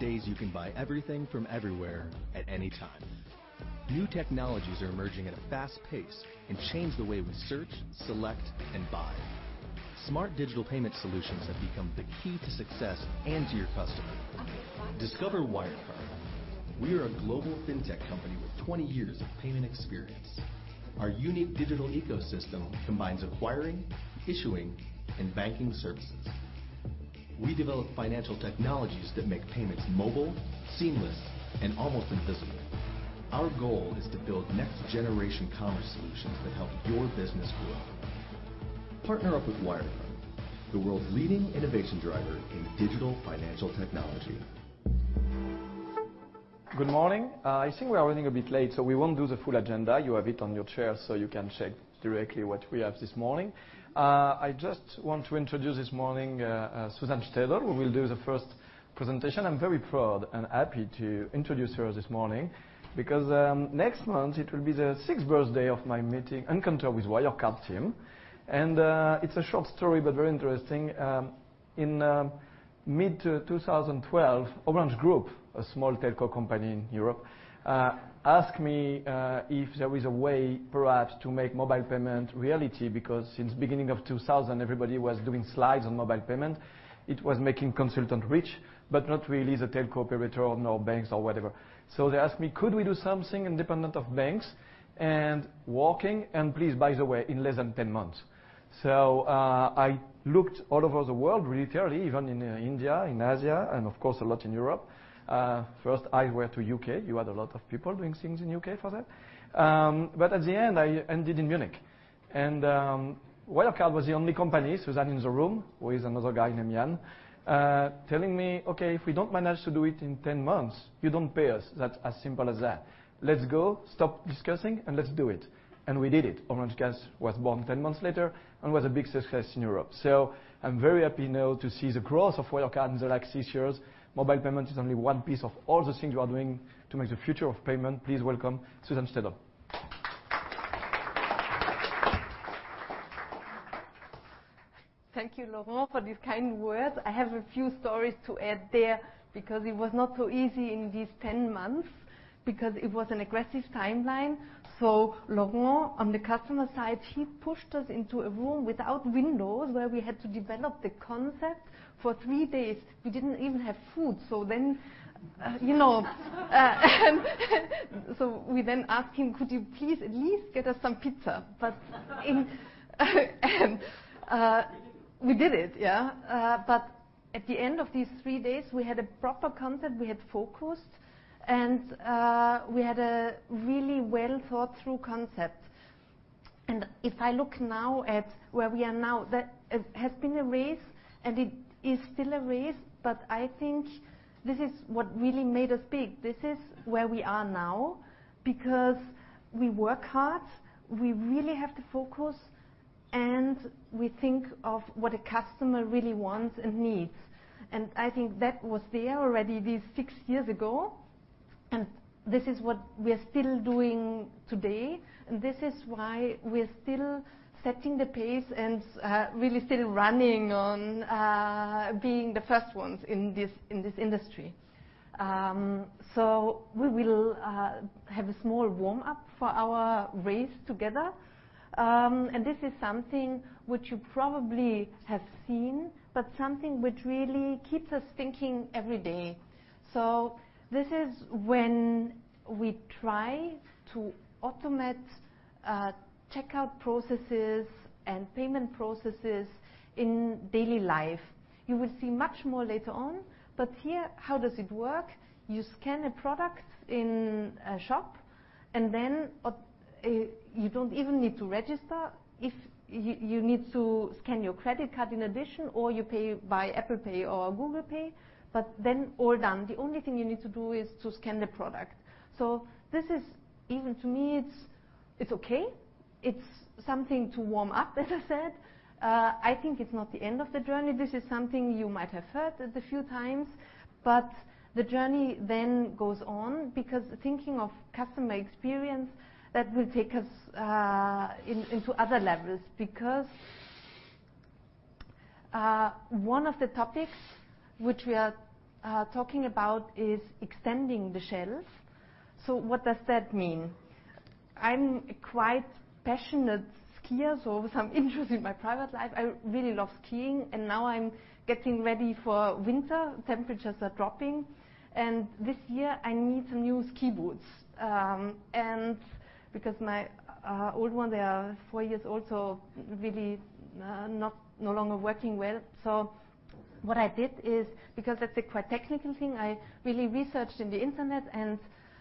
These days, you can buy everything from everywhere at any time. New technologies are emerging at a fast pace and change the way we search, select, and buy. Smart digital payment solutions have become the key to success and to your customer. Discover Wirecard. We are a global fintech company with 20 years of payment experience. Our unique digital ecosystem combines acquiring, issuing, and banking services. We develop financial technologies that make payments mobile, seamless, and almost invisible. Our goal is to build next-generation commerce solutions that help your business grow. Partner up with Wirecard, the world's leading innovation driver in digital financial technology. Good morning. I think we are running a bit late, we won't do the full agenda. You have it on your chair so you can check directly what we have this morning. I just want to introduce this morning Susanne Steidl, who will do the first presentation. I'm very proud and happy to introduce her this morning because next month it will be the sixth birthday of my encounter with Wirecard team. It's a short story, but very interesting. In mid 2012, Orange Group, a small telco company in Europe, asked me if there is a way perhaps to make mobile payment reality because since beginning of 2000, everybody was doing slides on mobile payment. It was making consultant rich, but not really the telco operator nor banks or whatever. They asked me, "Could we do something independent of banks and working, and please, by the way, in less than 10 months?" I looked all over the world really thoroughly, even in India, in Asia, and of course a lot in Europe. First I went to U.K. You had a lot of people doing things in U.K. for that. At the end, I ended in Munich. Wirecard was the only company, Susanne in the room with another guy named Jan, telling me, "Okay, if we don't manage to do it in 10 months, you don't pay us." That's as simple as that. Let's go, stop discussing, and let's do it. We did it. Orange Cash was born 10 months later and was a big success in Europe. I'm very happy now to see the growth of Wirecard in the last six years. Mobile payment is only one piece of all the things you are doing to make the future of payment. Please welcome Susanne Steidl. Thank you, Laurent, for these kind words. I have a few stories to add there because it was not so easy in these 10 months because it was an aggressive timeline. Laurent, on the customer side, he pushed us into a room without windows where we had to develop the concept for three days. We didn't even have food. We then ask him, "Could you please at least get us some pizza?" We did it. At the end of these three days, we had a proper concept. We had focused, and we had a really well-thought-through concept. If I look now at where we are now, that has been a race and it is still a race, but I think this is what really made us big. This is where we are now because we work hard, we really have to focus, and we think of what a customer really wants and needs. I think that was there already these six years ago, and this is what we are still doing today. This is why we're still setting the pace and really still running on being the first ones in this industry. We will have a small warm-up for our race together. This is something which you probably have seen, but something which really keeps us thinking every day. This is when we try to automate checkout processes and payment processes in daily life. You will see much more later on, but here, how does it work? You scan a product in a shop, and then you don't even need to register. If you need to scan your credit card in addition or you pay by Apple Pay or Google Pay, but then all done. The only thing you need to do is to scan the product. This is even to me, it's okay. It's something to warm up, as I said. I think it's not the end of the journey. This is something you might have heard a few times, but the journey then goes on because thinking of customer experience, that will take us into other levels because one of the topics which we are talking about is extending the shelves. What does that mean? I'm quite passionate skier, so some interest in my private life. I really love skiing, and now I'm getting ready for winter. Temperatures are dropping, and this year I need some new ski boots. My old one, they are four years old, so really no longer working well. What I did is because that's a quite technical thing, I really researched in the internet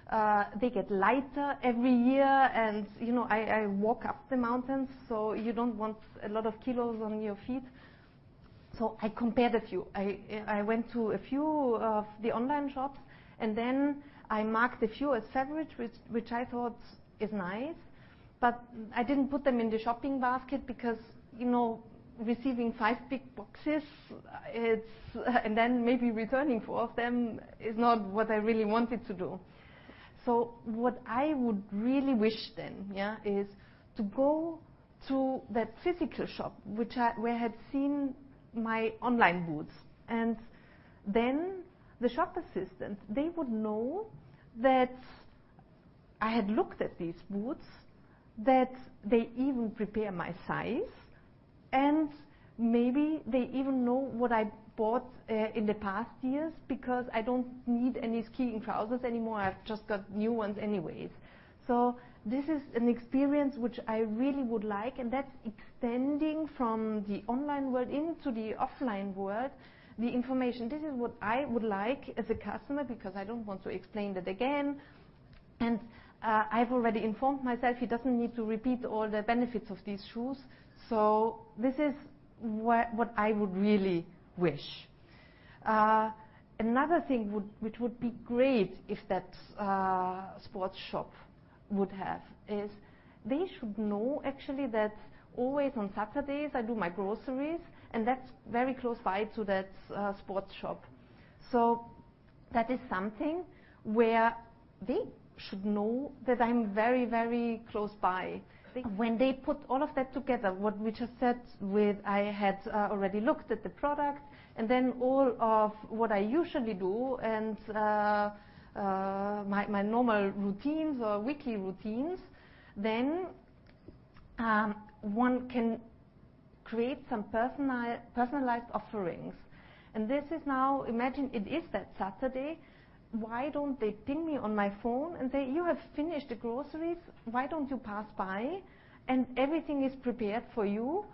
and they get lighter every year and I walk up the mountain, so you don't want a lot of kilos on your feet. I compared a few. I went to a few of the online shops, and then I marked a few as favorite which I thought is nice, but I didn't put them in the shopping basket because receiving five big boxes and then maybe returning four of them is not what I really wanted to do. What I would really wish then, yeah, is to go to that physical shop, where I had seen my online boots. Then the shop assistant, they would know that I had looked at these boots, that they even prepare my size, and maybe they even know what I bought in the past years because I don't need any skiing trousers anymore. I've just got new ones anyways. This is an experience which I really would like, and that's extending from the online world into the offline world, the information. This is what I would like as a customer because I don't want to explain that again. I've already informed myself. He doesn't need to repeat all the benefits of these shoes. This is what I would really wish. Another thing which would be great if that sports shop would have is they should know actually that always on Saturdays I do my groceries. That's very close by to that sports shop. That is something where they should know that I'm very close by. When they put all of that together, what we just said with I had already looked at the product and then all of what I usually do and my normal routines or weekly routines, one can create some personalized offerings. This is now, imagine it is that Saturday, why don't they ping me on my phone and say, "You have finished the groceries. Why don't you pass by, everything is prepared for you.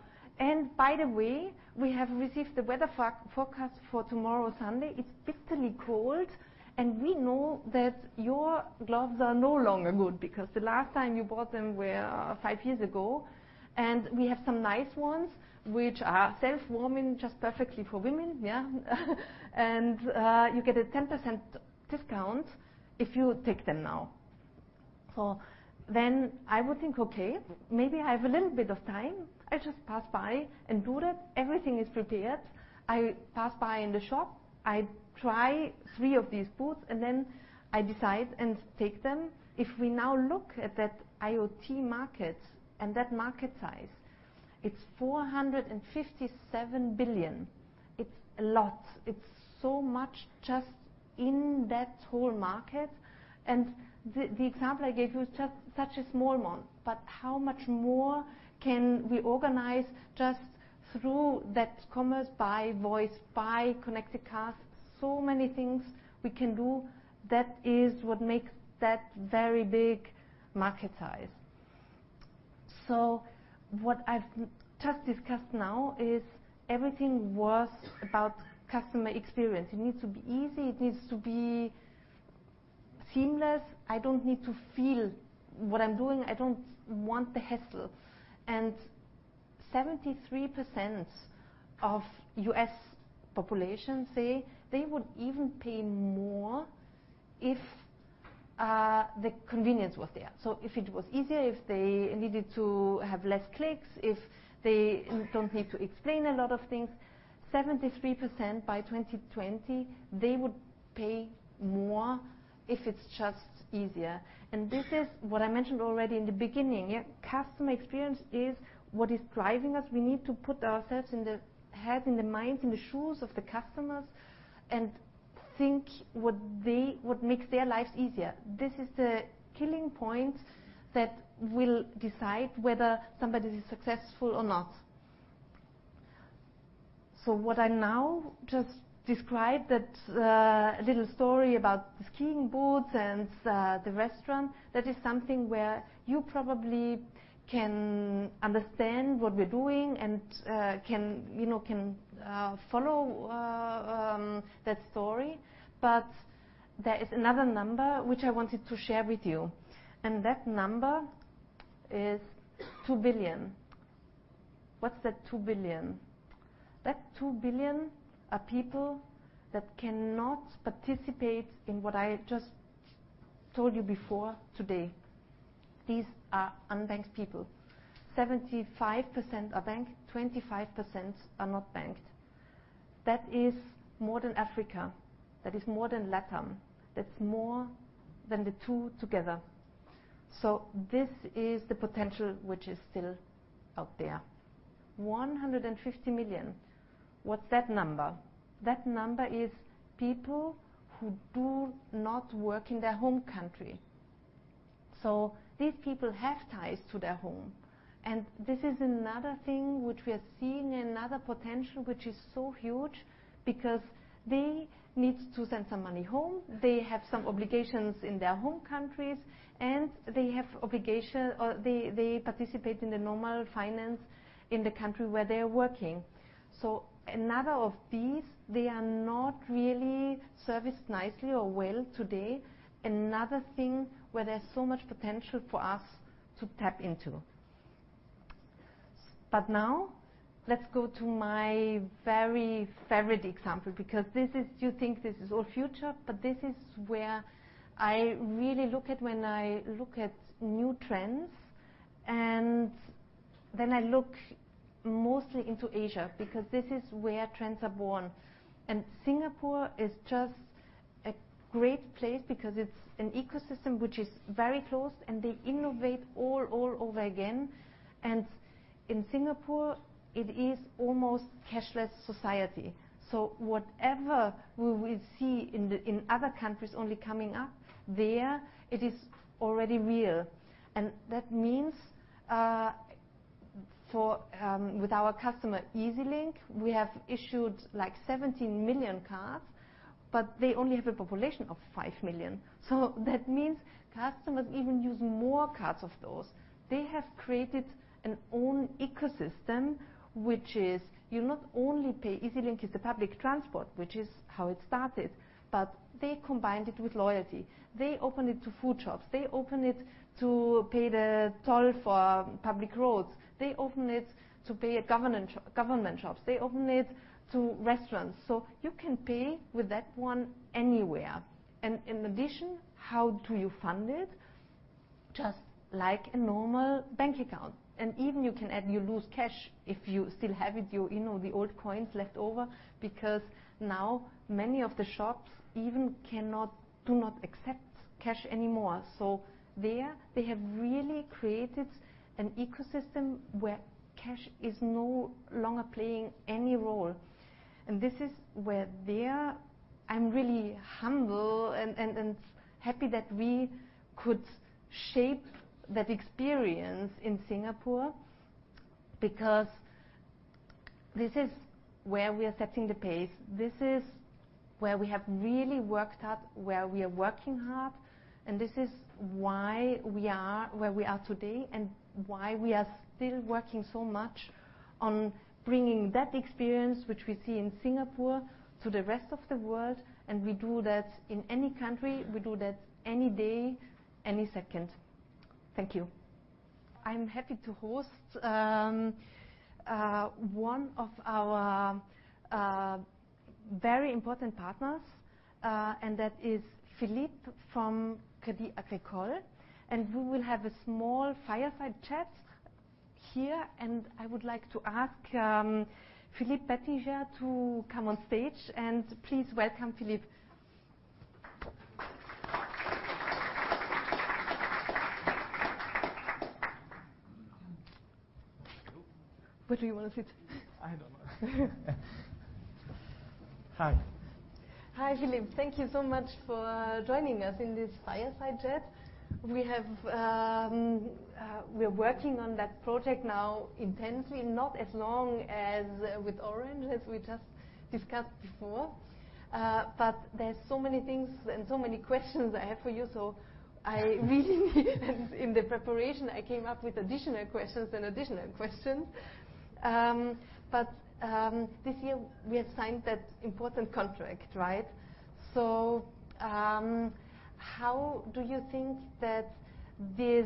By the way, we have received the weather forecast for tomorrow, Sunday. It's bitterly cold. We know that your gloves are no longer good because the last time you bought them were five years ago. We have some nice ones which are self-warming, just perfectly for women, yeah. You get a 10% discount if you take them now." I would think, "Okay, maybe I have a little bit of time. I just pass by and do that. Everything is prepared. I pass by in the shop, I try three of these boots. Then I decide and take them. If we now look at that IoT market and that market size, it's 457 billion. It's a lot. It's so much just in that whole market. The example I gave you is just such a small one. How much more can we organize just through that commerce by voice, by connected cars? Many things we can do. That is what makes that very big market size. What I've just discussed now is everything was about customer experience. It needs to be easy. It needs to be seamless. I don't need to feel what I'm doing. I don't want the hassle. 73% of U.S. population say they would even pay more if the convenience was there. If it was easier, if they needed to have less clicks, if they don't need to explain a lot of things, 73% by 2020, they would pay more if it's just easier. This is what I mentioned already in the beginning, yeah. Customer experience is what is driving us. We need to put ourselves in the head, in the minds, in the shoes of the customers and think what makes their lives easier. This is the killing point that will decide whether somebody is successful or not. What I now just described, that little story about the skiing boots and the restaurant, that is something where you probably can understand what we're doing and can follow that story. There is another number which I wanted to share with you, and that number is 2 billion. What's that 2 billion? That 2 billion are people that cannot participate in what I just told you before today. These are unbanked people. 75% are banked, 25% are not banked. That is more than Africa. That is more than LATAM. That's more than the two together. This is the potential which is still out there. 150 million. What's that number? That number is people who do not work in their home country. These people have ties to their home. This is another thing which we are seeing, another potential which is so huge because they need to send some money home. They have some obligations in their home countries, and they participate in the normal finance in the country where they're working. Another of these, they are not really serviced nicely or well today. Another thing where there's so much potential for us to tap into. Now let's go to my very favorite example, because you think this is all future, but this is where I really look at when I look at new trends. I look mostly into Asia, because this is where trends are born. Singapore is just a great place because it's an ecosystem which is very close, and they innovate all over again. In Singapore, it is almost cashless society. Whatever we will see in other countries only coming up, there it is already real. That means, with our customer EZ-Link, we have issued 17 million cards, but they only have a population of 5 million. That means customers even use more cards of those. They have created an own ecosystem, which is you not only pay EZ-Link as the public transport, which is how it started, but they combined it with loyalty. They open it to food shops. They open it to pay the toll for public roads. They open it to pay government shops. They open it to restaurants. You can pay with that one anywhere. In addition, how do you fund it? Just like a normal bank account. Even you can add your loose cash if you still have it, the old coins left over, because now many of the shops even do not accept cash anymore. There, they have really created an ecosystem where cash is no longer playing any role. This is where there, I'm really humble and happy that we could shape that experience in Singapore, because this is where we are setting the pace. This is where we have really worked hard, where we are working hard, and this is why we are where we are today, and why we are still working so much on bringing that experience, which we see in Singapore, to the rest of the world. We do that in any country. We do that any day, any second. Thank you. I'm happy to host one of our very important partners, and that is Philippe from Crédit Agricole, and we will have a small fireside chat here. I would like to ask Philippe Petitjean to come on stage. Please welcome Philippe. Hello. Where do you want to sit? I don't know. Hi. Hi, Philippe. Thank you so much for joining us in this fireside chat. We're working on that project now intensely, not as long as with Orange, as we just discussed before. There's so many things and so many questions I have for you, so I really need this. In the preparation, I came up with additional questions. This year we have signed that important contract, right? How do you think that this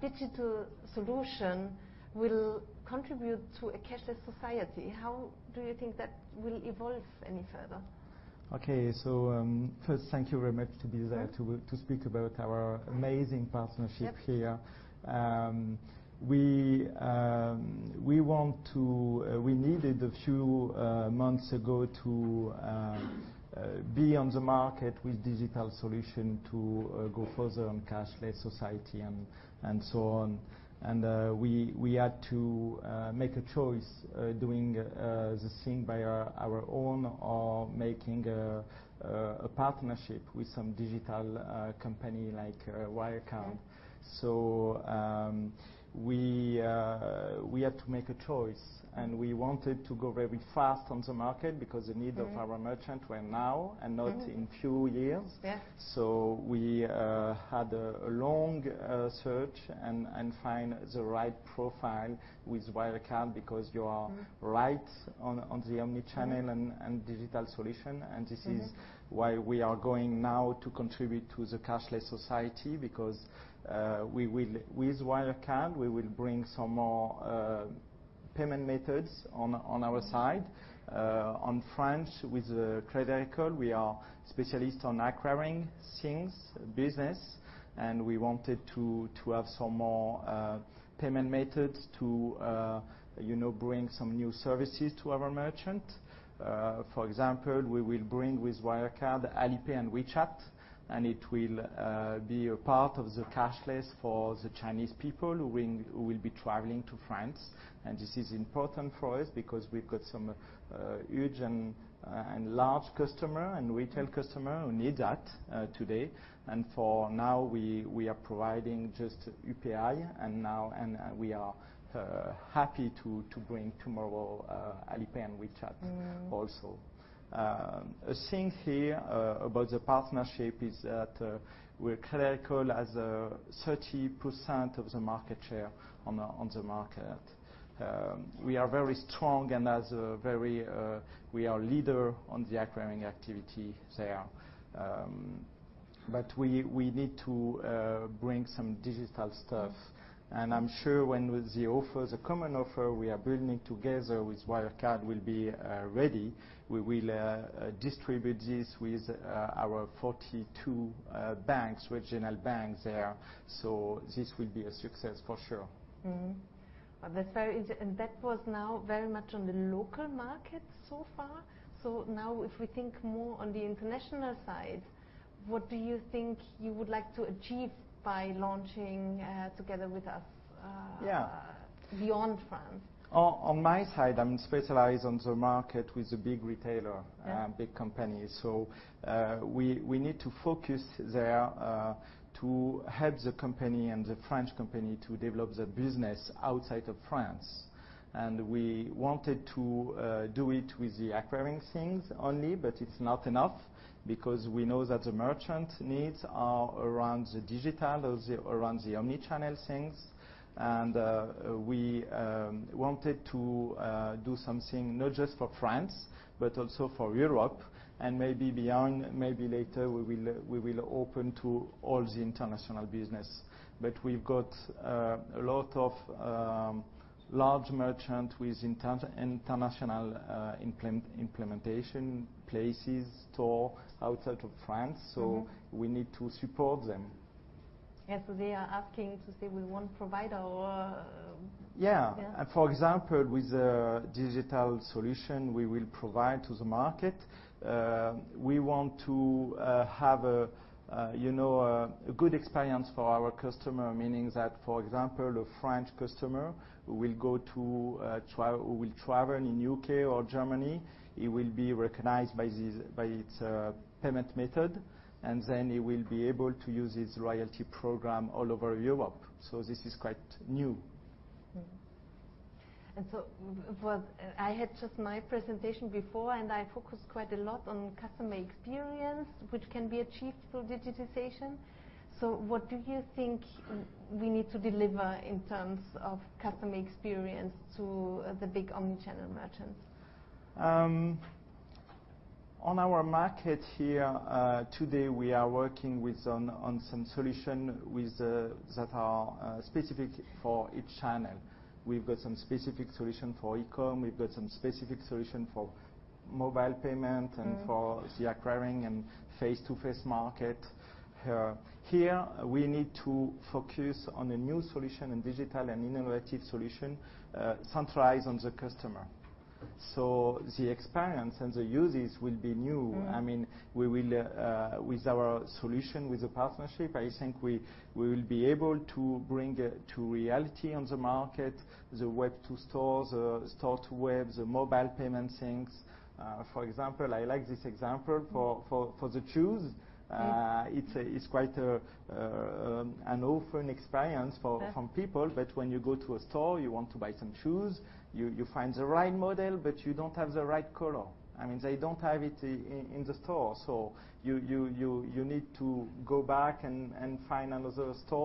digital solution will contribute to a cashless society? How do you think that will evolve any further? Okay. First thank you very much to be there to speak about our amazing partnership here. Yep. We needed, a few months ago, to be on the market with digital solution to go further on cashless society and so on. We had to make a choice doing the thing by our own, or making a partnership with some digital company like Wirecard. Okay. We had to make a choice. We wanted to go very fast on the market because the need of our merchant were now and not in few years. Yeah. We had a long search and find the right profile with Wirecard because you are right on the omni-channel and digital solution. This is why we are going now to contribute to the cashless society because with Wirecard, we will bring some more payment methods on our side. With Crédit Agricole, we are specialist on acquiring business, and we wanted to have some more payment methods to bring some new services to our merchant. For example, we will bring with Wirecard, Alipay and WeChat. It will be a part of the cashless for the Chinese people who will be traveling to France. This is important for us because we've got some huge and large customer and retail customer who need that today. For now, we are providing just UPI. We are happy to bring tomorrow Alipay and WeChat also. A thing here about the partnership is that Crédit Agricole has 30% of the market share on the market. We are very strong and we are leader on the acquiring activity there. We need to bring some digital stuff. I'm sure when the common offer we are building together with Wirecard will be ready, we will distribute this with our 42 regional banks there. This will be a success for sure. That was now very much on the local market so far. Now if we think more on the international side, what do you think you would like to achieve by launching together with us? Yeah beyond France? On my side, I'm specialized on the market with the big retailer. Yeah big company. We need to focus there to help the company and the French company to develop the business outside of France. We wanted to do it with the acquiring things only, but it's not enough because we know that the merchant needs are around the digital, those around the omni-channel things. We wanted to do something not just for France, but also for Europe and maybe beyond. Maybe later, we will open to all the international business. We've got a lot of large merchant with international implementation places, store outside of France. We need to support them. Yeah. They are asking to say, we want to provide our Yeah. Yeah. For example, with the digital solution we will provide to the market, we want to have a good experience for our customer, meaning that, for example, a French customer who will travel in U.K. or Germany, he will be recognized by its payment method, then he will be able to use his loyalty program all over Europe. This is quite new. I had just my presentation before, and I focused quite a lot on customer experience, which can be achieved through digitization. What do you think we need to deliver in terms of customer experience to the big omni-channel merchants? On our market here today, we are working with on some solution that are specific for each channel. We've got some specific solution for eCom. We've got some specific solution for mobile payment. the acquiring and face-to-face market. Here, we need to focus on a new solution in digital and innovative solution centralized on the customer. The experience and the uses will be new. With our solution, with the partnership, I think we will be able to bring to reality on the market, the web to stores, the store to web, the mobile payment things. For example, I like this example for the shoes. It's quite an often experience. Yeah Some people that when you go to a store, you want to buy some shoes. You find the right model, you don't have the right color. They don't have it in the store. You need to go back and find another store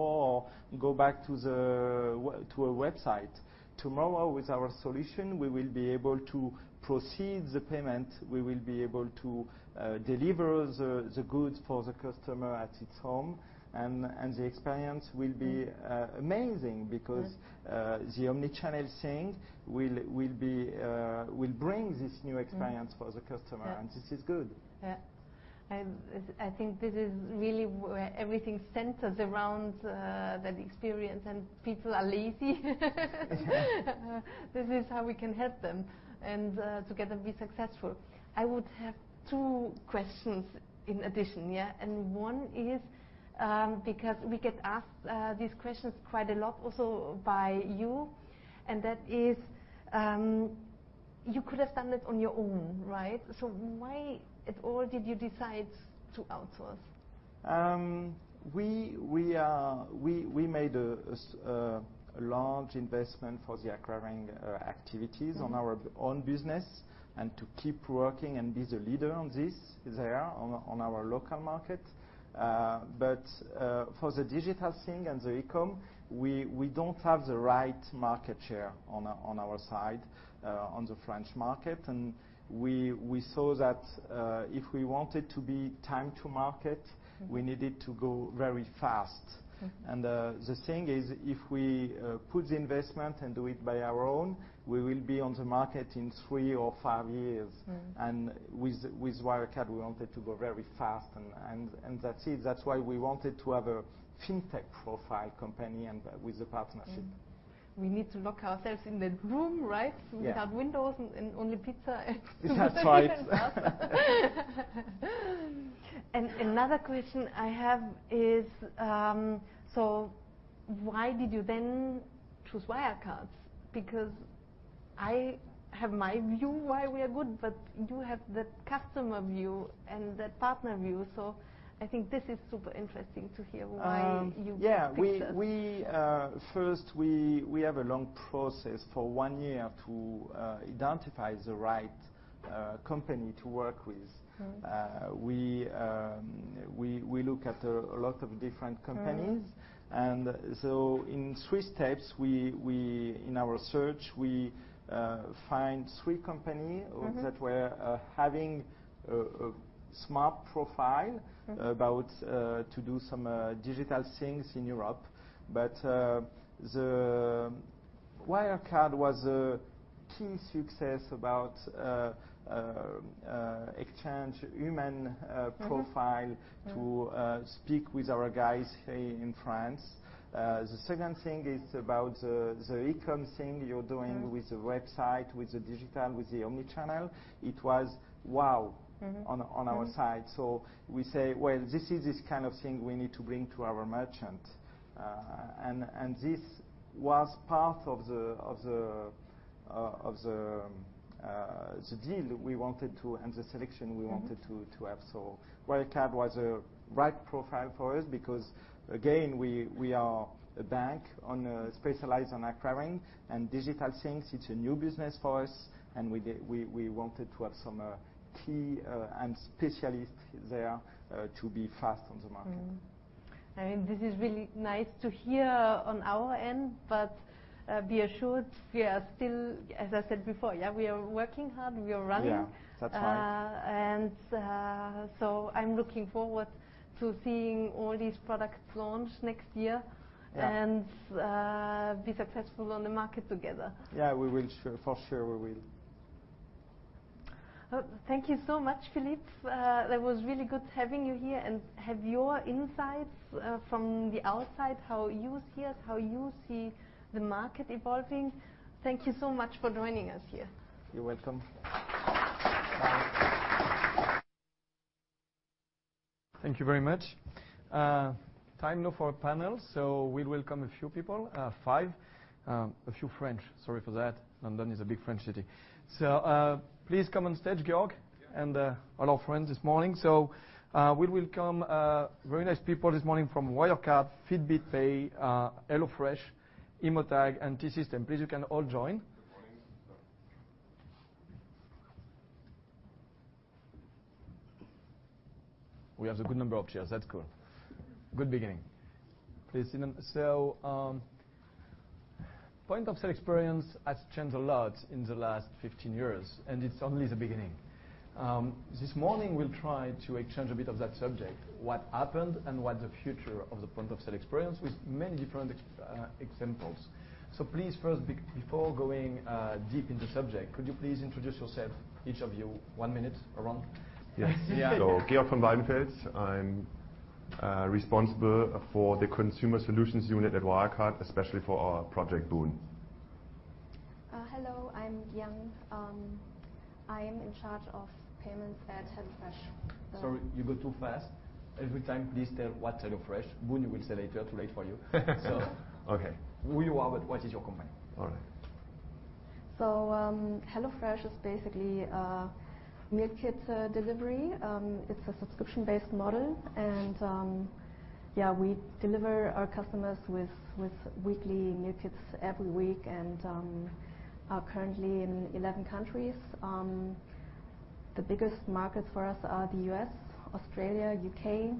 or go back to a website. Tomorrow, with our solution, we will be able to proceed the payment. We will be able to deliver the goods for the customer at its home, and the experience. Amazing. Yeah the omni-channel thing will bring this new experience for the customer. Yeah This is good. Yeah. I think this is really where everything centers around that experience, and people are lazy. This is how we can help them and together be successful. I would have two questions in addition. Yeah. One is because we get asked these questions quite a lot also by you, and that is, you could have done it on your own, right? Why at all did you decide to outsource? We made a large investment for the acquiring activities on our own business, and to keep working and be the leader on this, there on our local market. For the digital thing and the eCom, we don't have the right market share on our side, on the French market. We saw that if we wanted to be time to market. We needed to go very fast. The thing is, if we put the investment and do it by our own, we will be on the market in three or five years. With Wirecard, we wanted to go very fast, and that's it. That's why we wanted to have a fintech profile company and with the partnership. We need to lock ourselves in the room, right? Yeah. Without windows and only pizza and That's right. Another question I have is why did you then choose Wirecard? I have my view why we are good, but you have the customer view and the partner view. I think this is super interesting to hear why you picked us. Yeah. First, we have a long process for one year to identify the right company to work with. We look at a lot of different companies. In three steps, in our search, we find three. that were having a smart. Okay about to do some digital things in Europe. The Wirecard was a key success about exchange human profile to speak with our guys here in France. The second thing is about the e-com thing you're doing with the website, with the digital, with the omni-channel. It was wow on our side. We say, "Well, this is this kind of thing we need to bring to our merchant." This was part of the deal we wanted to, and the selection we wanted to have. Wirecard was a right profile for us because, again, we are a bank specialized in acquiring and digital things, it's a new business for us, and we wanted to have some key and specialists there to be fast on the market. This is really nice to hear on our end, but be assured we are still, as I said before, we are working hard. We are running. Yeah. That's right. I'm looking forward to seeing all these products launch next year. Yeah be successful on the market together. Yeah, we will, for sure, we will. Thank you so much, Philippe. That was really good having you here and have your insights from the outside, how you see us, how you see the market evolving. Thank you so much for joining us here. You're welcome. Bye. Thank you very much. Time now for our panel. We welcome a few people, five, a few French, sorry for that. London is a big French city. Please come on stage, Georg, and all our friends this morning. We welcome very nice people this morning from Wirecard, Fitbit Pay, HelloFresh, SES-imagotag, and T-Systems. Please, you can all join. Good morning. We have the good number of chairs. That's cool. Good beginning. Please sit down. Point of sale experience has changed a lot in the last 15 years, and it's only the beginning. This morning, we'll try to exchange a bit of that subject, what happened and what the future of the point of sale experience with many different examples. Please first, before going deep in the subject, could you please introduce yourself, each of you, one minute around? Yes. Yeah. Georg von Waldenfels. I'm responsible for the consumer solutions unit at Wirecard, especially for our project, Boon. Hello, I'm Giang. I am in charge of payments at HelloFresh. Sorry, you go too fast. Every time please tell what HelloFresh. Boon, we will say later, too late for you. Okay. Who you are with, what is your company? All right. HelloFresh is basically a meal kit delivery. It's a subscription-based model. We deliver our customers with weekly meal kits every week and are currently in 11 countries. The biggest markets for us are the U.S., Australia, U.K.,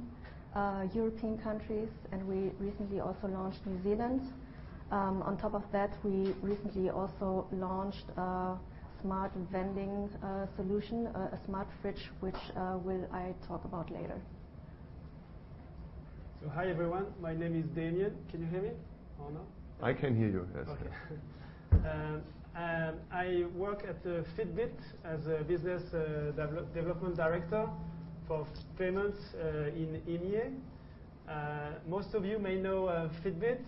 European countries, and we recently also launched New Zealand. On top of that, we recently also launched a smart vending solution, a smart fridge, which I talk about later. Hi, everyone. My name is Damien. Can you hear me or no? I can hear you. Yes. Okay. I work at Fitbit as a business development director for payments in EMEA. Most of you may know Fitbit.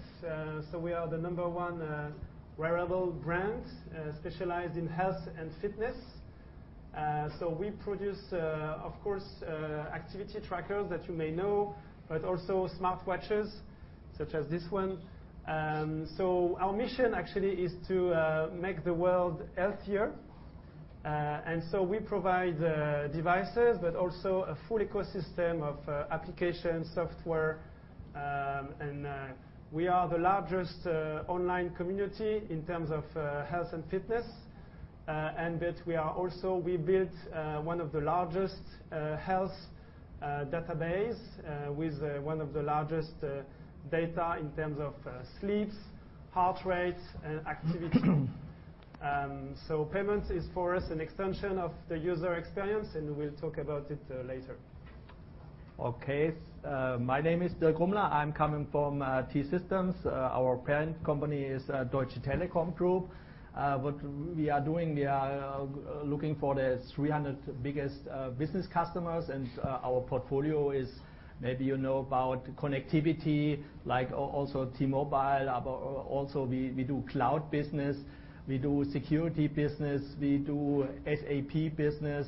We are the number one wearable brand specialized in health and fitness. We produce, of course, activity trackers that you may know, but also smartwatches such as this one. Our mission actually is to make the world healthier. We provide devices, but also a full ecosystem of application software. We are the largest online community in terms of health and fitness. We are also, we built one of the largest health database with one of the largest data in terms of sleeps, heart rates, and activity. Payments is for us an extension of the user experience, and we'll talk about it later. Okay. My name is Dirk Grüne. I'm coming from T-Systems. Our parent company is Deutsche Telekom Group. What we are doing, we are looking for the 300 biggest business customers. Our portfolio is maybe you know about connectivity, like also T-Mobile. Also we do cloud business, we do security business, we do SAP business,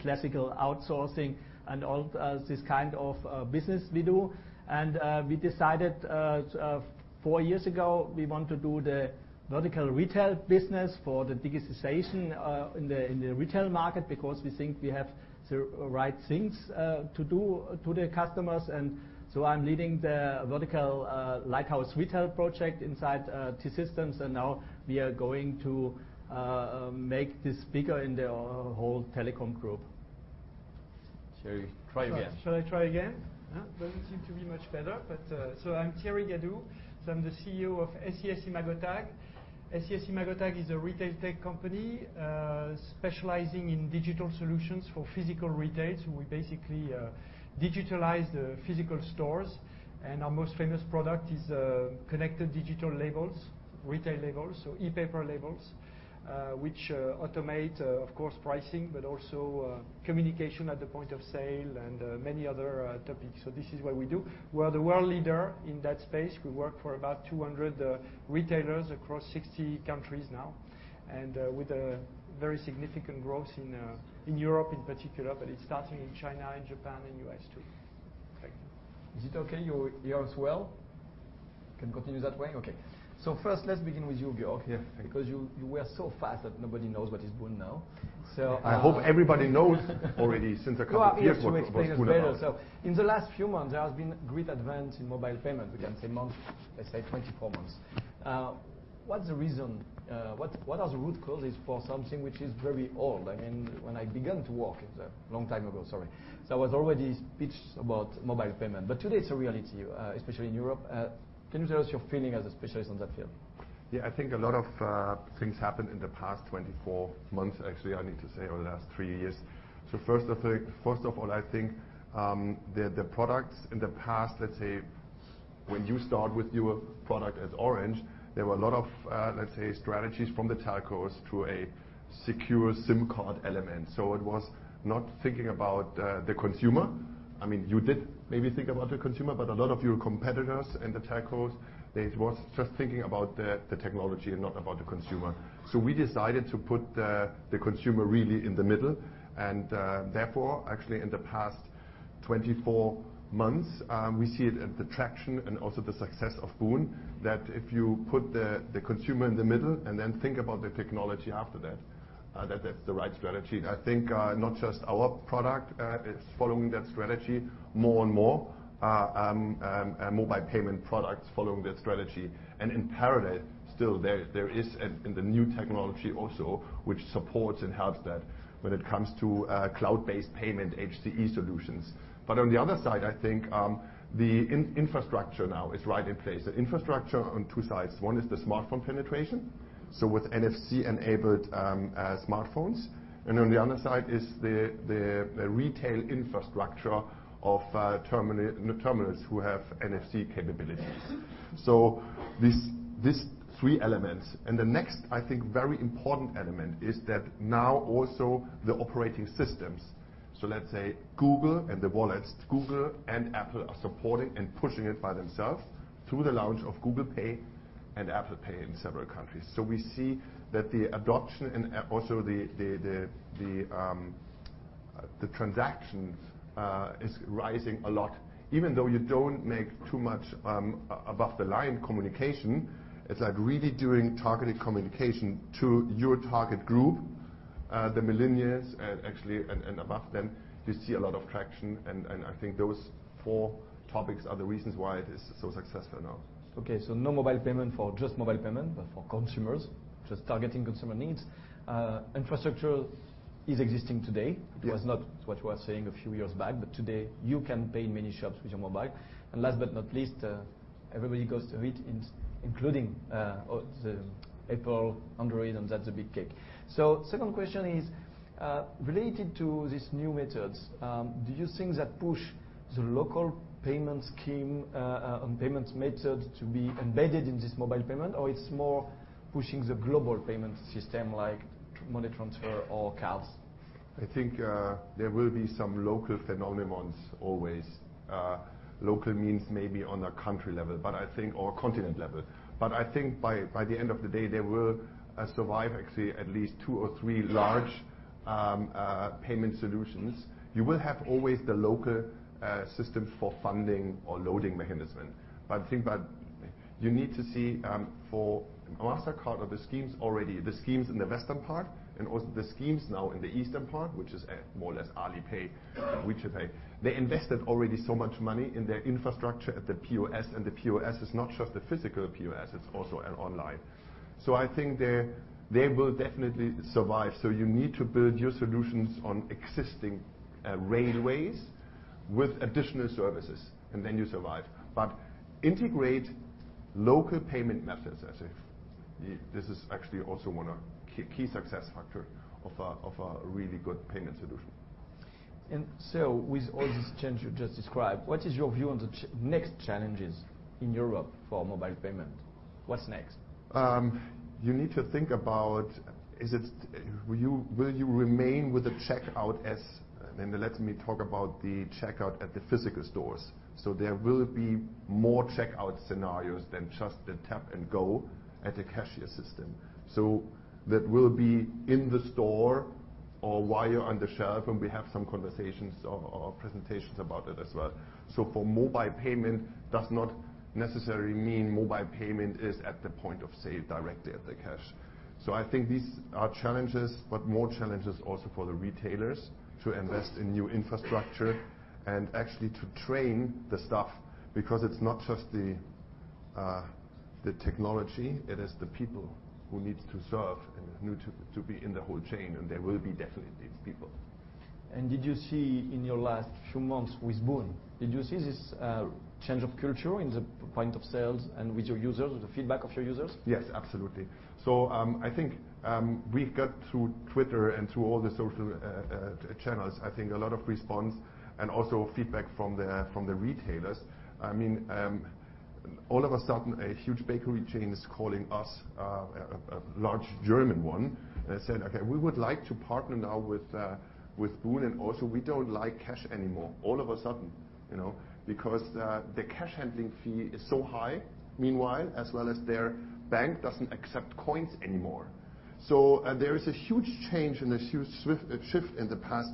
classical outsourcing, and all this kind of business we do. We decided four years ago we want to do the vertical retail business for the digitization in the retail market because we think we have the right things to do to the customers. I'm leading the vertical lighthouse retail project inside T-Systems, and now we are going to make this bigger in the whole telecom group. Try again. Shall I try again? Doesn't seem to be much better. I'm Thierry Gadou, I'm the CEO of SES-imagotag. SES-imagotag is a retail tech company, specializing in digital solutions for physical retail. We basically digitalize the physical stores, and our most famous product is connected digital labels, retail labels, e-paper labels, which automate, of course, pricing, but also communication at the point of sale and many other topics. This is what we do. We are the world leader in that space. We work for about 200 retailers across 60 countries now, and with a very significant growth in Europe in particular, but it's starting in China and Japan and U.S., too. Thank you. Is it okay? You hear us well? Can continue that way? Okay. First, let's begin with you, Georg. Yeah. Because you were so fast that nobody knows what is Boon now. I hope everybody knows already since a couple of years what is Boon about. You are here to explain us better. In the last few months, there has been great advance in mobile payment. We can't say months, let's say 24 months. What's the reason? What are the root causes for something which is very old? When I began to work, it was a long time ago, sorry. I was already speech about mobile payment. Today it's a reality, especially in Europe. Can you tell us your feeling as a specialist on that field? I think a lot of things happened in the past 24 months. Actually, I need to say over the last three years. First of all, I think the products in the past, let's say when you start with your product as Orange, there were a lot of, let's say, strategies from the telcos to a secure SIM card element. It was not thinking about the consumer. You did maybe think about the consumer, a lot of your competitors and the telcos, they was just thinking about the technology and not about the consumer. We decided to put the consumer really in the middle and, therefore, actually, in the past 24 months, we see it at the traction and also the success of Boon, that if you put the consumer in the middle and then think about the technology after that's the right strategy. I think not just our product is following that strategy more and more, mobile payment products following that strategy. In parallel, still there is in the new technology also, which supports and helps that when it comes to cloud-based payment HCE solutions. On the other side, I think the infrastructure now is right in place. The infrastructure on two sides. One is the smartphone penetration, with NFC-enabled smartphones. On the other side is the retail infrastructure of terminals who have NFC capabilities. These three elements. The next, I think, very important element is that now also the operating systems. Let's say Google and the wallets. Google and Apple are supporting and pushing it by themselves through the launch of Google Pay and Apple Pay in several countries. We see that the adoption and also the transactions is rising a lot. Even though you don't make too much above the line communication, it's really doing targeted communication to your target group, the millennials and above them, you see a lot of traction, I think those four topics are the reasons why it is so successful now. Okay. No mobile payment for just mobile payment, but for consumers, just targeting consumer needs. Infrastructure is existing today. Yeah. It was not what you were saying a few years back, today you can pay in many shops with your mobile. Last but not least, everybody goes to it, including, the Apple, Android, and that's a big cake. Second question is, related to these new methods, do you think that push the local payment scheme, on payments method to be embedded in this mobile payment? Or it's more pushing the global payment system, like money transfer or cards? I think there will be some local phenomenons always. Local means maybe on a country level, but I think, or continent level. I think by the end of the day, there will survive actually at least two or three large payment solutions. You will have always the local system for funding or loading mechanism. I think you need to see for Mastercard or the schemes already, the schemes in the western part and also the schemes now in the eastern part, which is more or less Alipay and WeChat Pay. They invested already so much money in their infrastructure at the POS, and the POS is not just the physical POS, it's also an online. I think they will definitely survive. You need to build your solutions on existing railways with additional services, and then you survive. Integrate local payment methods as if this is actually also one of key success factor of a really good payment solution. With all these changes you just described, what is your view on the next challenges in Europe for mobile payment? What's next? You need to think about will you remain with the checkout as, and let me talk about the checkout at the physical stores. There will be more checkout scenarios than just the tap and go at the cashier system. That will be in the store or while you're on the shelf, and we have some conversations or presentations about it as well. For mobile payment does not necessarily mean mobile payment is at the point of sale directly at the cash. I think these are challenges, but more challenges also for the retailers to invest in new infrastructure and actually to train the staff because it's not just the technology, it is the people who need to serve and who to be in the whole chain, and there will be definitely these people. Did you see in your last few months with Boon, did you see this change of culture in the point of sale and with your users, the feedback of your users? Yes, absolutely. I think we got through Twitter and through all the social channels, I think a lot of response and also feedback from the retailers. All of a sudden, a huge bakery chain is calling us, a large German one, and they said, "Okay, we would like to partner now with Boon, and also we don't like cash anymore." All of a sudden, because the cash handling fee is so high meanwhile, as well as their bank doesn't accept coins anymore. There is a huge change and a huge shift in the past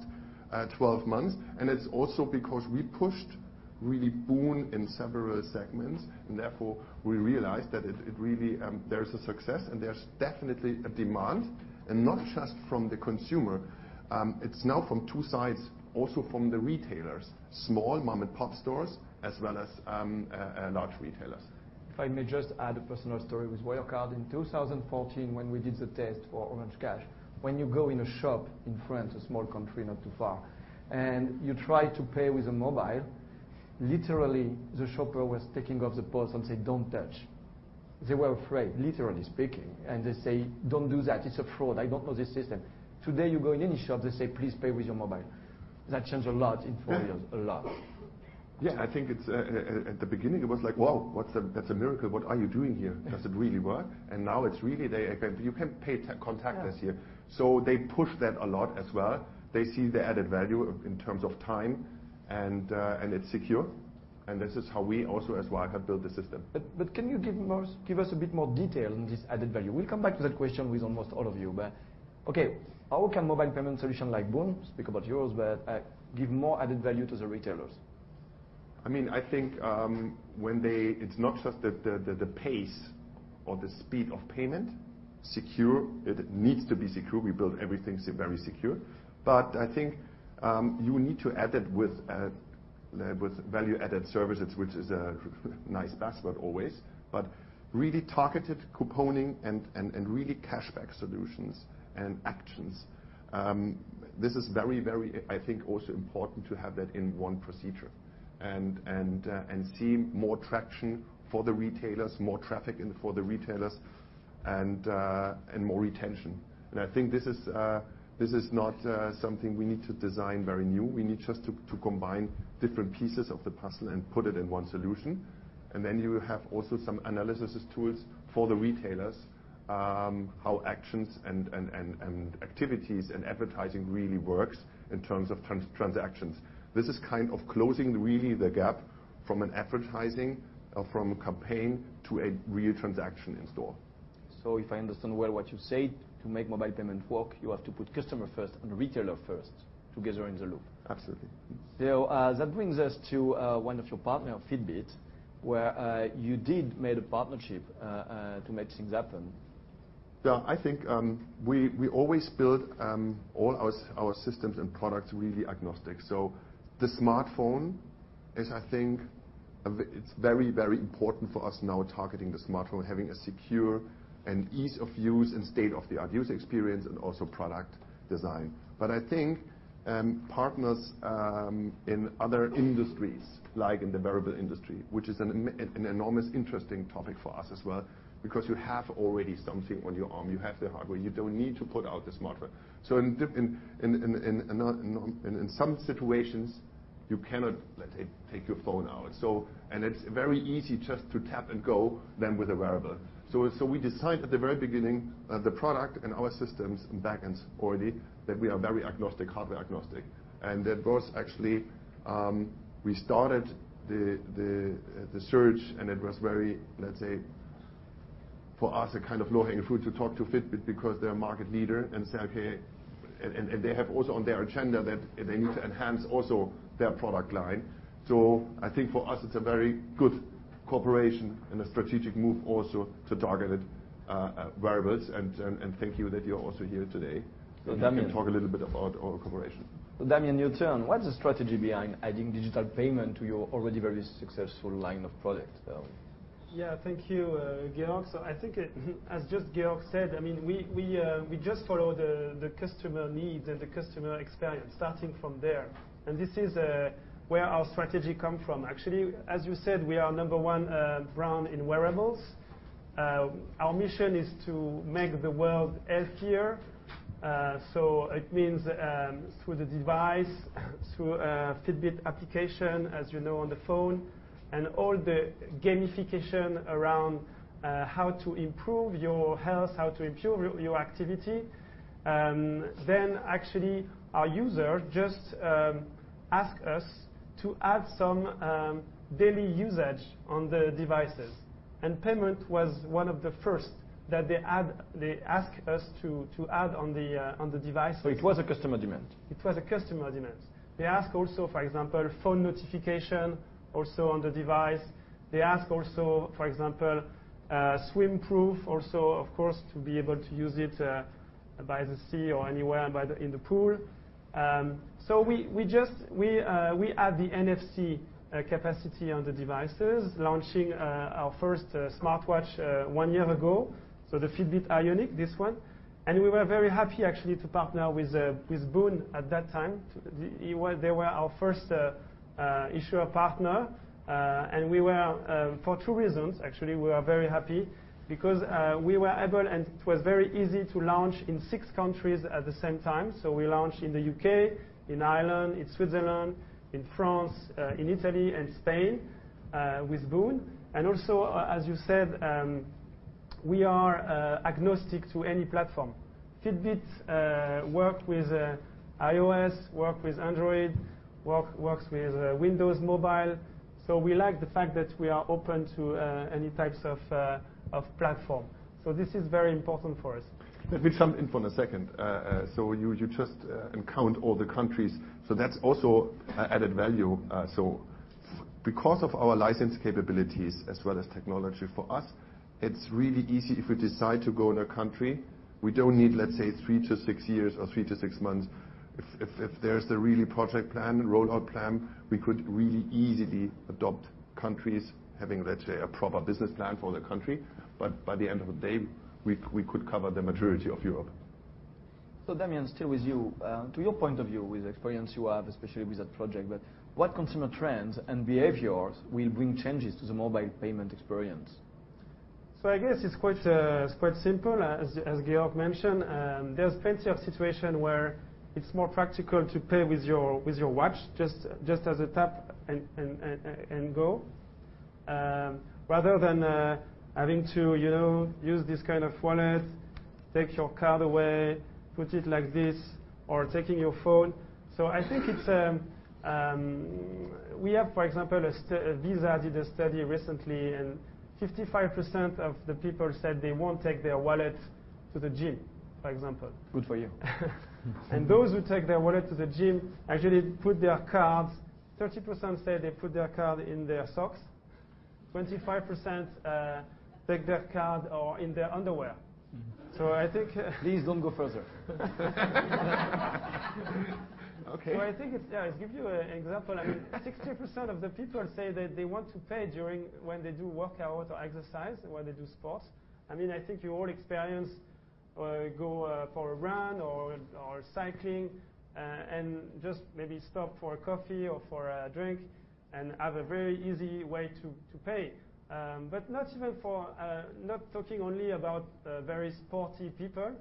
12 months, and it's also because we pushed really Boon in several segments, and therefore we realized that it really, there's a success and there's definitely a demand, and not just from the consumer. It's now from two sides, also from the retailers, small mom and pop stores, as well as large retailers. If I may just add a personal story with Wirecard. In 2014, when we did the test for Orange Cash, when you go in a shop in France, a small country not too far, and you try to pay with a mobile, literally the shopper was taking off the POS and say, "Don't touch." They were afraid, literally speaking, and they say, "Don't do that. It's a fraud. I don't know this system." Today you go in any shop, they say, "Please pay with your mobile." That changed a lot in four years, a lot. Yeah, I think at the beginning it was like, "Wow, that's a miracle. What are you doing here? Does it really work?" Now it's really you can pay contactless here. They push that a lot as well. They see the added value in terms of time, and it's secure, and this is how we also as Wirecard build the system. Can you give us a bit more detail on this added value? We'll come back to that question with almost all of you. Okay, how can mobile payment solution like Boon, speak about yours, but give more added value to the retailers? I think it's not just the pace or the speed of payment, secure, it needs to be secure. We build everything very secure. I think you need to add that with value-added services, which is a nice buzzword always, but really targeted couponing and really cashback solutions and actions. This is very, very, I think, also important to have that in one procedure and see more traction for the retailers, more traffic for the retailers, and more retention. I think this is not something we need to design very new. We need just to combine different pieces of the puzzle and put it in one solution. Then you have also some analysis tools for the retailers, how actions and activities and advertising really works in terms of transactions. This is kind of closing really the gap from an advertising or from a campaign to a real transaction in store. If I understand well what you say, to make mobile payment work, you have to put customer first and retailer first together in the loop. Absolutely. That brings us to one of your partner, Fitbit, where you did made a partnership to make things happen. Yeah, I think we always build all our systems and products really agnostic. The smartphone is, I think, it's very, very important for us now targeting the smartphone, having a secure and ease of use and state-of-the-art user experience and also product design. I think partners in other industries, like in the wearable industry, which is an enormous, interesting topic for us as well because you have already something on your arm. You have the hardware. You don't need to put out the smartphone. In some situations you cannot, let's say, take your phone out. It's very easy just to tap and go than with a wearable. We decide at the very beginning of the product and our systems backends already that we are very agnostic, hardware agnostic. That was actually, we started the search, it was very, let's say, for us, a kind of low-hanging fruit to talk to Fitbit because they're a market leader and say, okay, they have also on their agenda that they need to enhance also their product line. I think for us it's a very good cooperation and a strategic move also to target wearables. Thank you that you're also here today- Damien- You can talk a little bit about our cooperation. Damien, your turn. What's the strategy behind adding digital payment to your already very successful line of product? Yeah, thank you, Georg. I think as just Georg said, we just follow the customer needs and the customer experience starting from there. This is where our strategy come from. Actually, as you said, we are number one brand in wearables. Our mission is to make the world healthier. It means through the device, through a Fitbit application, as you know, on the phone, and all the gamification around how to improve your health, how to improve your activity. Actually our user just ask us to add some daily usage on the devices. Payment was one of the first that they ask us to add on the devices. It was a customer demand? It was a customer demand. They ask also, for example, phone notification also on the device. They ask also, for example, swim proof also, of course, to be able to use it by the sea or anywhere in the pool. We add the NFC capacity on the devices, launching our first smartwatch one year ago. The Fitbit Ionic, this one. We were very happy, actually, to partner with Boon at that time. They were our first issuer partner. For two reasons, actually, we were very happy because we were able, and it was very easy to launch in six countries at the same time. We launched in the U.K., in Ireland, in Switzerland, in France, in Italy, and Spain, with Boon. Also, as you said, we are agnostic to any platform. Fitbit work with iOS, work with Android, works with Windows Mobile. We like the fact that we are open to any types of platform. This is very important for us. Let me jump in for a second. You just count all the countries, that's also added value. Because of our license capabilities as well as technology, for us, it's really easy if we decide to go in a country, we don't need, let's say, three to six years or three to six months. If there's the really project plan, rollout plan, we could really easily adopt countries having, let's say, a proper business plan for the country. By the end of the day, we could cover the majority of Europe. Damien, still with you, to your point of view, with experience you have, especially with that project, what consumer trends and behaviors will bring changes to the mobile payment experience? I guess it's quite simple, as Georg mentioned. There's plenty of situation where it's more practical to pay with your watch, just as a tap and go, rather than having to use this kind of wallet, take your card away, put it like this, or taking your phone. Visa did a study recently, 55% of the people said they won't take their wallet to the gym, for example. Good for you. Those who take their wallet to the gym actually put their cards, 30% say they put their card in their socks, 25% take their card in their underwear. Please don't go further. Okay. I think it give you an example. I mean, 60% of the people say that they want to pay during when they do workout or exercise, when they do sports. I think you all experience where you go for a run or cycling, and just maybe stop for a coffee or for a drink and have a very easy way to pay. Not talking only about very sporty people,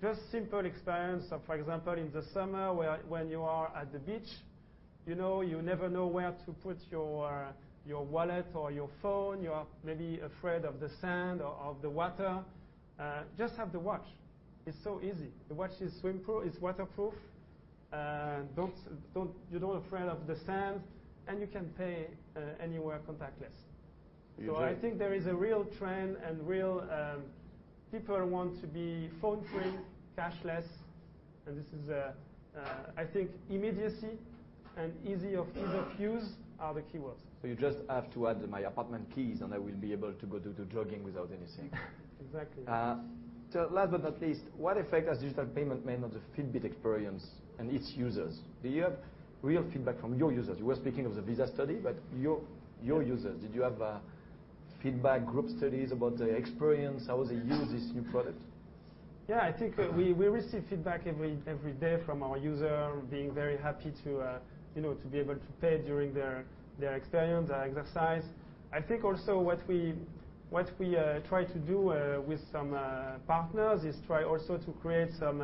just simple experience of, for example, in the summer when you are at the beach, you never know where to put your wallet or your phone. You are maybe afraid of the sand or of the water. Just have the watch. It's so easy. The watch is swim proof, it's waterproof. You don't afraid of the sand, and you can pay anywhere contactless. Usually. I think there is a real trend and real people want to be phone-free, cashless, I think immediacy and easy of use are the keywords. You just have to add my apartment keys, and I will be able to go do jogging without anything. Exactly. Last but not least, what effect has digital payment made on the Fitbit experience and its users? Do you have real feedback from your users? You were speaking of the Visa study, but your users, did you have feedback, group studies about the experience, how they use this new product? Yeah, I think we receive feedback every day from our user being very happy to be able to pay during their experience, their exercise. I think also what we try to do with some partners is try also to create some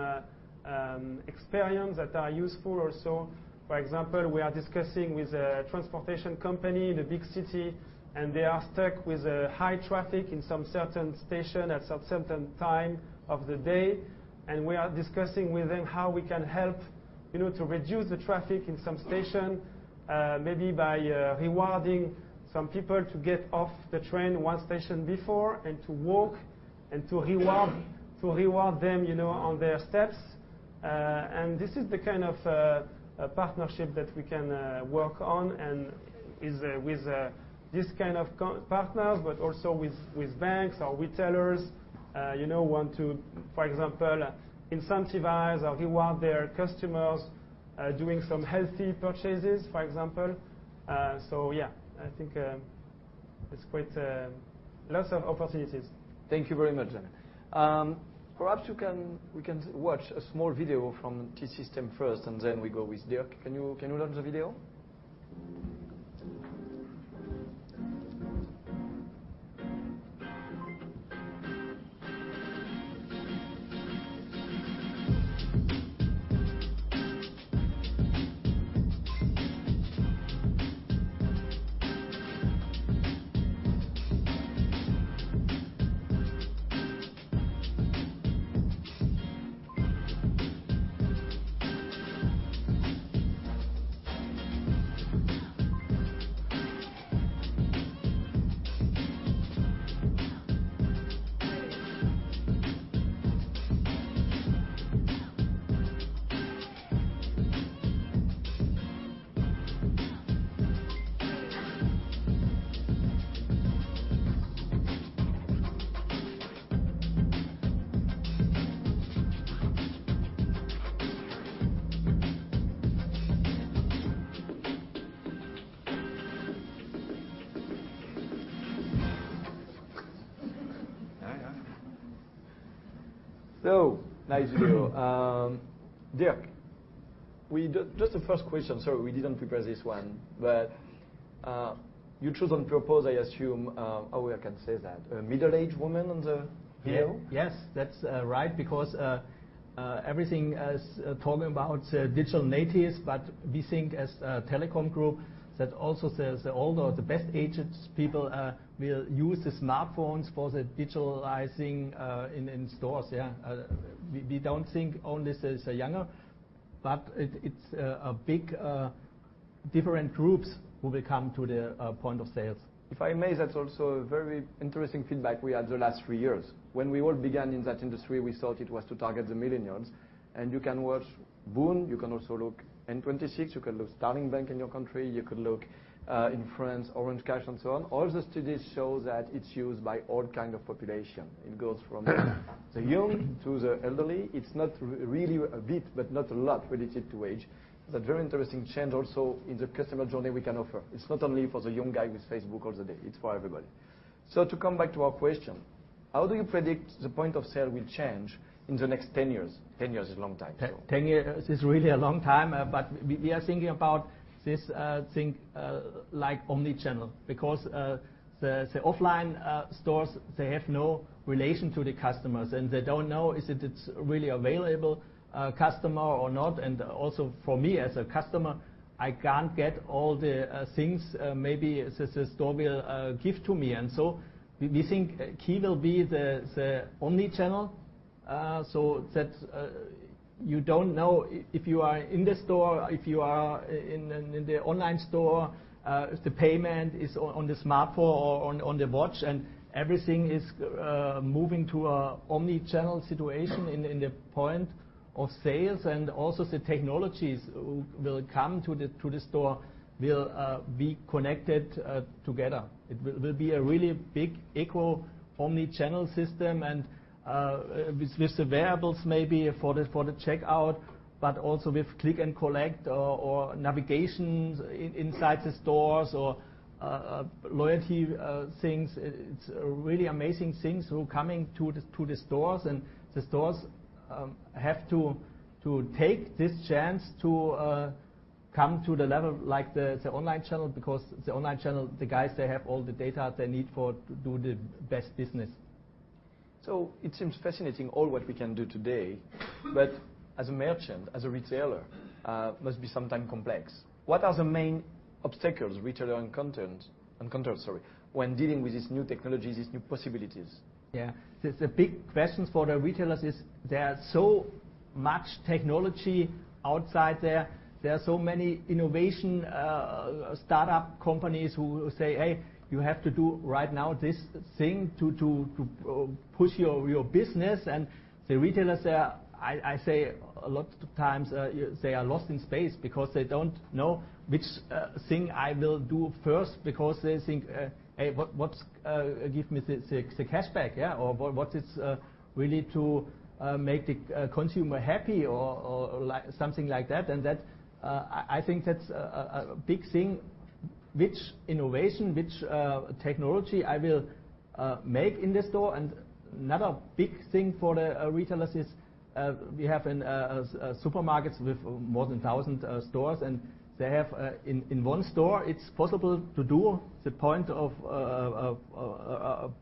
experience that are useful also. For example, we are discussing with a transportation company in a big city, they are stuck with high traffic in some certain station at some certain time of the day. We are discussing with them how we can help to reduce the traffic in some station, maybe by rewarding some people to get off the train one station before and to walk, and to reward them on their steps. This is the kind of partnership that we can work on, and with this kind of partners, but also with banks or retailers want to, for example, incentivize or reward their customers doing some healthy purchases, for example. Yeah, I think it's quite lots of opportunities. Thank you very much, Damian. Perhaps we can watch a small video from T-Systems first, then we go with Dirk. Can you launch the video? Nice video. Dirk, just the first question, sorry, we didn't prepare this one, but you choose on purpose, I assume, how I can say that, a middle-aged woman on the video? Yes, that's right, because everything is talking about digital natives, but we think as a telecom group that also the older, the best aged people will use the smartphones for the digitalizing in stores. We don't think only the younger, but it's big different groups who will come to the point of sales. If I may, that's also a very interesting feedback we had the last three years. When we all began in that industry, we thought it was to target the millennials, and you can watch Boon, you can also look N26, you can look Starling Bank in your country, you could look in France, Orange Cash and so on. All the studies show that it's used by all kind of population. It goes from the young to the elderly. It's not really a bit, but not a lot related to age. It's a very interesting change also in the customer journey we can offer. It's not only for the young guy with Facebook all the day, it's for everybody. To come back to our question, how do you predict the point of sale will change in the next 10 years? 10 years is a long time, so. 10 years is really a long time, but we are thinking about this thing like omnichannel, because the offline stores, they have no relation to the customers, and they don't know is it really available customer or not, and also for me as a customer, I can't get all the things maybe the store will give to me. We think key will be the omnichannel, so that you don't know if you are in the store, if you are in the online store, if the payment is on the smartphone or on the watch and everything is moving to an omnichannel situation in the point of sales and also the technologies will come to the store will be connected together. It will be a really big eco-omnichannel system and with the wearables maybe for the checkout, but also with click and collect or navigations inside the stores or loyalty things. It's a really amazing things who coming to the stores and the stores have to take this chance to come to the level like the online channel because the online channel, the guys, they have all the data they need for do the best business. It seems fascinating all what we can do today, but as a merchant, as a retailer, must be sometimes complex. What are the main obstacles retailer encounter when dealing with these new technologies, these new possibilities? Yeah. The big questions for the retailers is there are so much technology outside there. There are so many innovation startup companies who say, "Hey, you have to do right now this thing to push your business," the retailers, I say a lot of times they are lost in space because they don't know which thing I will do first because they think, "Hey, what give me the cashback?" Or "What is really to make the consumer happy?" Or something like that. That I think that's a big thing, which innovation, which technology I will make in the store. Another big thing for the retailers is we have in supermarkets with more than 1,000 stores, and they have in one store, it's possible to do the point of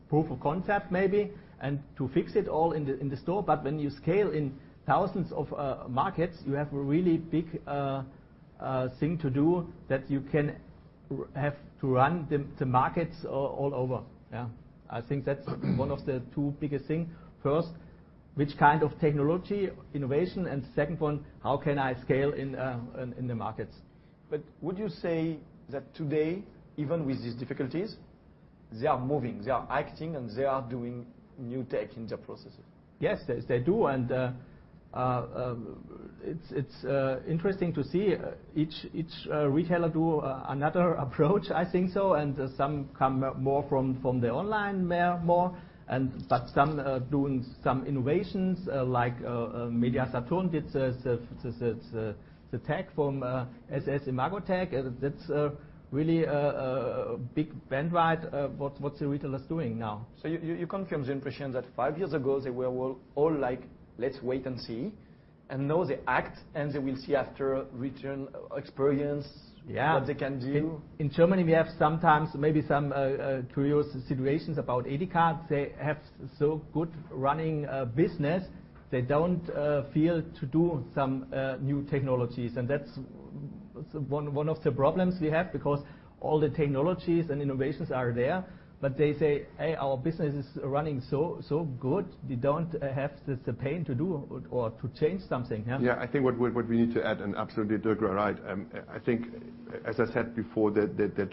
proof of concept maybe, and to fix it all in the store. When you scale in thousands of markets, you have a really big thing to do that you can have to run the markets all over. Yeah. I think that's one of the two biggest thing. First, which kind of technology, innovation, and second one, how can I scale in the markets. Would you say that today, even with these difficulties, they are moving, they are acting, and they are doing new tech in their processes? Yes, they do, and it's interesting to see each retailer do another approach, I think so. Some come more from the online more, but some doing some innovations, like MediaMarktSaturn Retail Group did the tech from SES-imagotag. Really a big bandwidth of what the retailers doing now. You confirm the impression that five years ago, they were all like, "Let's wait and see," and now they act, and they will see after return experience. Yeah What they can do. In Germany, we have sometimes maybe some curious situations about Wirecard. They have so good running business, they don't feel to do some new technologies, That's One of the problems we have, because all the technologies and innovations are there, They say, "Hey, our business is running so good, we don't have the pain to do or to change something. Yeah. Absolutely Dirk you are right. I think, as I said before, the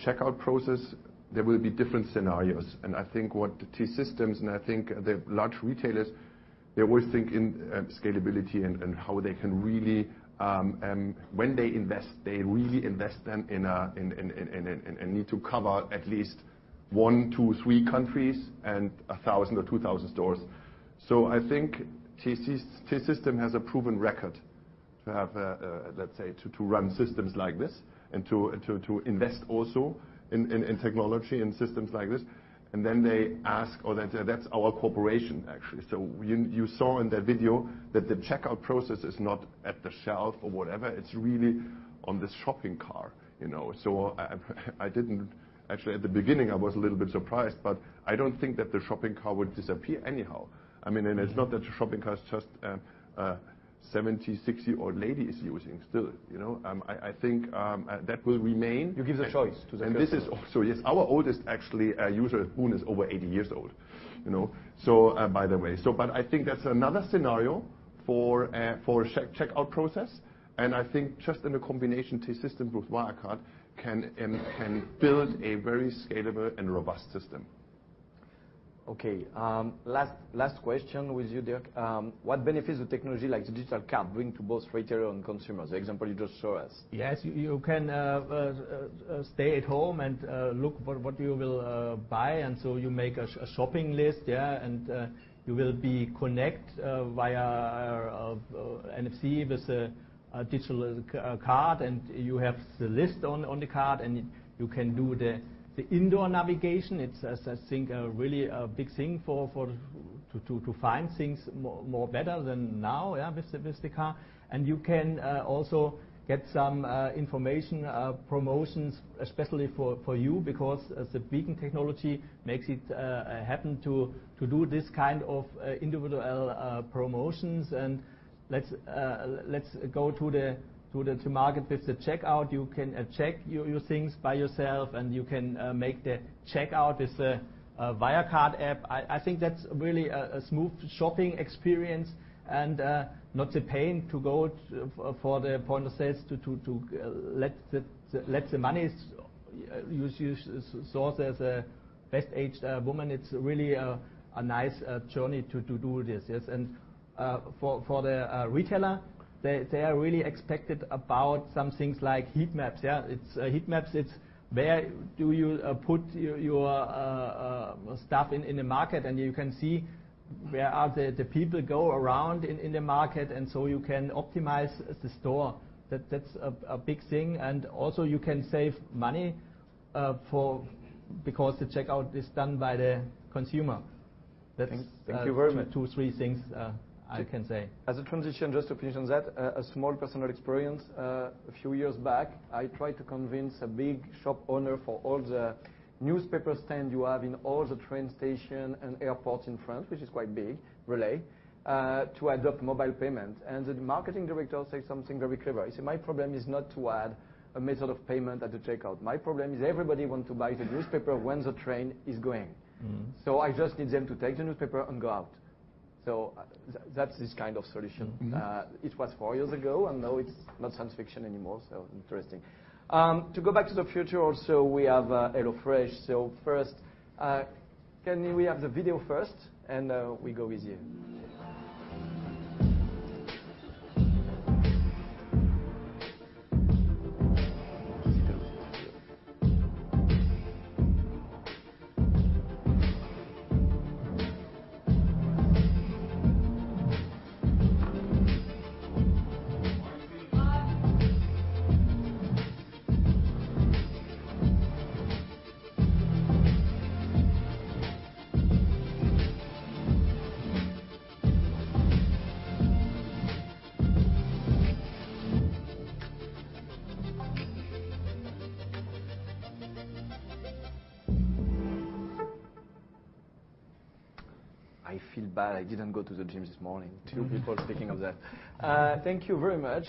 checkout process, there will be different scenarios. I think what T-Systems and I think the large retailers, they always think in scalability and how they can really when they invest, they really invest them and need to cover at least one, two, three countries and 1,000 or 2,000 stores. I think T-Systems has a proven record to have, let's say, to run systems like this and to invest also in technology and systems like this. They ask or that's our cooperation actually. You saw in that video that the checkout process is not at the shelf or whatever. It's really on the shopping cart. Actually at the beginning, I was a little bit surprised, I don't think that the shopping cart would disappear anyhow. It's not that the shopping cart is just a 70, 60-year-old lady is using still. I think that will remain. You give the choice to the customer. This is also, yes. Our oldest actually user, who is over 80 years old, by the way. I think that's another scenario for checkout process. I think just in the combination T-Systems with Wirecard can build a very scalable and robust system. Okay. Last question with you, Dirk. What benefits the technology like the digital card bring to both retailer and consumers? The example you just show us. Yes, you can stay at home and look for what you will buy. You make a shopping list. You will be connect via NFC with a digital card, and you have the list on the card, and you can do the indoor navigation. It's, I think, a really big thing to find things more better than now with the card. You can also get some information, promotions, especially for you because the beacon technology makes it happen to do this kind of individual promotions. Let's go to market with the checkout. You can check your things by yourself and you can make the checkout with Wirecard app. I think that's really a smooth shopping experience and not the pain to go for the point of sales to let the source as a best aged woman. It's really a nice journey to do this. Yes. For the retailer, they are really expected about some things like heat maps. Yeah. Heat maps, it's where do you put your stuff in the market. You can see where are the people go around in the market. So you can optimize the store. That's a big thing. Also you can save money because the checkout is done by the consumer. Thank you very much. That's two, three things I can say. As a transition, just to finish on that, a small personal experience. A few years back, I tried to convince a big shop owner for all the newspaper stand you have in all the train station and airports in France, which is quite big, Relay, to adopt mobile payment. The marketing director say something very clever. He said, "My problem is not to add a method of payment at the checkout. My problem is everybody want to buy the newspaper when the train is going. I just need them to take the newspaper and go out." That's this kind of solution. It was four years ago. Now it's not science fiction anymore, interesting. To go back to the future also, we have HelloFresh. First, can we have the video first and we go with you. I feel bad I didn't go to the gym this morning, two people speaking of that. Thank you very much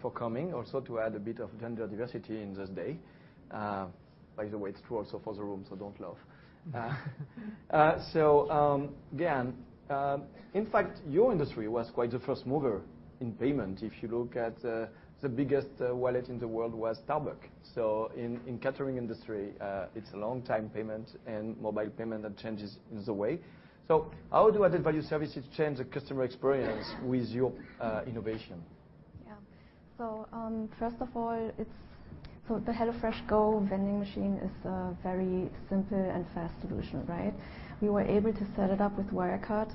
for coming. Also, to add a bit of gender diversity in this day. By the way, it's true also for the room, don't laugh. Giang, in fact, your industry was quite the first mover in payment. If you look at the biggest wallet in the world was Starbucks. In catering industry, it's a long time payment and mobile payment that changes the way. How do added value services change the customer experience with your innovation? First of all, the HelloFreshGO vending machine is a very simple and fast solution, right? We were able to set it up with Wirecard.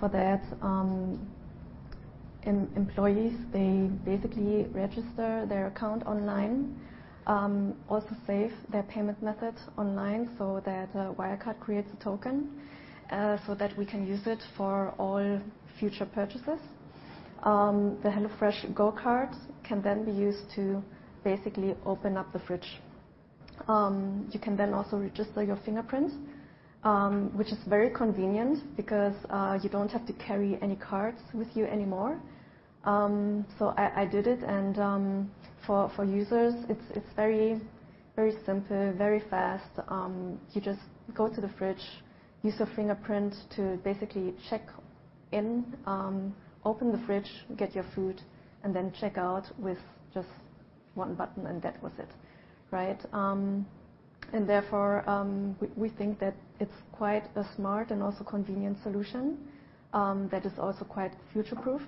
For that, employees, they basically register their account online, also save their payment method online so that Wirecard creates a token, so that we can use it for all future purchases. The HelloFreshGO card can then be used to basically open up the fridge. You can then also register your fingerprints, which is very convenient because you don't have to carry any cards with you anymore. I did it, and for users, it's very simple, very fast. You just go to the fridge, use your fingerprint to basically check in, open the fridge, get your food, and then check out with just one button. That was it. Right? Therefore, we think that it's quite a smart and also convenient solution that is also quite future proof.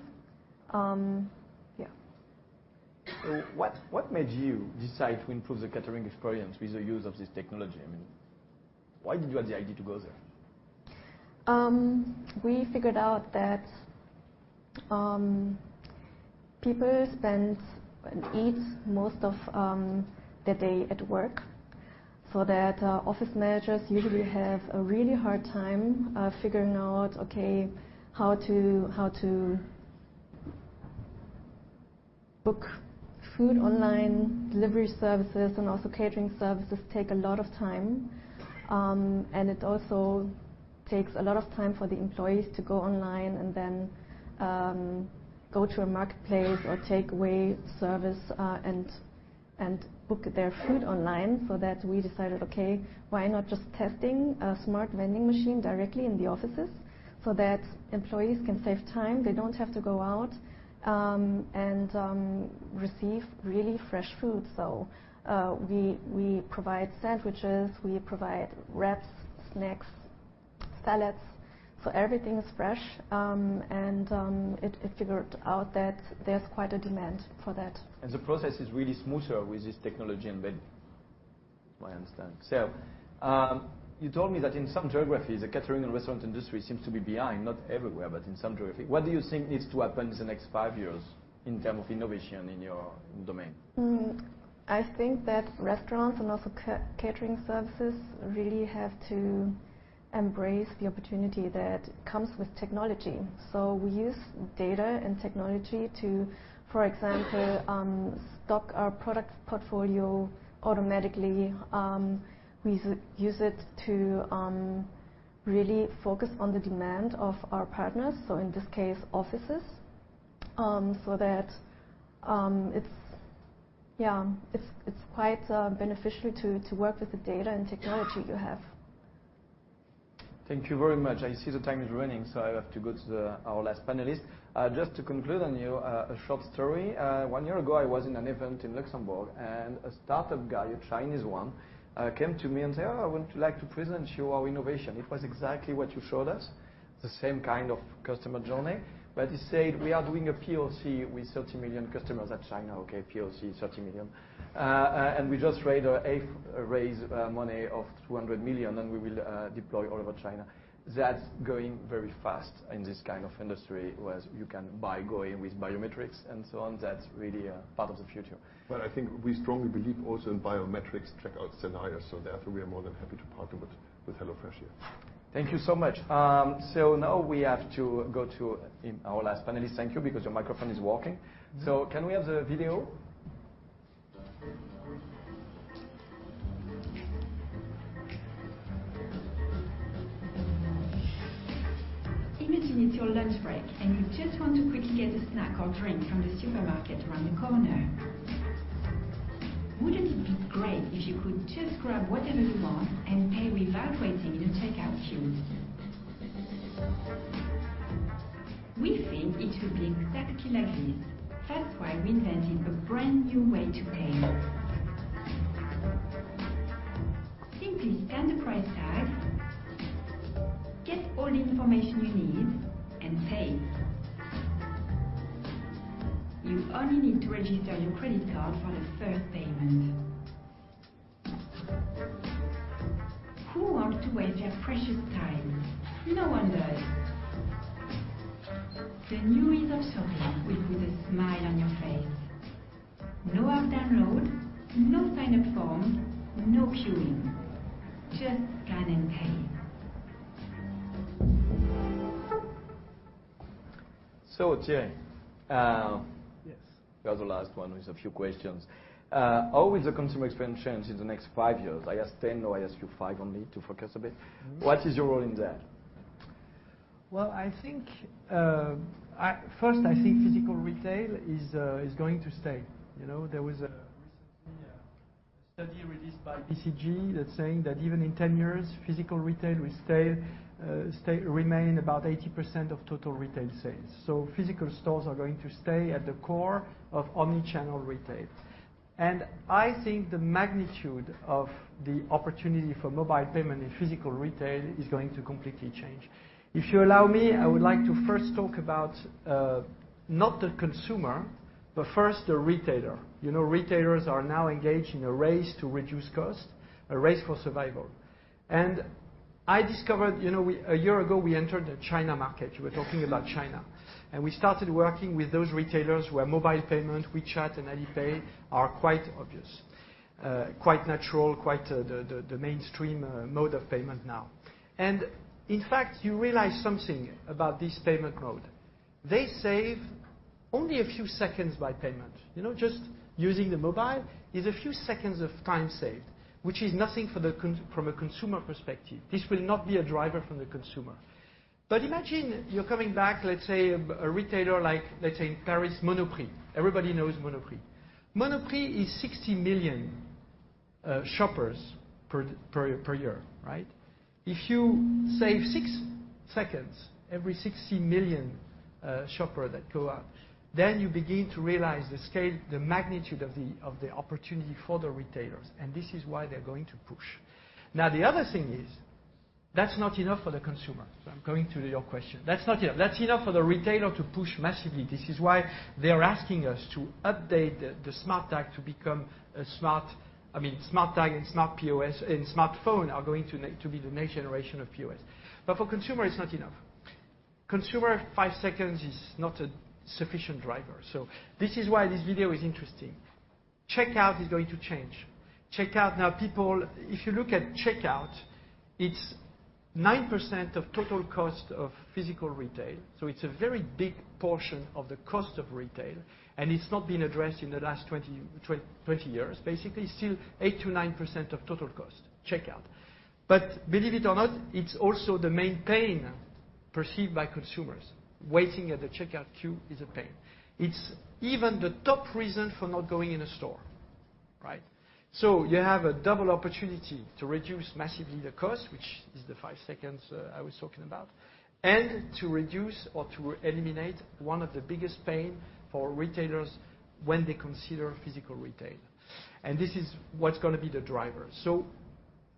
What made you decide to improve the catering experience with the use of this technology? Why did you have the idea to go there? We figured out that people spend and eat most of the day at work, so that office managers usually have a really hard time figuring out, okay, how to book food online. Delivery services and also catering services take a lot of time, and it also takes a lot of time for the employees to go online and then go to a marketplace or takeaway service, and book their food online. We decided, okay, why not just testing a smart vending machine directly in the offices so that employees can save time? They don't have to go out, and receive really fresh food. We provide sandwiches, we provide wraps, snacks, salads. Everything is fresh, and it figured out that there's quite a demand for that. The process is really smoother with this technology embedded, my understanding. You told me that in some geographies, the catering and restaurant industry seems to be behind, not everywhere, but in some geography. What do you think needs to happen in the next five years in term of innovation in your domain? I think that restaurants and also catering services really have to embrace the opportunity that comes with technology. We use data and technology to, for example, stock our products portfolio automatically. We use it to really focus on the demand of our partners, so in this case, offices, so that it's quite beneficial to work with the data and technology you have. Thank you very much. I see the time is running. I have to go to our last panelist. Just to conclude on you, a short story. One year ago, I was in an event in Luxembourg. A startup guy, a Chinese one, came to me and said, "Oh, I would like to present you our innovation." It was exactly what you showed us, the same kind of customer journey. He said, "We are doing a POC with 30 million customers at China." Okay, POC 30 million. We just raised money of 200 million, and we will deploy all over China. That's going very fast in this kind of industry, whereas you can buy going with biometrics and so on. That's really a part of the future. I think we strongly believe also in biometrics checkout scenarios. Therefore, we are more than happy to partner with HelloFresh here. Thank you so much. Now we have to go to our last panelist. Thank you, because your microphone is working. Can we have the video? Imagine it's your lunch break and you just want to quickly get a snack or drink from the supermarket around the corner. Wouldn't it be great if you could just grab whatever you want and pay without waiting in the checkout queues? We think it should be exactly like this. That's why we invented a brand new way to pay. Simply scan the price tag, get all the information you need, and pay. You only need to register your credit card for the first payment. Who wants to waste their precious time? No one does. The new way of shopping will put a smile on your face. No app download, no sign-up form, no queuing. Just scan and pay. Thierry. Yes. You are the last one with a few questions. How will the consumer experience change in the next five years? I asked 10, now I ask you five only to focus a bit. What is your role in that? First, I think physical retail is going to stay. There was recently a study released by BCG that's saying that even in 10 years, physical retail will remain about 80% of total retail sales. Physical stores are going to stay at the core of omni-channel retail. I think the magnitude of the opportunity for mobile payment in physical retail is going to completely change. If you allow me, I would like to first talk about not the consumer, but first the retailer. Retailers are now engaged in a race to reduce cost, a race for survival. I discovered, a year ago, we entered the China market. We're talking about China. We started working with those retailers where mobile payment, WeChat and Alipay, are quite obvious, quite natural, quite the mainstream mode of payment now. In fact, you realize something about this payment mode. Only a few seconds by payment. Just using the mobile is a few seconds of time saved, which is nothing from a consumer perspective. This will not be a driver from the consumer. Imagine you're coming back, let's say, a retailer like, let's say, in Paris, Monoprix. Everybody knows Monoprix. Monoprix is 60 million shoppers per year. If you save six seconds, every 60 million shopper that go out, you begin to realize the scale, the magnitude of the opportunity for the retailers, this is why they're going to push. The other thing is, that's not enough for the consumer. I'm going to your question. That's not enough. That's enough for the retailer to push massively. This is why they're asking us to update the smart tag to become a smart tag and smart POS and smartphone are going to be the next generation of POS. For consumer, it's not enough. Consumer, five seconds is not a sufficient driver. This is why this video is interesting. Checkout is going to change. Now, people, if you look at checkout, it's 9% of total cost of physical retail, it's a very big portion of the cost of retail, and it's not been addressed in the last 20 years. Basically, still 8%-9% of total cost, checkout. Believe it or not, it's also the main pain perceived by consumers. Waiting at the checkout queue is a pain. It's even the top reason for not going in a store. You have a double opportunity to reduce massively the cost, which is the five seconds I was talking about, and to reduce or to eliminate one of the biggest pain for retailers when they consider physical retail. This is what's going to be the driver.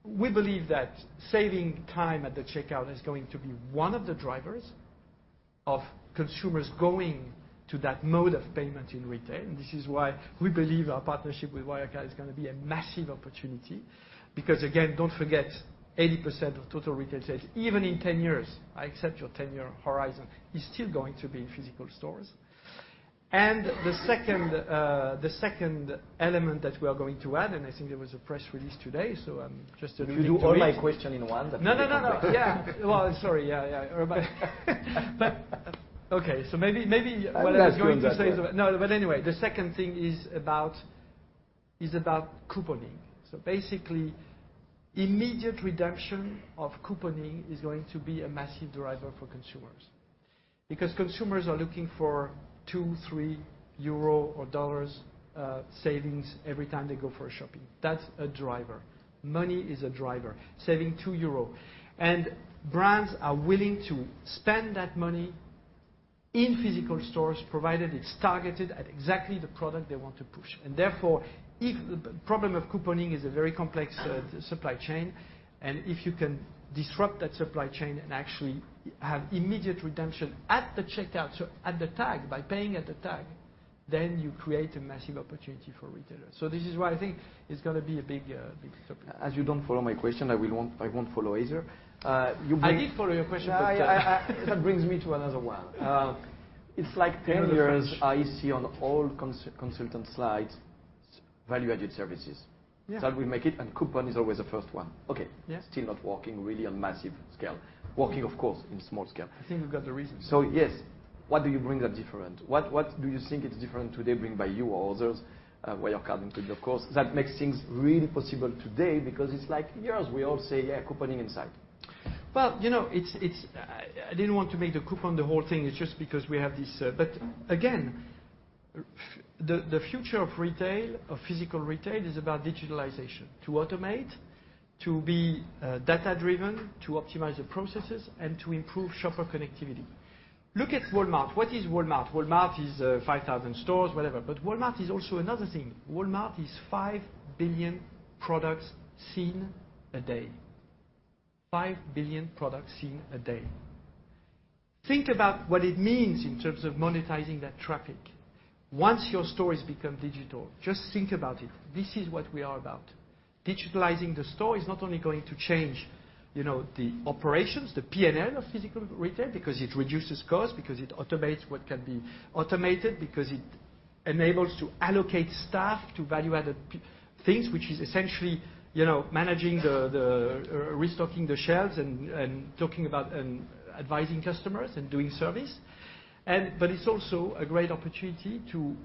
We believe that saving time at the checkout is going to be one of the drivers of consumers going to that mode of payment in retail. This is why we believe our partnership with Wirecard is going to be a massive opportunity because, again, don't forget, 80% of total retail sales, even in 10 years, I accept your 10-year horizon, is still going to be in physical stores. The second element that we are going to add, and I think there was a press release today, I'm just alluding to it. You do all my question in one. No. Well, sorry. Yeah. Okay. Maybe what I was going to say. I'm not doing that. The second thing is about couponing. Basically, immediate reduction of couponing is going to be a massive driver for consumers. Because consumers are looking for 2, 3 euro or EUR savings every time they go for a shopping. That's a driver. Money is a driver, saving 2 euro. Brands are willing to spend that money in physical stores, provided it's targeted at exactly the product they want to push. Therefore, problem of couponing is a very complex supply chain. If you can disrupt that supply chain and actually have immediate redemption at the checkout, so at the tag, by paying at the tag, then you create a massive opportunity for retailers. This is why I think it's going to be a big topic. As you don't follow my question, I won't follow either. I did follow your question. That brings me to another one. It's like 10 years I see on all consultant slides, value-added services. Yeah. That will make it. Coupon is always the first one. Okay. Yeah. Still not working really on massive scale. Working, of course, in small scale. I think we've got the reasons. Yes. What do you bring that different? What do you think it's different today bring by you or others, Wirecard included, of course, that makes things really possible today? It's like years we all say, "Yeah, couponing insight. Well, I didn't want to make the coupon the whole thing. It's just because we have this. Again, the future of retail, of physical retail, is about digitalization. To automate, to be data-driven, to optimize the processes, and to improve shopper connectivity. Look at Walmart. What is Walmart? Walmart is 5,000 stores, whatever, but Walmart is also another thing. Walmart is 5 billion products seen a day. 5 billion products seen a day. Think about what it means in terms of monetizing that traffic. Once your stores become digital, just think about it. This is what we are about. Digitalizing the store is not only going to change the operations, the P&L of physical retail, because it reduces cost, because it automates what can be automated, because it enables to allocate staff to value-added things, which is essentially managing the restocking the shelves and talking about advising customers and doing service. It's also a great opportunity to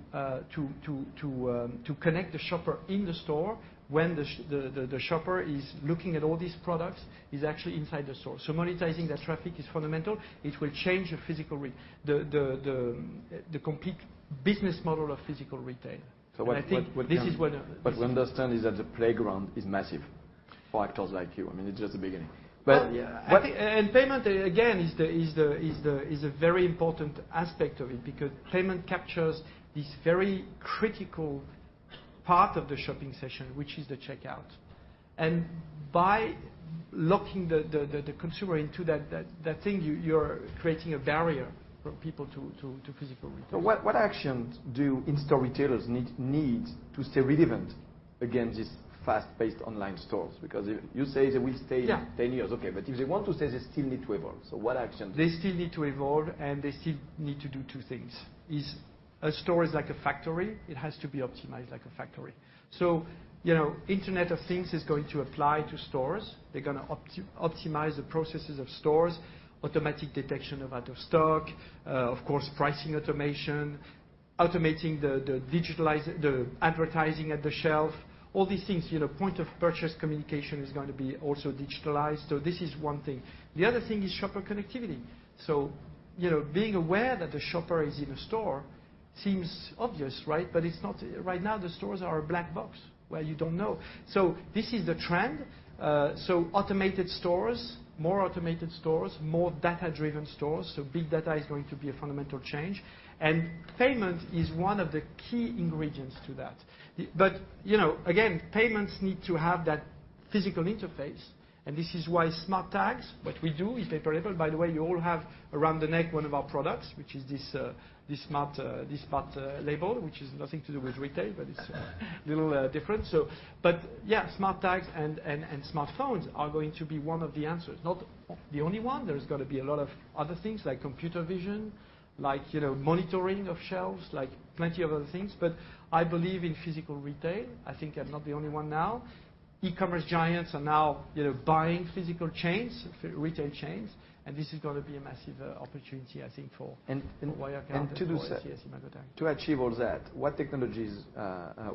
connect the shopper in the store when the shopper is looking at all these products, is actually inside the store. Monetizing that traffic is fundamental. It will change the complete business model of physical retail. What- I think this is one of the- We understand is that the playground is massive for actors like you. It's just the beginning. Well, yeah. Payment, again, is a very important aspect of it because payment captures this very critical part of the shopping session, which is the checkout. By locking the consumer into that thing, you're creating a barrier for people to physical retail. What actions do in-store retailers need to stay relevant against these fast-paced online stores? Yeah 10 years, okay. If they want to stay, they still need to evolve. What actions? They still need to evolve, they still need to do two things. A store is like a factory, it has to be optimized like a factory. Internet of Things is going to apply to stores. They're going to optimize the processes of stores, automatic detection of out of stock, of course, pricing automation. Automating the advertising at the shelf, all these things, point of purchase communication is going to be also digitalized. This is one thing. The other thing is shopper connectivity. Being aware that the shopper is in a store seems obvious, right? It's not. Right now, the stores are a black box where you don't know. This is the trend. Automated stores, more automated stores, more data-driven stores. Big data is going to be a fundamental change, payment is one of the key ingredients to that. Again, payments need to have that physical interface, this is why smart tags, what we do with paper label. By the way, you all have around the neck one of our products, which is this smart label, which is nothing to do with retail, but it's a little different. Yeah, smart tags and smartphones are going to be one of the answers. Not the only one. There's going to be a lot of other things like computer vision, like monitoring of shelves, like plenty of other things. I believe in physical retail. I think I'm not the only one now. E-commerce giants are now buying physical chains, retail chains, this is going to be a massive opportunity, I think, for Wirecard. To do that. For T-Systems, I would think To achieve all that, what technologies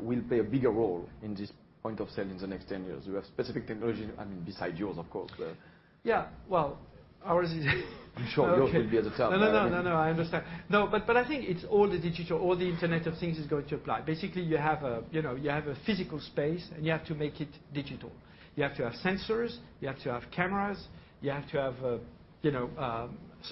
will play a bigger role in this point of sale in the next 10 years? Do you have specific technology, I mean, besides yours, of course? Yeah. Well, ours is I'm sure yours will be at the top. I understand. I think it's all the digital, all the Internet of Things is going to apply. Basically, you have a physical space, and you have to make it digital. You have to have sensors, you have to have cameras, you have to have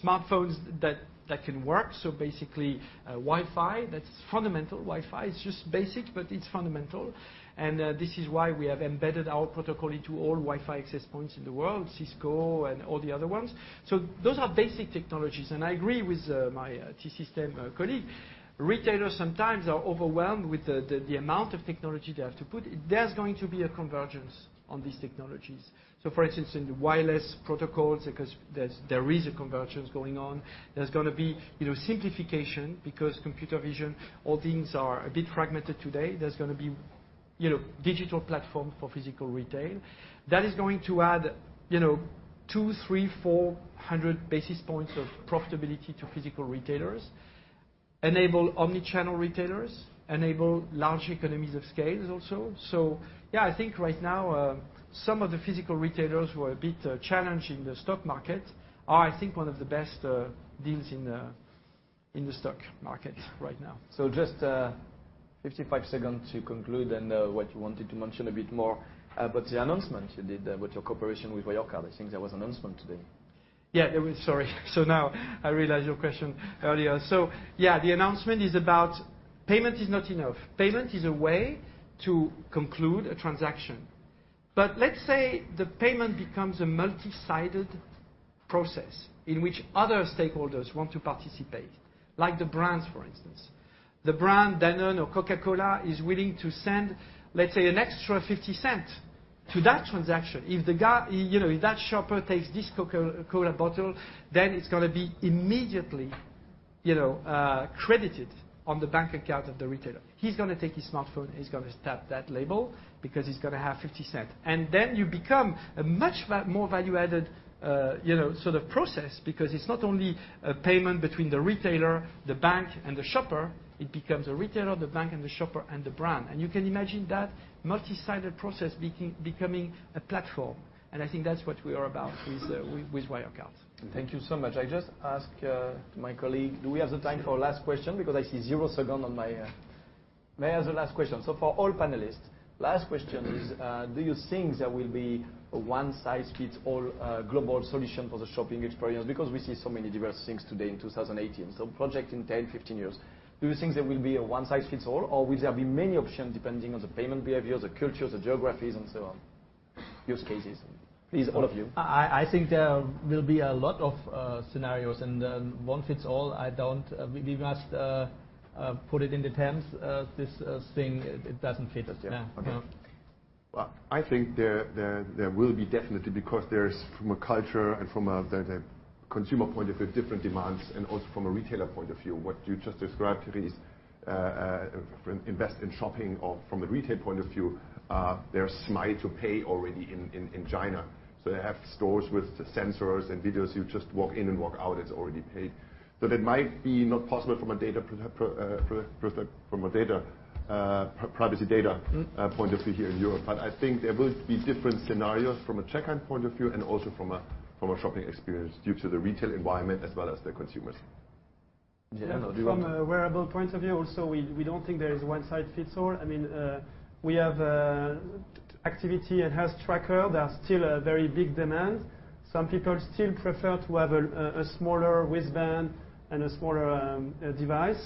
smartphones that can work. Basically, Wi-Fi, that's fundamental. Wi-Fi is just basic, but it's fundamental. This is why we have embedded our protocol into all Wi-Fi access points in the world, Cisco and all the other ones. Those are basic technologies. I agree with my T-Systems colleague. Retailers sometimes are overwhelmed with the amount of technology they have to put. There's going to be a convergence on these technologies. For instance, in the wireless protocols, because there is a convergence going on. There's going to be simplification because computer vision holdings are a bit fragmented today. There's going to be digital platform for physical retail. That is going to add two, three, 400 basis points of profitability to physical retailers, enable omni-channel retailers, enable large economies of scales also. I think right now, some of the physical retailers who are a bit challenged in the stock market are, I think, one of the best deals in the stock market right now. Just 55 seconds to conclude and what you wanted to mention a bit more about the announcement you did with your cooperation with Wirecard. I think there was announcement today. Yeah. Sorry. Now I realize your question earlier. The announcement is about payment is not enough. Payment is a way to conclude a transaction. Let's say the payment becomes a multi-sided process in which other stakeholders want to participate, like the brands, for instance. The brand Danone or Coca-Cola is willing to send, let's say, an extra 0.50 to that transaction. If that shopper takes this Coca-Cola bottle, then it's going to be immediately credited on the bank account of the retailer. He's going to take his smartphone, he's going to tap that label because he's going to have 0.50. Then you become a much more value-added sort of process because it's not only a payment between the retailer, the bank, and the shopper. It becomes a retailer, the bank, and the shopper, and the brand. You can imagine that multi-sided process becoming a platform. I think that's what we are about with Wirecard. Thank you so much. I just ask, my colleague, do we have the time for last question because I see zero seconds on my. May I have the last question? For all panelists, last question is, do you think there will be a one-size-fits-all global solution for the shopping experience? Because we see so many diverse things today in 2018. Project in 10, 15 years, do you think there will be a one-size-fits-all or will there be many options depending on the payment behaviors, the cultures, the geographies, and so on? Use cases. Please, all of you. I think there will be a lot of scenarios, one-size-fits-all, we must put it in the terms of this thing, it doesn't fit. It doesn't. Okay. Well, I think there will be definitely because there's from a culture and from a consumer point of view, different demands, also from a retailer point of view, what you just described, Thierry, is invest in shopping or from a retail point of view, they're smile-to-pay already in China. They have stores with sensors and videos. You just walk in and walk out. It's already paid. That might be not possible from a privacy data point of view here in Europe. I think there will be different scenarios from a checkout point of view and also from a shopping experience due to the retail environment as well as the consumers. Giang, do you want to add something? From a wearable point of view also, we don't think there is one-size-fits-all. We have activity and health tracker. There are still a very big demand. Some people still prefer to have a smaller wristband and a smaller device.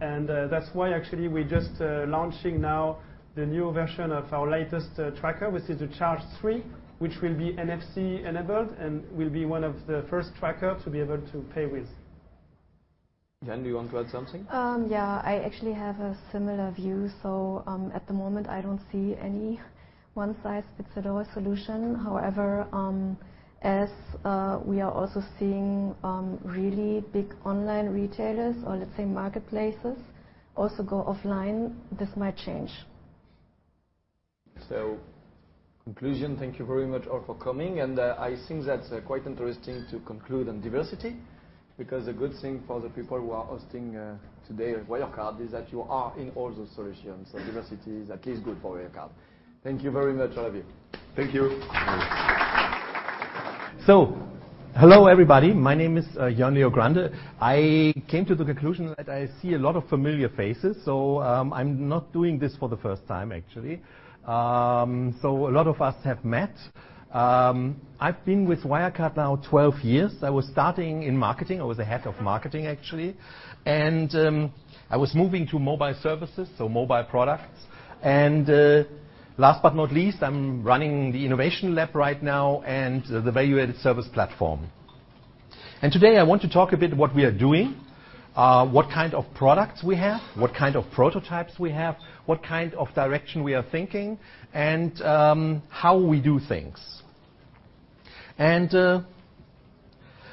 That's why actually we're just launching now the new version of our latest tracker, which is the Charge 3, which will be NFC enabled and will be one of the first tracker to be able to pay with. Giang, do you want to add something? I actually have a similar view. At the moment, I don't see any one-size-fits-all solution. However, as we are also seeing really big online retailers or let's say marketplaces also go offline, this might change Conclusion, thank you very much all for coming, and I think that's quite interesting to conclude on diversity because the good thing for the people who are hosting today at Wirecard is that you are in all the solutions. Diversity is at least good for Wirecard. Thank you very much, all of you. Thank you. Hello everybody. My name is Jan Leonhard Grande. I came to the conclusion that I see a lot of familiar faces, I'm not doing this for the first time, actually. A lot of us have met. I've been with Wirecard now 12 years. I was starting in marketing. I was the head of marketing, actually. I was moving to mobile services, mobile products. Last but not least, I'm running the innovation lab right now and the value-added service platform. Today I want to talk a bit what we are doing, what kind of products we have, what kind of prototypes we have, what kind of direction we are thinking, and how we do things.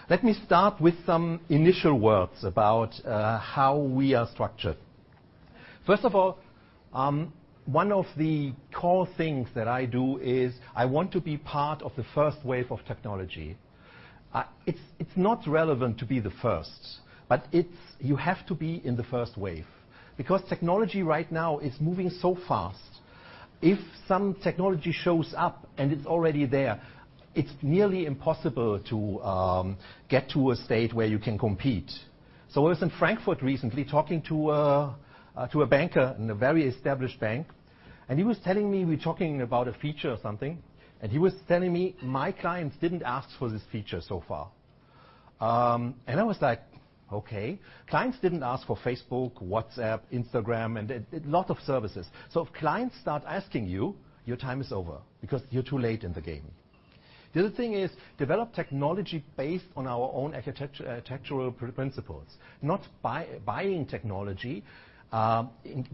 Let me start with some initial words about how we are structured. First of all, one of the core things that I do is I want to be part of the first wave of technology. It's not relevant to be the first, but you have to be in the first wave because technology right now is moving so fast. If some technology shows up and it's already there, it's nearly impossible to get to a state where you can compete. I was in Frankfurt recently talking to a banker in a very established bank, and he was telling me, we're talking about a feature or something, and he was telling me, "My clients didn't ask for this feature so far." I was like, okay, clients didn't ask for Facebook, WhatsApp, Instagram, and a lot of services. If clients start asking you, your time is over because you're too late in the game. The other thing is develop technology based on our own architectural principles, not buying technology,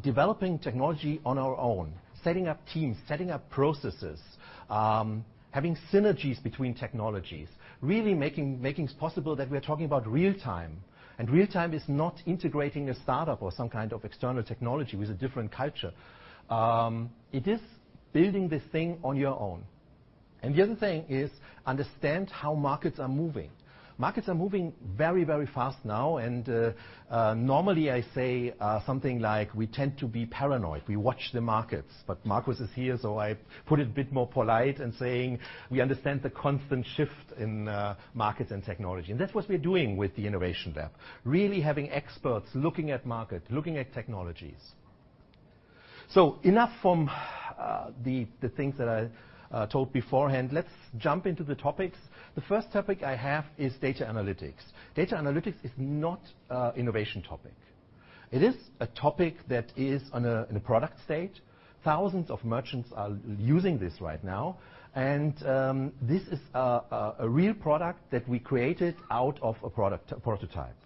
developing technology on our own, setting up teams, setting up processes, having synergies between technologies, really making it possible that we're talking about real-time. Real-time is not integrating a startup or some kind of external technology with a different culture. It is building this thing on your own. The other thing is understand how markets are moving. Markets are moving very fast now, and normally I say something like we tend to be paranoid, we watch the markets, but Markus is here, so I put it a bit more polite in saying we understand the constant shift in markets and technology. That's what we're doing with the innovation lab, really having experts looking at market, looking at technologies. Enough from the things that I told beforehand. Let's jump into the topics. The first topic I have is data analytics. Data analytics is not an innovation topic. It is a topic that is in a product stage. Thousands of merchants are using this right now, and this is a real product that we created out of a prototype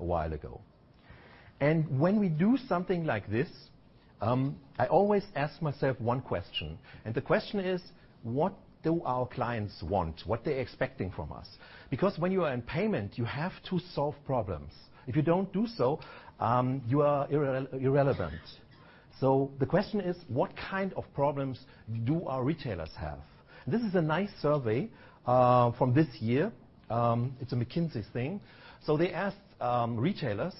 a while ago. When we do something like this, I always ask myself one question, and the question is, what do our clients want? What are they expecting from us? Because when you are in payment, you have to solve problems. If you don't do so, you are irrelevant. The question is, what kind of problems do our retailers have? This is a nice survey from this year. It's a McKinsey thing. They asked retailers,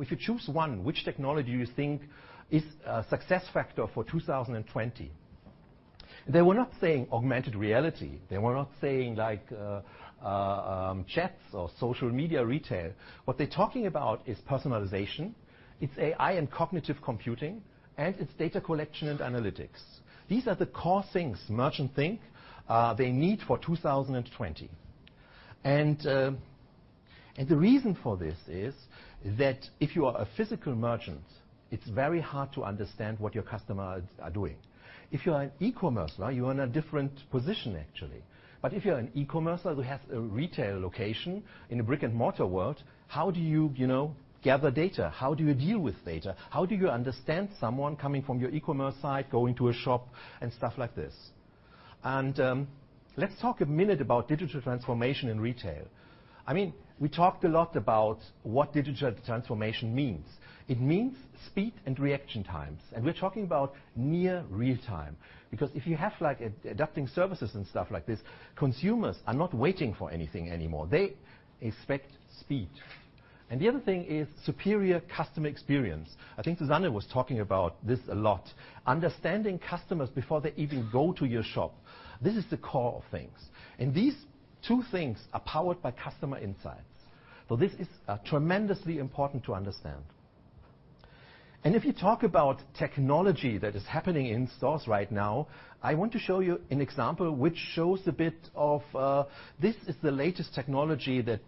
if you choose one, which technology you think is a success factor for 2020? They were not saying augmented reality. They were not saying like chats or social media retail. What they're talking about is personalization, it's AI and cognitive computing, and it's data collection and analytics. These are the core things merchants think they need for 2020. The reason for this is that if you are a physical merchant, it's very hard to understand what your customers are doing. If you are an e-commerce, you are in a different position, actually. If you're an e-commerce who has a retail location in a brick-and-mortar world, how do you gather data? How do you deal with data? How do you understand someone coming from your e-commerce site, going to a shop, and stuff like this? Let's talk a minute about digital transformation in retail. We talked a lot about what digital transformation means. It means speed and reaction times, we're talking about near real-time because if you have adapting services and stuff like this, consumers are not waiting for anything anymore. They expect speed. The other thing is superior customer experience. I think Susanne was talking about this a lot, understanding customers before they even go to your shop. This is the core of things, these two things are powered by customer insights. This is tremendously important to understand. If you talk about technology that is happening in stores right now, I want to show you an example which shows a bit of this is the latest technology that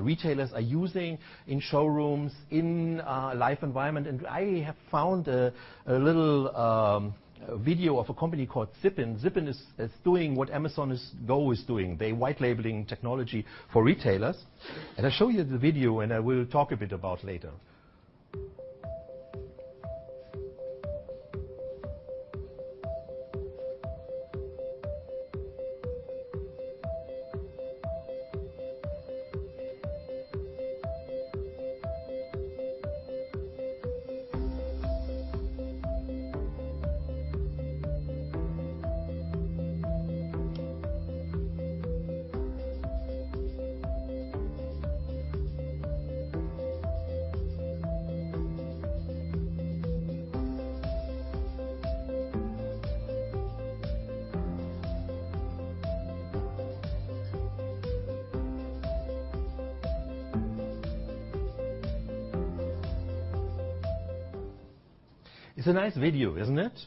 retailers are using in showrooms in a live environment, I have found a little video of a company called Zippin. Zippin is doing what Amazon Go is doing. They're white labeling technology for retailers, I show you the video, I will talk a bit about later. It's a nice video, isn't it?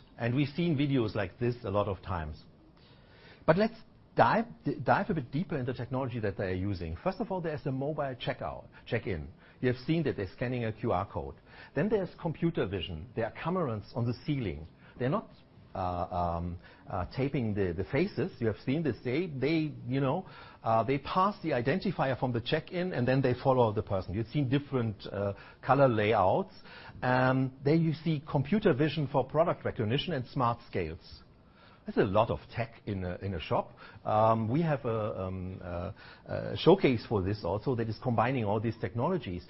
Let's dive a bit deeper into technology that they are using. First of all, there's a mobile check-in. You have seen that they're scanning a QR code. There's computer vision. There are cameras on the ceiling. They're not taping the faces. You have seen this. They pass the identifier from the check-in, then they follow the person. You've seen different color layouts. There you see computer vision for product recognition and smart scales. That's a lot of tech in a shop. We have a showcase for this also that is combining all these technologies.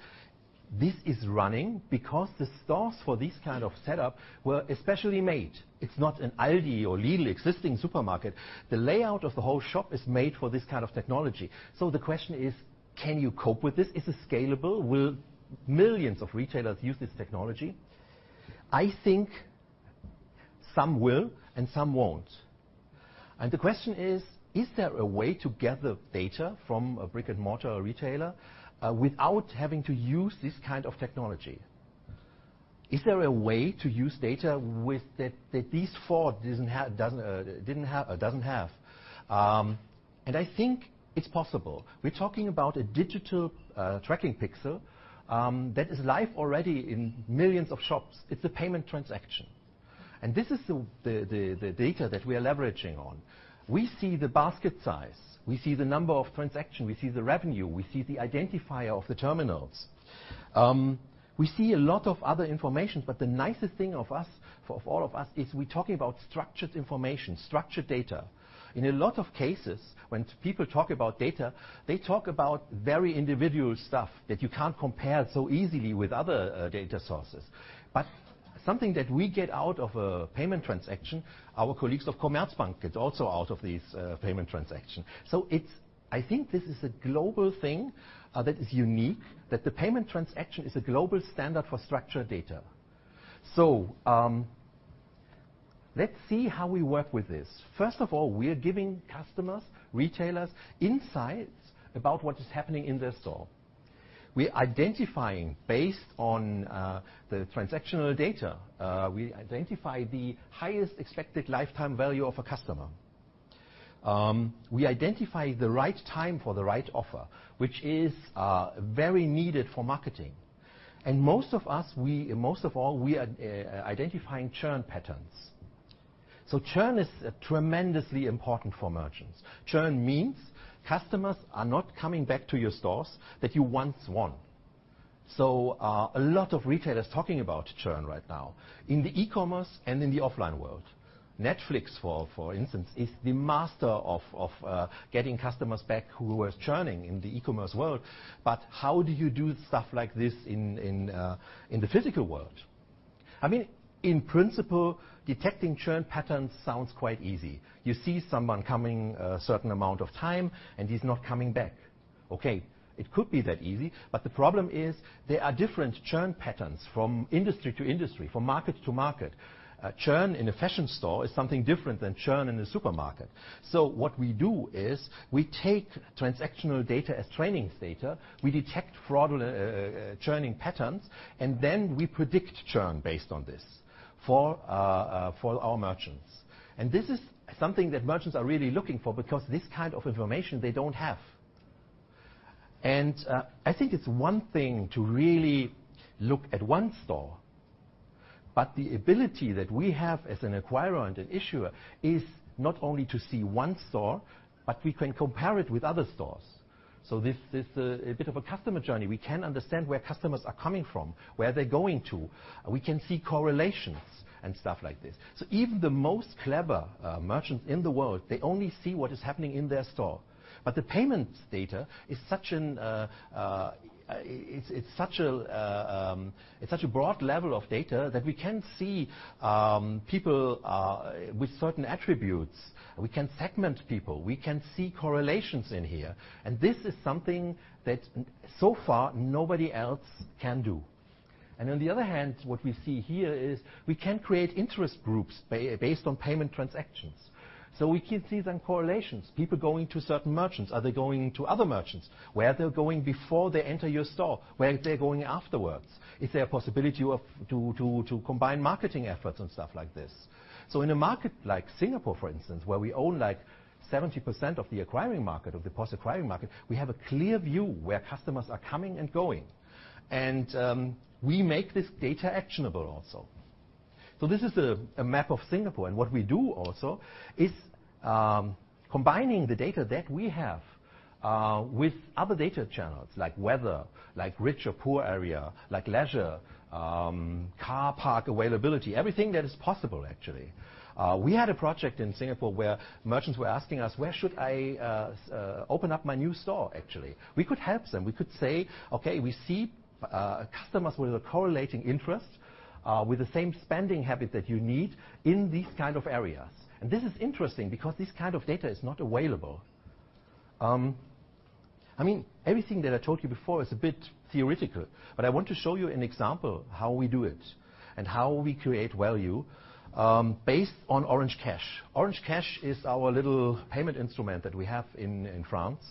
This is running because the stores for this kind of setup were especially made. It's not an ALDI or Lidl existing supermarket. The layout of the whole shop is made for this kind of technology. The question is, can you cope with this? Is it scalable? Will millions of retailers use this technology? I think some will and some won't. The question is: Is there a way to gather data from a brick-and-mortar retailer without having to use this kind of technology? Is there a way to use data that these four doesn't have? I think it's possible. We're talking about a digital tracking pixel that is live already in millions of shops. It's a payment transaction. This is the data that we are leveraging on. We see the basket size. We see the number of transaction, we see the revenue, we see the identifier of the terminals. We see a lot of other information, but the nicest thing of all of us is we're talking about structured information, structured data. In a lot of cases, when people talk about data, they talk about very individual stuff that you can't compare so easily with other data sources. Something that we get out of a payment transaction, our colleagues of Commerzbank get also out of these payment transaction. I think this is a global thing that is unique, that the payment transaction is a global standard for structured data. Let's see how we work with this. First of all, we are giving customers, retailers, insights about what is happening in their store. We identifying based on the transactional data, we identify the highest expected lifetime value of a customer. We identify the right time for the right offer, which is very needed for marketing. Most of all, we are identifying churn patterns. Churn is tremendously important for merchants. Churn means customers are not coming back to your stores that you once won. A lot of retailers talking about churn right now in the e-commerce and in the offline world. Netflix, for instance, is the master of getting customers back who were churning in the e-commerce world. How do you do stuff like this in the physical world? In principle, detecting churn patterns sounds quite easy. You see someone coming a certain amount of time, and he's not coming back. Okay, it could be that easy, but the problem is there are different churn patterns from industry to industry, from market to market. Churn in a fashion store is something different than churn in a supermarket. What we do is we take transactional data as training data, we detect fraudulent churning patterns, and then we predict churn based on this for our merchants. This is something that merchants are really looking for because this kind of information they don't have. I think it's one thing to really look at one store, but the ability that we have as an acquirer and an issuer is not only to see one store, but we can compare it with other stores. This is a bit of a customer journey. We can understand where customers are coming from, where they're going to. We can see correlations and stuff like this. Even the most clever merchants in the world, they only see what is happening in their store. The payments data, it's such a broad level of data that we can see people with certain attributes. We can segment people. We can see correlations in here. This is something that so far nobody else can do. On the other hand, what we see here is we can create interest groups based on payment transactions. We can see then correlations, people going to certain merchants. Are they going to other merchants? Where they're going before they enter your store? Where they're going afterwards? Is there a possibility to combine marketing efforts and stuff like this? In a market like Singapore, for instance, where we own like 70% of the acquiring market, of the POS acquiring market, we have a clear view where customers are coming and going. We make this data actionable also. This is a map of Singapore, what we do also is combining the data that we have with other data channels like weather, like rich or poor area, like leisure car park availability, everything that is possible, actually. We had a project in Singapore where merchants were asking us, "Where should I open up my new store?" Actually, we could help them. We could say, "Okay, we see customers with a correlating interest, with the same spending habit that you need in these kind of areas." This is interesting because this kind of data is not available. Everything that I told you before is a bit theoretical, but I want to show you an example how we do it and how we create value based on Orange Cash. Orange Cash is our little payment instrument that we have in France.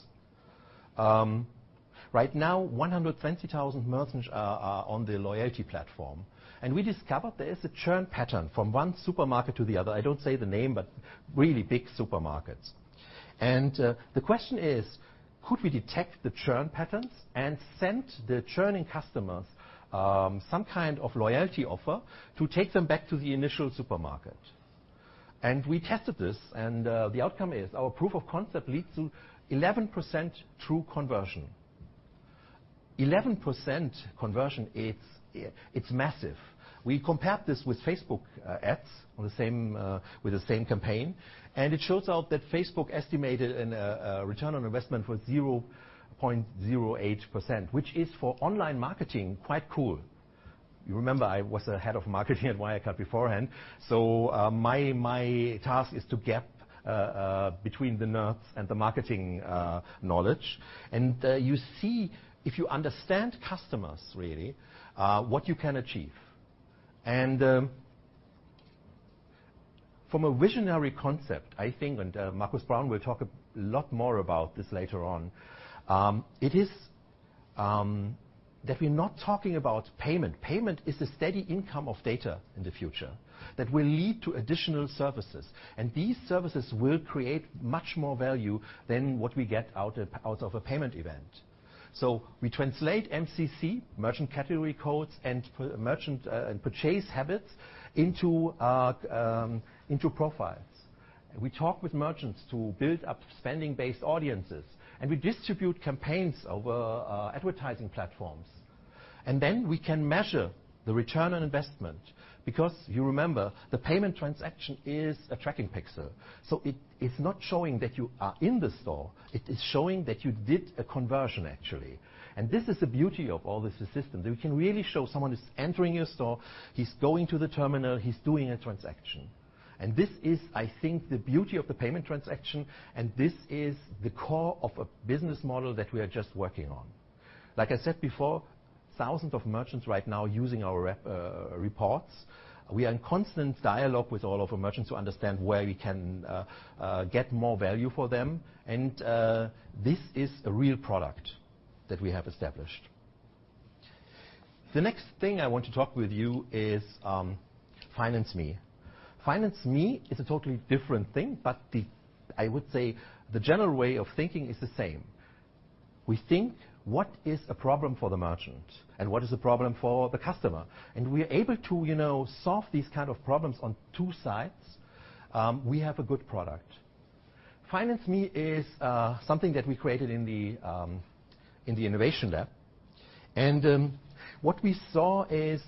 Right now, 120,000 merchants are on the loyalty platform, we discovered there is a churn pattern from one supermarket to the other. I don't say the name, but really big supermarkets. The question is: Could we detect the churn patterns and send the churning customers some kind of loyalty offer to take them back to the initial supermarket? We tested this, and the outcome is our proof of concept leads to 11% true conversion. 11% conversion, it's massive. We compared this with Facebook ads with the same campaign, and it shows out that Facebook estimated a return on investment for 0.08%, which is, for online marketing, quite cool. You remember, I was the head of marketing at Wirecard beforehand, so my task is to gap between the nerds and the marketing knowledge. You see, if you understand customers really, what you can achieve. From a visionary concept, I think, and Markus Braun will talk a lot more about this later on, it is that we're not talking about payment. Payment is the steady income of data in the future that will lead to additional services, and these services will create much more value than what we get out of a payment event. We translate MCC, Merchant Category Codes, and merchant purchase habits into profiles. We talk with merchants to build up spending-based audiences, and we distribute campaigns over advertising platforms. Then we can measure the return on investment because you remember, the payment transaction is a tracking pixel. It is not showing that you are in the store. It is showing that you did a conversion, actually. This is the beauty of all this system, that we can really show someone is entering your store, he's going to the terminal, he's doing a transaction. This is, I think, the beauty of the payment transaction, and this is the core of a business model that we are just working on. Like I said before, thousands of merchants right now using our reports. We are in constant dialog with all of our merchants to understand where we can get more value for them, and this is a real product that we have established. The next thing I want to talk with you is Finance Me. Finance Me is a totally different thing, but I would say the general way of thinking is the same. We think what is a problem for the merchant and what is a problem for the customer? We are able to solve these kind of problems on two sides, we have a good product. Finance Me is something that we created in the innovation lab. What we saw is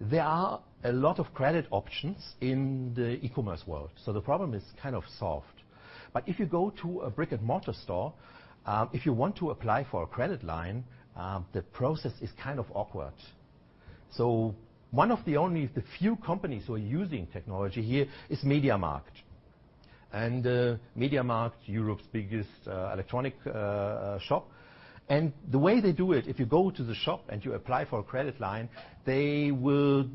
there are a lot of credit options in the e-commerce world, so the problem is kind of solved. If you go to a brick-and-mortar store, if you want to apply for a credit line, the process is kind of awkward. One of the only the few companies who are using technology here is MediaMarkt. MediaMarkt, Europe's biggest electronic shop. The way they do it, if you go to the shop and you apply for a credit line, they will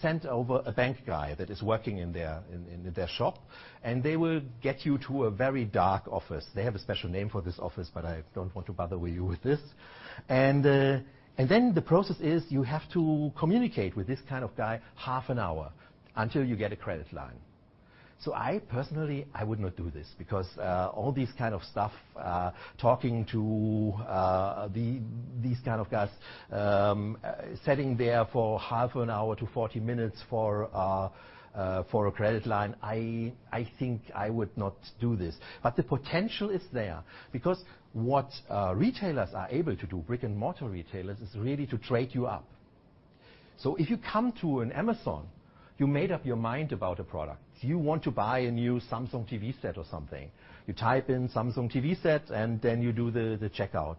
send over a bank guy that is working in their shop, and they will get you to a very dark office. They have a special name for this office, but I don't want to bother you with this. The process is you have to communicate with this kind of guy half an hour until you get a credit line. I personally, I would not do this because all this kind of stuff, talking to these kind of guys, sitting there for half an hour to 40 minutes for a credit line, I think I would not do this. The potential is there because what retailers are able to do, brick-and-mortar retailers, is really to trade you up. If you come to an Amazon, you made up your mind about a product. You want to buy a new Samsung TV set or something. You type in Samsung TV set, then you do the checkout.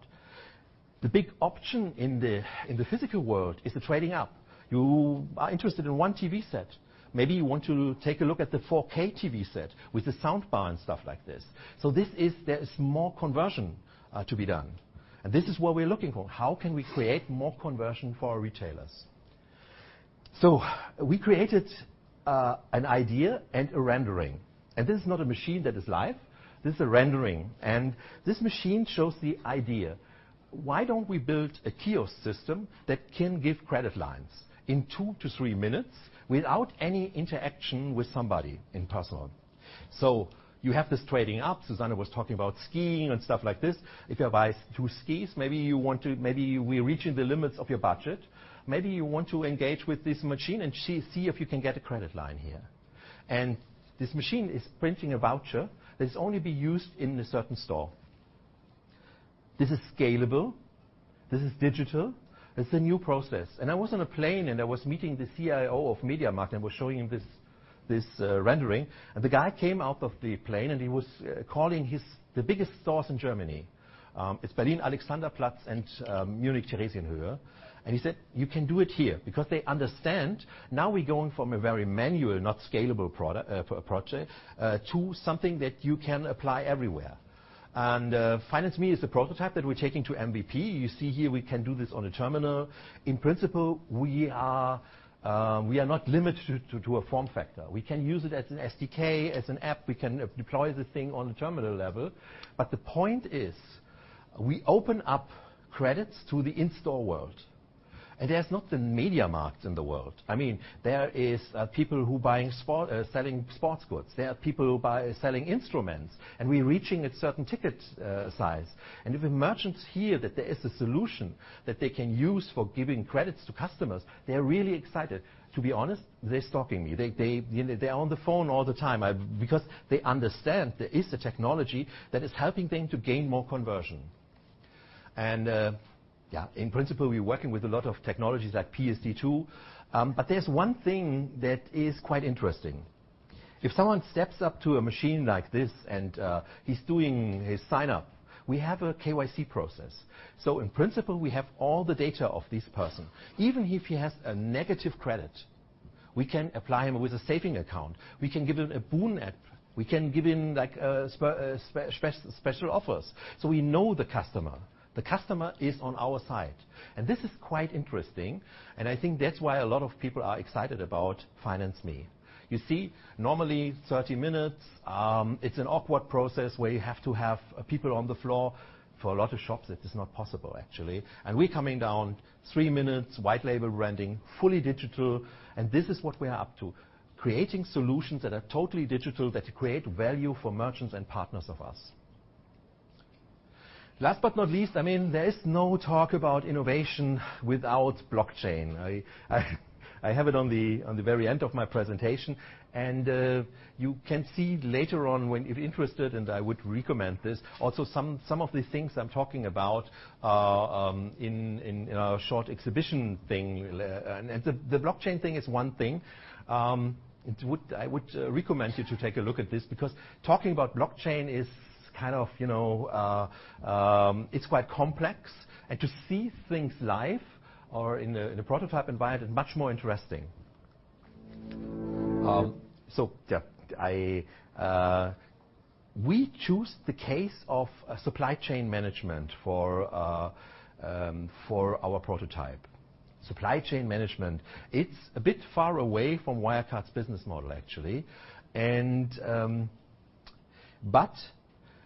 The big option in the physical world is the trading up. You are interested in one TV set. Maybe you want to take a look at the 4K TV set with the soundbar and stuff like this. There is more conversion to be done. This is what we're looking for. How can we create more conversion for our retailers? We created an idea and a rendering, this is not a machine that is live. This is a rendering, this machine shows the idea. Why don't we build a kiosk system that can give credit lines in two to three minutes without any interaction with somebody in person? You have this trading up. Susanne was talking about skiing and stuff like this. If you buy two skis, maybe we're reaching the limits of your budget. Maybe you want to engage with this machine and see if you can get a credit line here. This machine is printing a voucher that's only be used in a certain store. This is scalable, this is digital. It's a new process. I was on a plane, I was meeting the CIO of MediaMarkt, was showing him this rendering. The guy came out of the plane, he was calling the biggest stores in Germany. It's Berlin, Alexanderplatz, and Munich, Theresienhöhe. He said, "You can do it here." Because they understand now we're going from a very manual, not scalable project, to something that you can apply everywhere. Finance Me is the prototype that we're taking to MVP. You see here we can do this on a terminal. In principle, we are not limited to a form factor. We can use it as an SDK, as an app. We can deploy the thing on the terminal level. The point is, we open up credits to the in-store world. There's not the MediaMarkts in the world. There is people who selling sports goods. There are people who selling instruments. We're reaching a certain ticket size. If merchants hear that there is a solution that they can use for giving credits to customers, they're really excited. To be honest, they're stalking me. They're on the phone all the time because they understand there is a technology that is helping them to gain more conversion. Yeah, in principle, we're working with a lot of technologies like PSD2. There's one thing that is quite interesting. If someone steps up to a machine like this and he's doing his sign-up, we have a KYC process. In principle, we have all the data of this person. Even if he has a negative credit, we can apply him with a savings account. We can give him a Boon app. We can give him special offers. We know the customer. The customer is on our side. This is quite interesting, and I think that's why a lot of people are excited about Finance Me. You see, normally 30 minutes, it's an awkward process where you have to have people on the floor. For a lot of shops, it is not possible, actually. We coming down, three minutes, white label rendering, fully digital. This is what we are up to, creating solutions that are totally digital, that create value for merchants and partners of us. Last but not least, there is no talk about innovation without blockchain. I have it on the very end of my presentation, and you can see later on when, if interested, and I would recommend this, also some of the things I'm talking about in our short exhibition thing. The blockchain thing is one thing. I would recommend you to take a look at this because talking about blockchain it's quite complex, and to see things live or in a prototype environment, much more interesting. Yeah. We choose the case of supply chain management for our prototype. Supply chain management, it's a bit far away from Wirecard's business model, actually.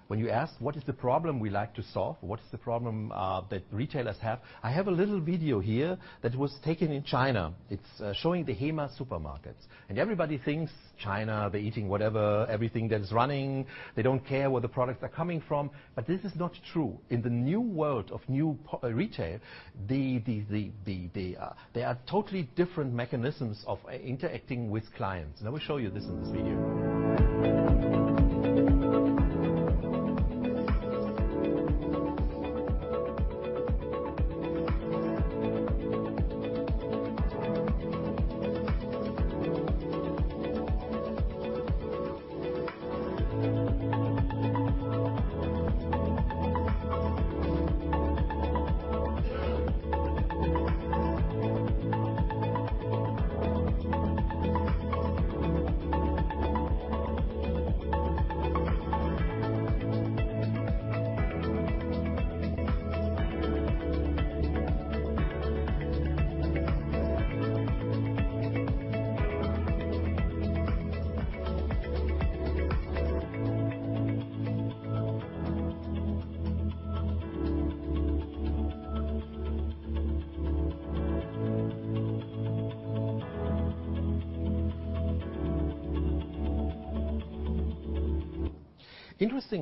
When you ask what is the problem we like to solve? What is the problem that retailers have? I have a little video here that was taken in China. It's showing the Hema supermarkets. Everybody thinks China, they're eating whatever, everything that is running, they don't care where the products are coming from. This is not true. In the new world of new retail, there are totally different mechanisms of interacting with clients. I will show you this in this video.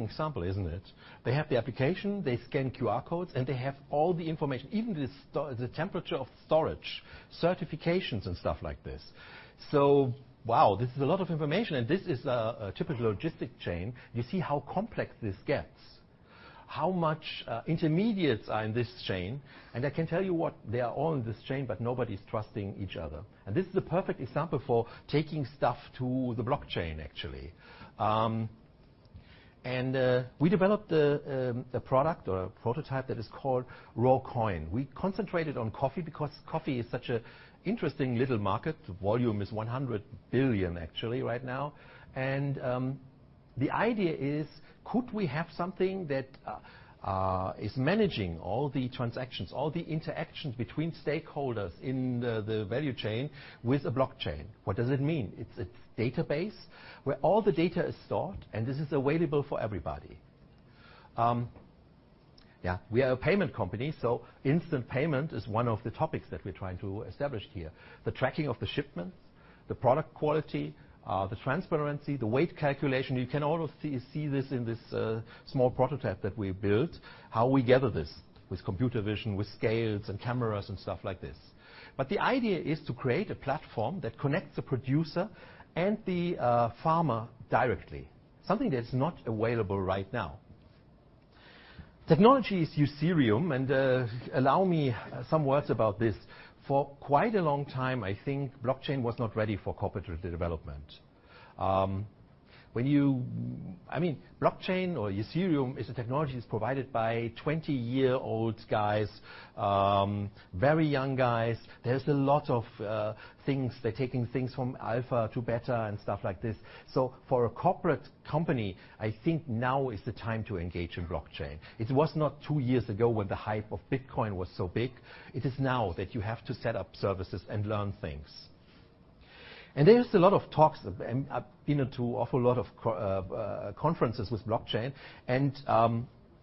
Interesting example, isn't it? They have the application, they scan QR codes, and they have all the information, even the temperature of storage, certifications and stuff like this. Wow, this is a lot of information, and this is a typical logistic chain. You see how complex this gets, how much intermediates are in this chain. I can tell you what, they are all in this chain, but nobody's trusting each other. This is the perfect example for taking stuff to the blockchain, actually. We developed a product or a prototype that is called RAW Coin. We concentrated on coffee because coffee is such an interesting little market. The volume is 100 billion actually right now. The idea is, could we have something that is managing all the transactions, all the interactions between stakeholders in the value chain with a blockchain? What does it mean? It's a database where all the data is stored, and this is available for everybody. We are a payment company, so instant payment is one of the topics that we're trying to establish here. The tracking of the shipments, the product quality, the transparency, the weight calculation. You can almost see this in this small prototype that we built, how we gather this with computer vision, with scales and cameras and stuff like this. The idea is to create a platform that connects the producer and the farmer directly, something that's not available right now. Technology is Ethereum. Allow me some words about this. For quite a long time, I think blockchain was not ready for corporate development. Blockchain or Ethereum is a technology that is provided by 20-year-old guys, very young guys. There is a lot of things. They are taking things from alpha to beta and stuff like this. For a corporate company, I think now is the time to engage in blockchain. It was not two years ago when the hype of Bitcoin was so big. It is now that you have to set up services and learn things. There is a lot of talks, and I have been to an awful lot of conferences with blockchain, and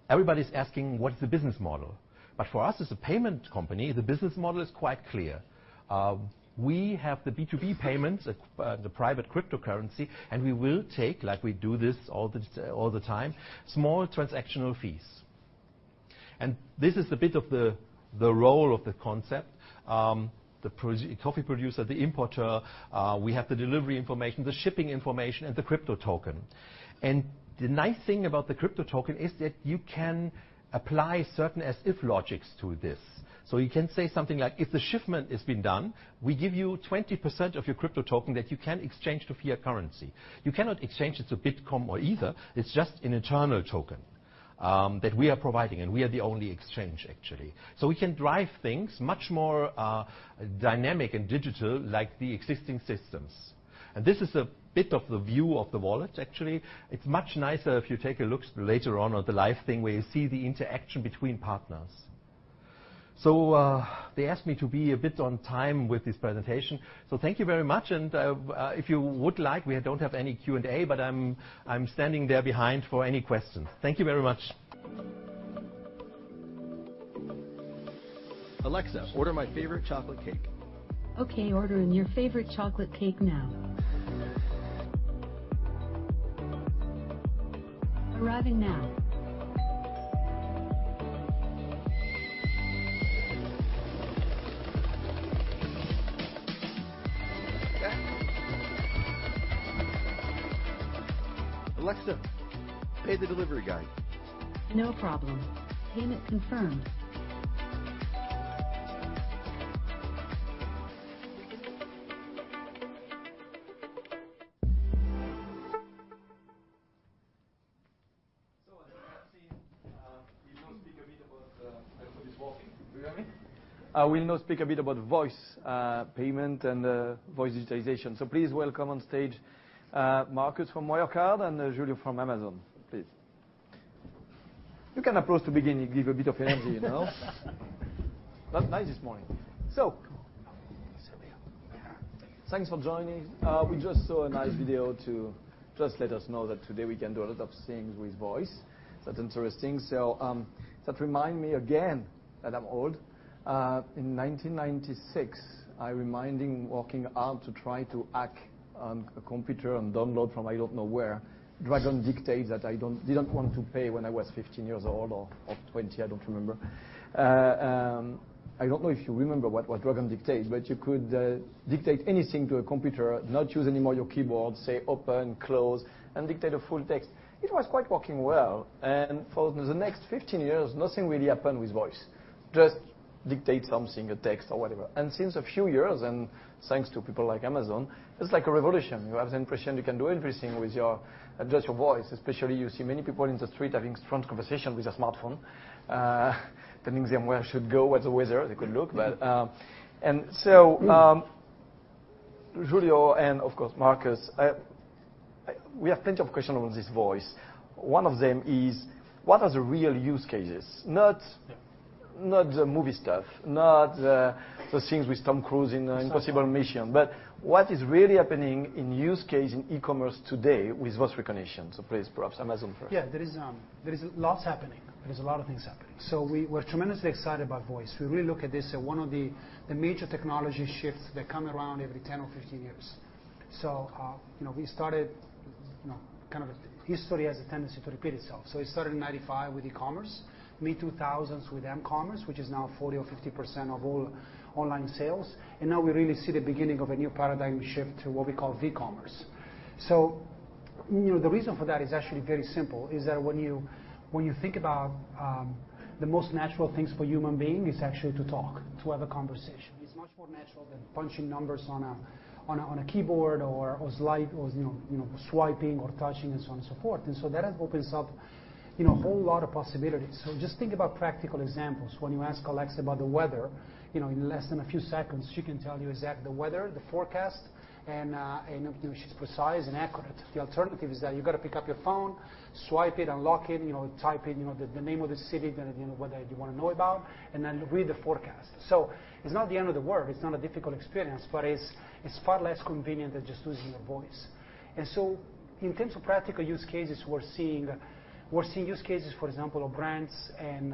everybody is asking, what is the business model? For us as a payment company, the business model is quite clear. We have the B2B payments, the private cryptocurrency, and we will take, like we do this all the time, small transactional fees. This is a bit of the role of the concept. The coffee producer, the importer, we have the delivery information, the shipping information, and the crypto token. The nice thing about the crypto token is that you can apply certain as if logics to this. You can say something like, if the shipment has been done, we give you 20% of your crypto token that you can exchange to fiat currency. You cannot exchange it to Bitcoin or Ether. It is just an internal token that we are providing, and we are the only exchange, actually. We can drive things much more dynamic and digital like the existing systems. This is a bit of the view of the wallet, actually. It is much nicer if you take a look later on at the live thing where you see the interaction between partners. They asked me to be a bit on time with this presentation. Thank you very much. If you would like, we don't have any Q&A, but I am standing there behind for any questions. Thank you very much. Alexa, order my favorite chocolate cake. Okay, ordering your favorite chocolate cake now. Arriving now. Alexa, pay the delivery guy. No problem. Payment confirmed. As you have seen, we will speak a bit about how this is working, really. We'll now speak a bit about voice payment and voice digitization. Please welcome on stage Markus from Wirecard and Giulio from Amazon. Please. You can approach the beginning, give a bit of energy. Not nice this morning. Thanks for joining. We just saw a nice video to just let us know that today we can do a lot of things with voice. That's interesting. That remind me again that I'm old. In 1996, I remember working hard to try to hack on a computer and download from I don't know where Dragon Dictate that I didn't want to pay when I was 15 years old or 20. I don't remember. I don't know if you remember Dragon Dictate, but you could dictate anything to a computer, not use any more your keyboard, say open, close, and dictate a full text. It was quite working well. For the next 15 years, nothing really happened with voice. Just dictate something, a text or whatever. Since a few years, thanks to people like Amazon, it's like a revolution. You have the impression you can do everything with just your voice. Especially you see many people in the street having strange conversation with a smartphone, telling them where I should go, what's the weather. They could look. Giulio and of course, Markus, we have plenty of question about this voice. One of them is, what are the real use cases? Not the movie stuff, not those things with Tom Cruise in Impossible Mission, but what is really happening in use case in e-commerce today with voice recognition? Please, perhaps Amazon first. Yeah, there is lots happening. There is a lot of things happening. We're tremendously excited about voice. We really look at this as one of the major technology shifts that come around every 10 or 15 years. We started, history has a tendency to repeat itself. We started in 1995 with e-commerce, mid-2000s with m-commerce, which is now 40% or 50% of all online sales. Now we really see the beginning of a new paradigm shift to what we call v-commerce. The reason for that is actually very simple, is that when you think about the most natural things for human being, it's actually to talk, to have a conversation. It's much more natural than punching numbers on a keyboard or swiping or touching and so on and so forth. That opens up a whole lot of possibilities. Just think about practical examples. When you ask Alexa about the weather, in less than a few seconds, she can tell you exact the weather, the forecast, and she's precise and accurate. The alternative is that you've got to pick up your phone, swipe it, unlock it, type in the name of the city that you know the weather you want to know about, and then read the forecast. It's not the end of the world. It's not a difficult experience, but it's far less convenient than just using your voice. In terms of practical use cases, we're seeing use cases, for example, of brands and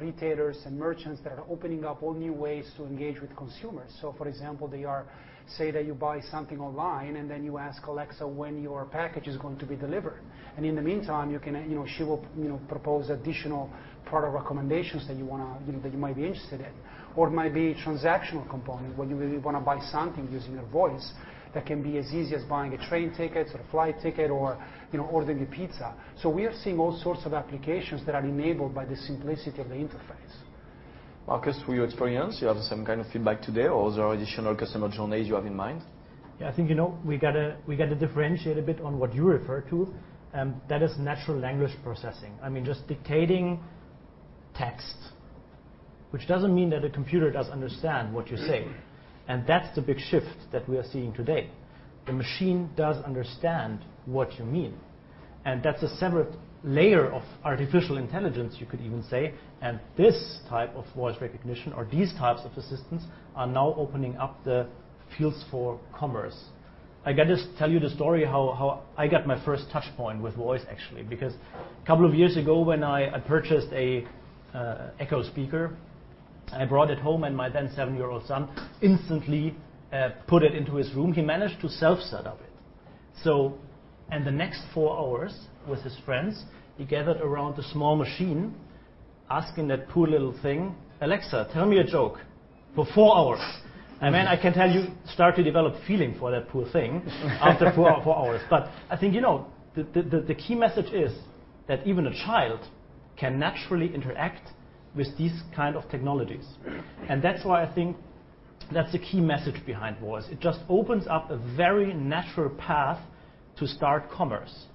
retailers and merchants that are opening up whole new ways to engage with consumers. For example, say that you buy something online and then you ask Alexa when your package is going to be delivered. In the meantime, she will propose additional product recommendations that you might be interested in. It might be a transactional component where you really want to buy something using your voice that can be as easy as buying a train ticket or a flight ticket or ordering a pizza. We are seeing all sorts of applications that are enabled by the simplicity of the interface. Markus, through your experience, you have some kind of feedback today or are there additional customer journeys you have in mind? I think we got to differentiate a bit on what you refer to, that is natural language processing. Just dictating text, which doesn't mean that a computer does understand what you say. That's the big shift that we are seeing today. The machine does understand what you mean, that's a separate layer of artificial intelligence you could even say, and this type of voice recognition or these types of assistants are now opening up the fields for commerce. I got to tell you the story how I got my first touch point with voice, actually, because a couple of years ago when I purchased an Amazon Echo speaker, I brought it home and my then seven-year-old son instantly put it into his room. He managed to self-setup it. The next four hours with his friends, he gathered around the small machine asking that poor little thing, "Alexa, tell me a joke." For four hours. Then I can tell you, start to develop feeling for that poor thing, after four hours. I think, the key message is that even a child can naturally interact with these kind of technologies. That's why I think that's the key message behind voice. It just opens up a very natural path to start commerce.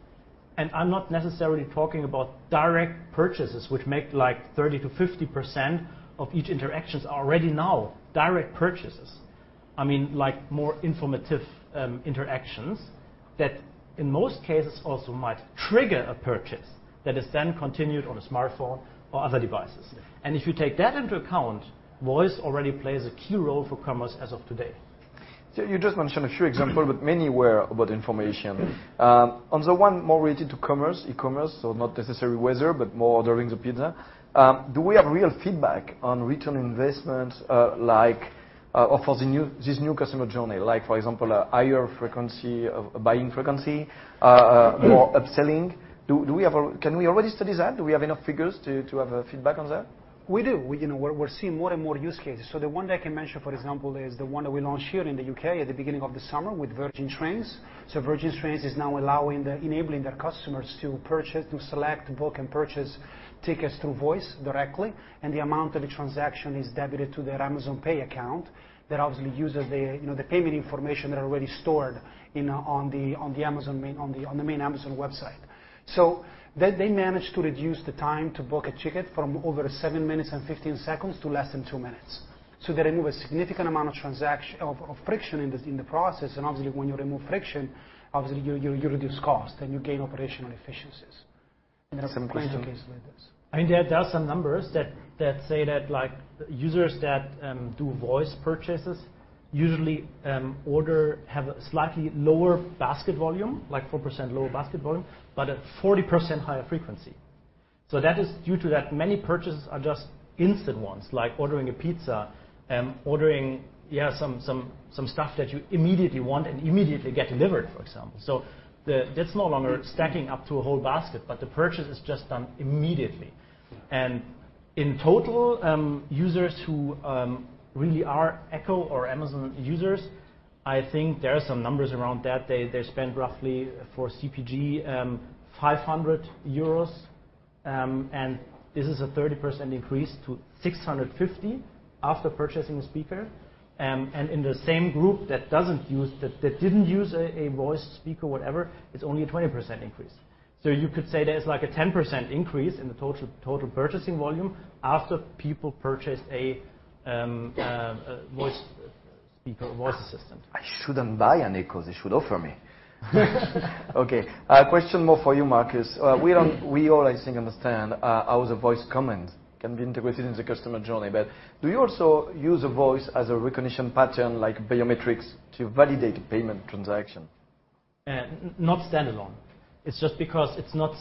I'm not necessarily talking about direct purchases, which make like 30%-50% of each interactions are already now direct purchases. I mean, like more informative interactions that in most cases also might trigger a purchase that is then continued on a smartphone or other devices. If you take that into account, voice already plays a key role for commerce as of today. You just mentioned a few examples, but many were about information. On the one more related to commerce, e-commerce, not necessarily weather, but more ordering the pizza. Do we have real feedback on return on investment, or for this new customer journey? For example, a higher buying frequency, more upselling. Can we already study that? Do we have enough figures to have a feedback on that? We do. We're seeing more and more use cases. The one that I can mention, for example, is the one that we launched here in the U.K. at the beginning of the summer with Virgin Trains. Virgin Trains is now enabling their customers to purchase, to select, book, and purchase tickets through voice directly, and the amount of the transaction is debited to their Amazon Pay account. That obviously uses the payment information that are already stored on the main Amazon website. They managed to reduce the time to book a ticket from over 7 minutes and 15 seconds to less than two minutes. They remove a significant amount of friction in the process, and obviously, when you remove friction, obviously you reduce cost and you gain operational efficiencies. Some question. There are plenty of cases like this. There are some numbers that say that users that do voice purchases usually order have a slightly lower basket volume, like 4% lower basket volume, but a 40% higher frequency. That is due to that many purchases are just instant ones, like ordering a pizza, ordering some stuff that you immediately want and immediately get delivered, for example. It's no longer stacking up to a whole basket, but the purchase is just done immediately. In total, users who really are Echo or Amazon users, I think there are some numbers around that. They spend roughly, for CPG, 500 euros, and this is a 30% increase to 650 after purchasing the speaker. In the same group that didn't use a voice speaker, whatever, it's only a 20% increase. You could say there's like a 10% increase in the total purchasing volume after people purchased a voice speaker or voice assistant. I shouldn't buy an Echo. They should offer me. Okay. A question more for you, Markus. We all, I think, understand how the voice commands can be integrated in the customer journey. Do you also use a voice as a recognition pattern, like biometrics, to validate a payment transaction? Not standalone. It's just because it's not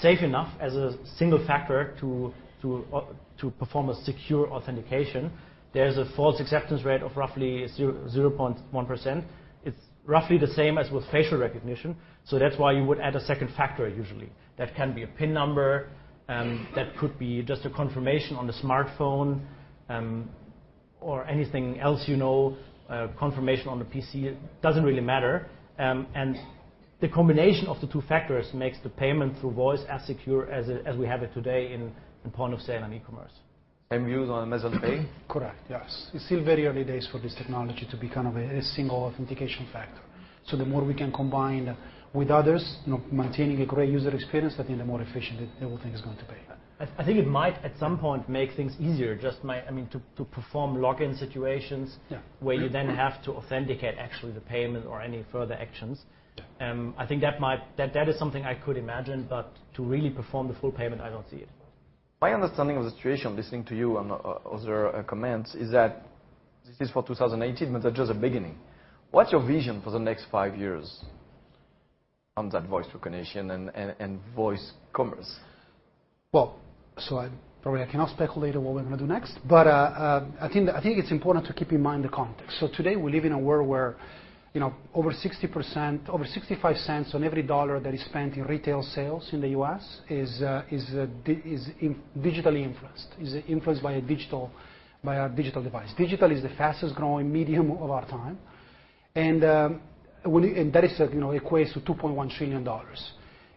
safe enough as a single factor to perform a secure authentication. There's a false acceptance rate of roughly 0.1%. It's roughly the same as with facial recognition. That's why you would add a second factor usually. That can be a PIN number. That could be just a confirmation on the smartphone, or anything else you know, confirmation on the PC. It doesn't really matter. The combination of the two factors makes the payment through voice as secure as we have it today in point of sale and e-commerce. Used on Amazon Pay? Correct, yes. It's still very early days for this technology to be kind of a single authentication factor. The more we can combine with others, maintaining a great user experience, I think the more efficient the whole thing is going to be. I think it might, at some point, make things easier, just to perform login situations. Yeah where you then have to authenticate actually the payment or any further actions. Yeah. I think that is something I could imagine, but to really perform the full payment, I don't see it. My understanding of the situation, listening to you on other comments, is that this is for 2018, but that's just the beginning. What's your vision for the next five years on that voice recognition and voice commerce? Well, I probably cannot speculate on what we're going to do next, but I think it's important to keep in mind the context. Today, we live in a world where over $0.65 on every dollar that is spent in retail sales in the U.S. is digitally influenced, is influenced by a digital device. Digital is the fastest growing medium of our time. That equates to $2.1 trillion.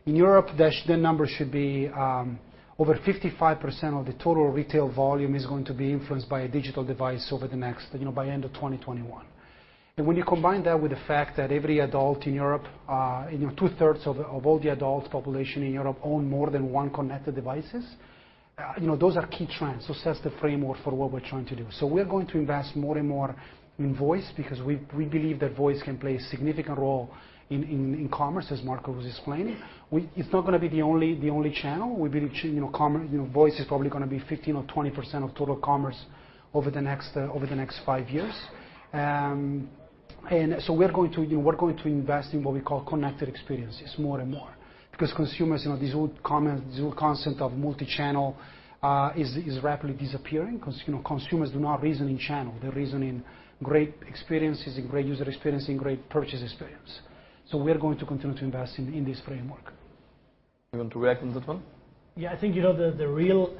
In Europe, the number should be over 55% of the total retail volume is going to be influenced by a digital device By end of 2021. When you combine that with the fact that every adult in Europe, two-thirds of all the adult population in Europe own more than one connected devices, those are key trends. That's the framework for what we're trying to do. We're going to invest more and more in voice because we believe that voice can play a significant role in commerce, as Markus was explaining. It's not going to be the only channel. Voice is probably going to be 15% or 20% of total commerce over the next five years. We're going to invest in what we call connected experiences more and more because consumers, this whole concept of multi-channel is rapidly disappearing because consumers do not reason in channel. They reason in great experiences, in great user experience, in great purchase experience. We are going to continue to invest in this framework. You want to react on that one? Yeah, I think, the real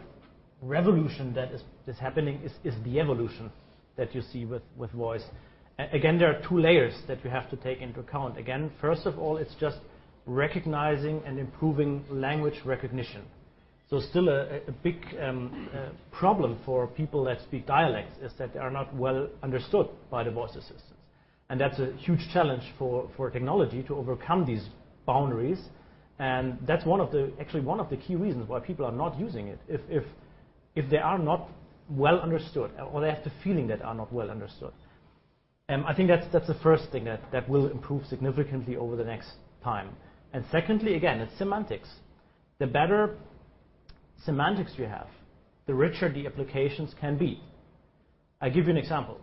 revolution that is happening is the evolution that you see with voice. Again, there are two layers that we have to take into account. Again, first of all, it's just recognizing and improving language recognition. Still a big problem for people that speak dialects is that they are not well understood by the voice assistants. That's a huge challenge for technology to overcome these boundaries, and that's actually one of the key reasons why people are not using it. If they are not well understood or they have the feeling that are not well understood. I think that's the first thing that will improve significantly over the next time. Secondly, again, it's semantics. The better semantics you have, the richer the applications can be. I give you an example.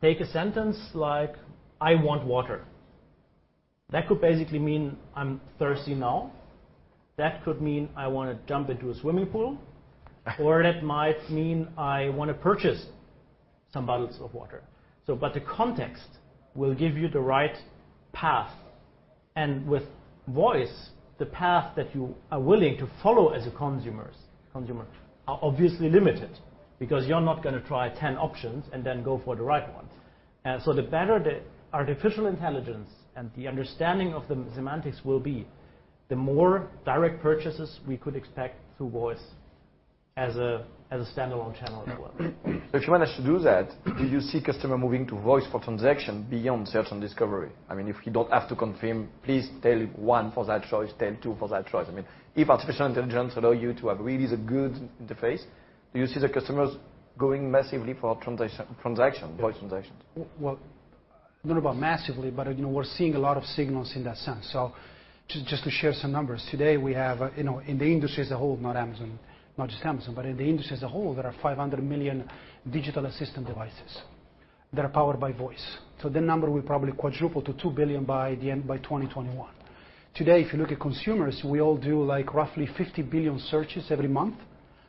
Take a sentence like, "I want water." That could basically mean I'm thirsty now. That could mean I want to jump into a swimming pool, or that might mean I want to purchase some bottles of water. The context will give you the right path, and with voice, the path that you are willing to follow as a consumer are obviously limited because you're not going to try 10 options and then go for the right ones. The better the artificial intelligence and the understanding of the semantics will be, the more direct purchases we could expect through voice as a standalone channel as well. If you want us to do that, do you see customer moving to voice for transaction beyond search and discovery? If you don't have to confirm, please tell one for that choice, tell two for that choice. If artificial intelligence allow you to have really the good interface, do you see the customers going massively for voice transactions? Well, don't know about massively, but we're seeing a lot of signals in that sense. Just to share some numbers. Today, we have, in the industry as a whole, not just Amazon, but in the industry as a whole, there are 500 million digital assistant devices that are powered by voice. The number will probably quadruple to 2 billion by 2021. Today, if you look at consumers, we all do roughly 50 billion searches every month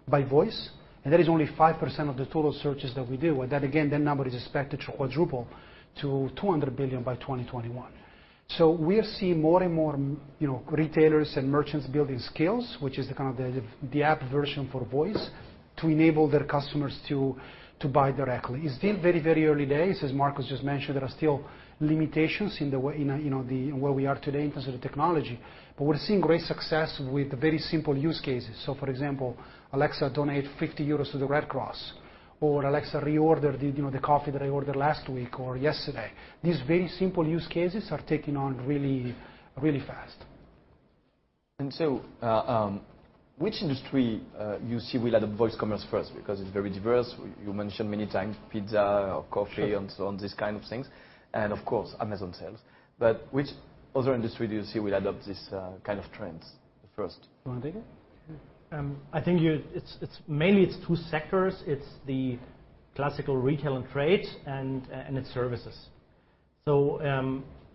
by voice, and that is only 5% of the total searches that we do. Well, that, again, that number is expected to quadruple to 200 billion by 2021. We are seeing more and more retailers and merchants building skills, which is the kind of the app version for voice to enable their customers to buy directly. It's still very early days, as Markus' just mentioned. There are still limitations in where we are today in terms of the technology, but we're seeing great success with very simple use cases. For example, "Alexa, donate 50 euros to the Red Cross," or, "Alexa, reorder the coffee that I ordered last week or yesterday." These very simple use cases are taking on really fast. Which industry you see will adopt voice commerce first? Because it's very diverse. You mentioned many times pizza or coffee and so on, these kind of things, and of course, Amazon sales. Which other industry do you see will adopt this kind of trends first? You want to take it? I think mainly it's two sectors. It's the classical retail and trade and its services.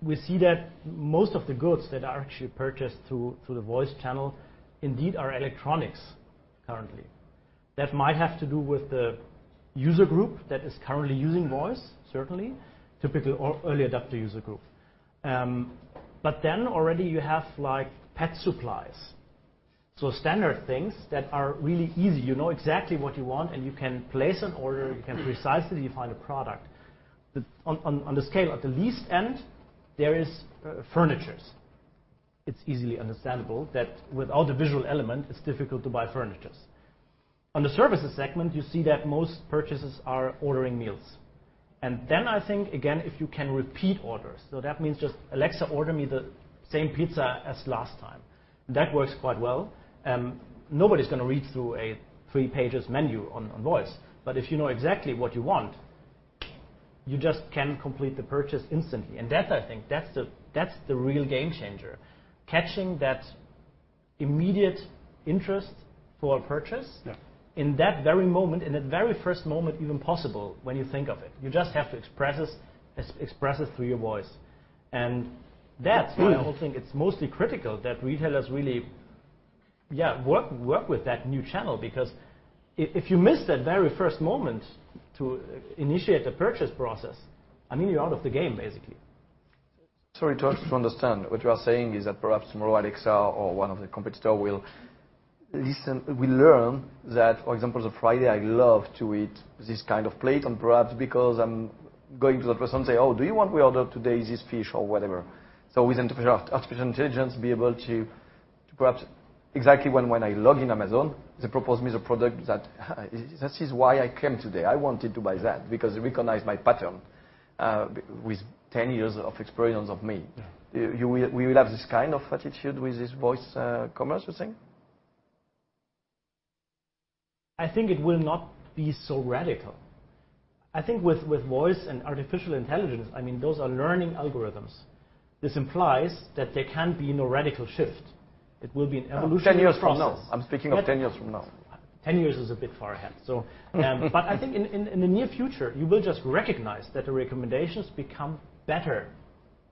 We see that most of the goods that are actually purchased through the voice channel indeed are electronics currently. That might have to do with the user group that is currently using voice, certainly. Typical early adopter user group. Already you have pet supplies. Standard things that are really easy. You know exactly what you want, and you can place an order, you can precisely find a product. On the scale, at the least end, there is furnitures. It's easily understandable that without the visual element, it's difficult to buy furnitures. On the services segment, you see that most purchases are ordering meals. I think, again, if you can repeat orders, that means just, "Alexa, order me the same pizza as last time." That works quite well. Nobody's going to read through a three pages menu on voice. If you know exactly what you want, you just can complete the purchase instantly. That, I think, that's the real game changer. Catching that immediate interest for a purchase. Yeah In that very moment, in that very first moment even possible when you think of it. You just have to express it through your voice, that's why I think it's mostly critical that retailers really work with that new channel because if you miss that very first moment to initiate the purchase process, you're out of the game, basically. Sorry to ask to understand. What you are saying is that perhaps tomorrow, Alexa or one of the competitor will learn that, for example, on Friday, I love to eat this kind of plate and perhaps because I'm going to the person say, "Oh, do you want we order today this fish?" Or whatever. With artificial intelligence, be able to perhaps exactly when I log in Amazon, they propose me the product that this is why I came today. I wanted to buy that because it recognized my pattern, with 10 years of experience of me. Yeah. We will have this kind of attitude with this voice commerce, you're saying? I think it will not be so radical. I think with voice and artificial intelligence, those are learning algorithms. This implies that there can be no radical shift. It will be an evolutionary process. 10 years from now. I'm speaking of 10 years from now. 10 years is a bit far ahead. I think in the near future, you will just recognize that the recommendations become better.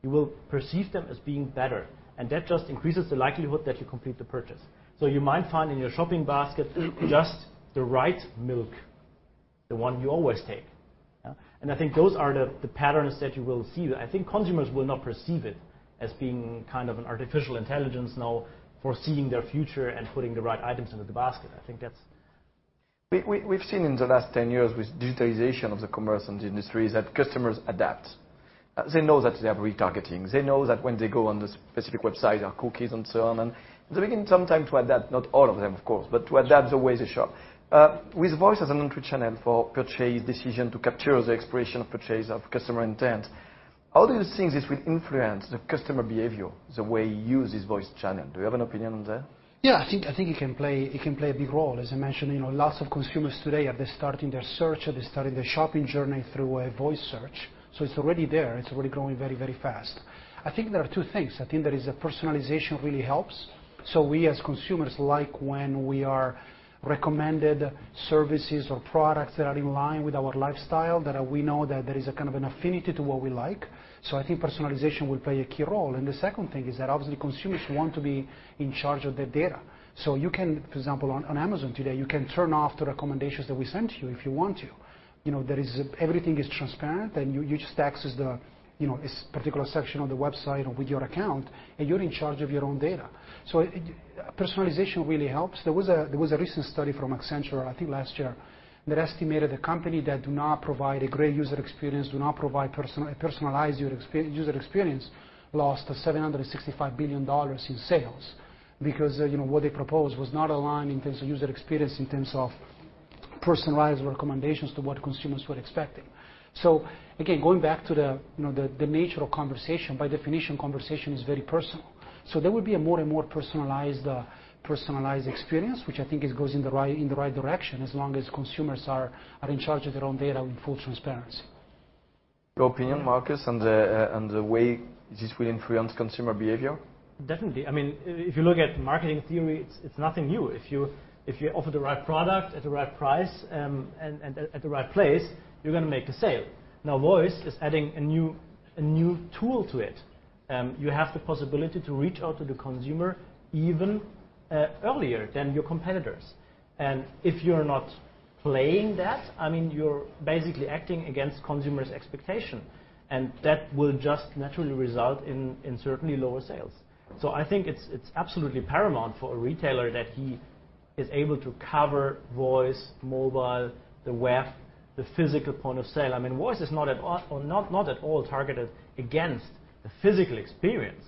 You will perceive them as being better, and that just increases the likelihood that you complete the purchase. You might find in your shopping basket just the right milk, the one you always take. Yeah. I think those are the patterns that you will see. I think consumers will not perceive it as being kind of an artificial intelligence now foreseeing their future and putting the right items into the basket. We've seen in the last 10 years with digitalization of the commerce and the industries that customers adapt. They know that they have retargeting. They know that when they go on the specific website, there are cookies and so on, and they begin sometime to adapt, not all of them, of course, but to adapt the way they shop. With voice as an entry channel for purchase decision to capture the exploration of purchase of customer intent, how do you think this will influence the customer behavior the way he uses voice channel? Do you have an opinion on that? Yeah, I think it can play a big role. As I mentioned, lots of consumers today are starting their search or they're starting their shopping journey through a voice search, it's already there. It's already growing very, very fast. I think there are two things. I think there is a personalization really helps. We as consumers like when we are recommended services or products that are in line with our lifestyle, that we know that there is a kind of an affinity to what we like. I think personalization will play a key role. The second thing is that obviously consumers want to be in charge of their data. You can, for example, on Amazon today, you can turn off the recommendations that we send to you if you want to. Everything is transparent, you just access this particular section on the website or with your account, and you're in charge of your own data. Personalization really helps. There was a recent study from Accenture, I think, last year, that estimated a company that do not provide a great user experience, do not provide personalized user experience, lost EUR 765 billion in sales because what they proposed was not aligned in terms of user experience, in terms of personalized recommendations to what consumers were expecting. Again, going back to the nature of conversation, by definition, conversation is very personal. There will be a more and more personalized experience, which I think it goes in the right direction as long as consumers are in charge of their own data in full transparency. Your opinion, Markus, on the way this will influence consumer behavior? Definitely. If you look at marketing theory, it's nothing new. If you offer the right product at the right price, at the right place, you're going to make a sale. Voice is adding a new tool to it. You have the possibility to reach out to the consumer even earlier than your competitors. If you're not playing that, you're basically acting against consumers' expectation, and that will just naturally result in certainly lower sales. I think it's absolutely paramount for a retailer that he is able to cover voice, mobile, the web, the physical point of sale. Voice is not at all targeted against the physical experience.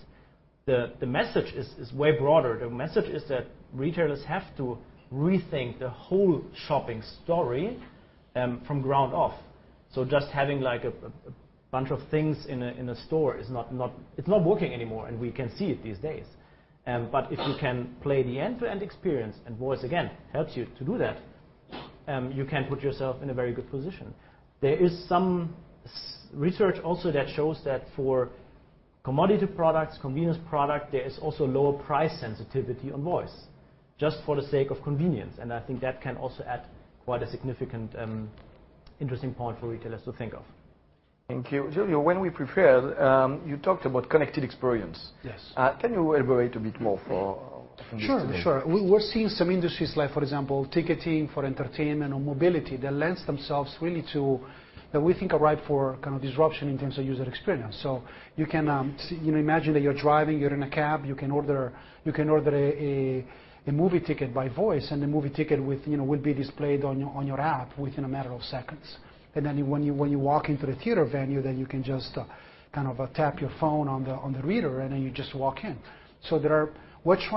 The message is way broader. The message is that retailers have to rethink the whole shopping story from ground up. Just having a bunch of things in a store is not working anymore, and we can see it these days. If you can play the end-to-end experience, and voice again helps you to do that, you can put yourself in a very good position. There is some research also that shows that for commodity products, convenience product, there is also lower price sensitivity on voice, just for the sake of convenience, and I think that can also add quite a significant, interesting point for retailers to think of. Thank you. Giulio, when we prepared, you talked about connected experience. Yes. Can you elaborate a bit more? Sure. We're seeing some industries like, for example, ticketing for entertainment or mobility, that lends themselves really that we think are ripe for kind of disruption in terms of user experience. You can imagine that you're driving, you're in a cab, you can order a movie ticket by voice, and the movie ticket will be displayed on your app within a matter of seconds. When you walk into the theater venue, you can just kind of tap your phone on the reader, and then you just walk in. We're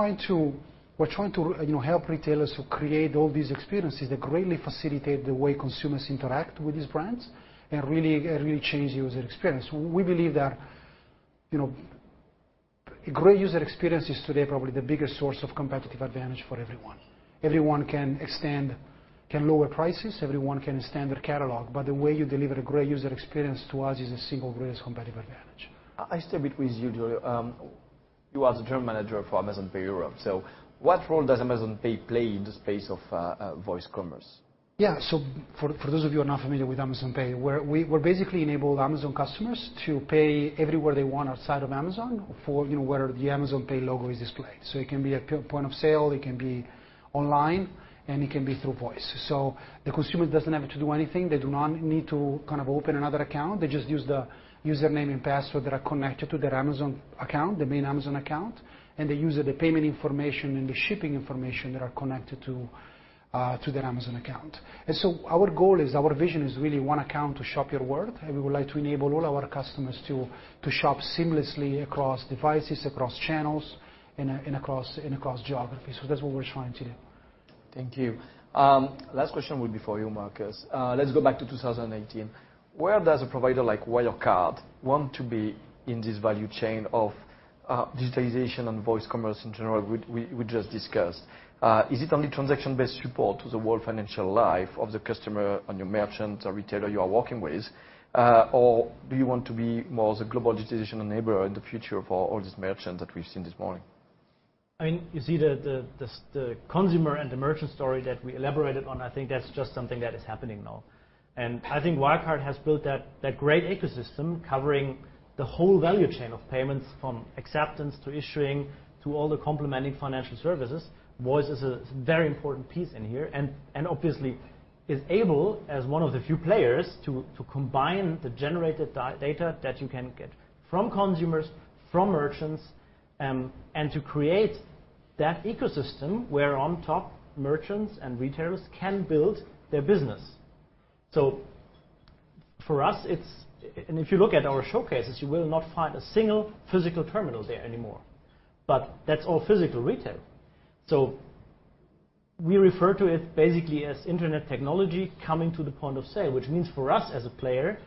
trying to help retailers to create all these experiences that greatly facilitate the way consumers interact with these brands and really change user experience. We believe that great user experience is today probably the biggest source of competitive advantage for everyone. Everyone can lower prices, everyone can extend their catalog, but the way you deliver a great user experience to us is the single greatest competitive advantage. I stay a bit with you, Giulio. You are the General Manager for Amazon Pay Europe. What role does Amazon Pay play in the space of voice commerce? Yeah. For those of you who are not familiar with Amazon Pay, we basically enable Amazon customers to pay everywhere they want outside of Amazon for wherever the Amazon Pay logo is displayed. It can be a point of sale, it can be online, and it can be through voice. The consumer doesn't have to do anything. They do not need to open another account. They just use the username and password that are connected to their Amazon account, the main Amazon account, and they use the payment information and the shipping information that are connected to their Amazon account. Our goal is, our vision is really one account to shop your world, and we would like to enable all our customers to shop seamlessly across devices, across channels, and across geography. That's what we're trying to do. Thank you. Last question would be for you, Markus. Let's go back to 2018. Where does a provider like Wirecard want to be in this value chain of digitization and voice commerce in general we just discussed? Is it only transaction-based support to the whole financial life of the customer and your merchant or retailer you are working with? Do you want to be more the global digitization enabler in the future for all these merchants that we've seen this morning? You see the consumer and the merchant story that we elaborated on, I think that's just something that is happening now. I think Wirecard has built that great ecosystem covering the whole value chain of payments, from acceptance to issuing, to all the complementing financial services. Voice is a very important piece in here, and obviously is able, as one of the few players, to combine the generated data that you can get from consumers, from merchants, and to create that ecosystem where on top merchants and retailers can build their business. For us, and if you look at our showcases, you will not find a single physical terminal there anymore. That's all physical retail. We refer to it basically as internet technology coming to the point of sale. Which means for us, as a player,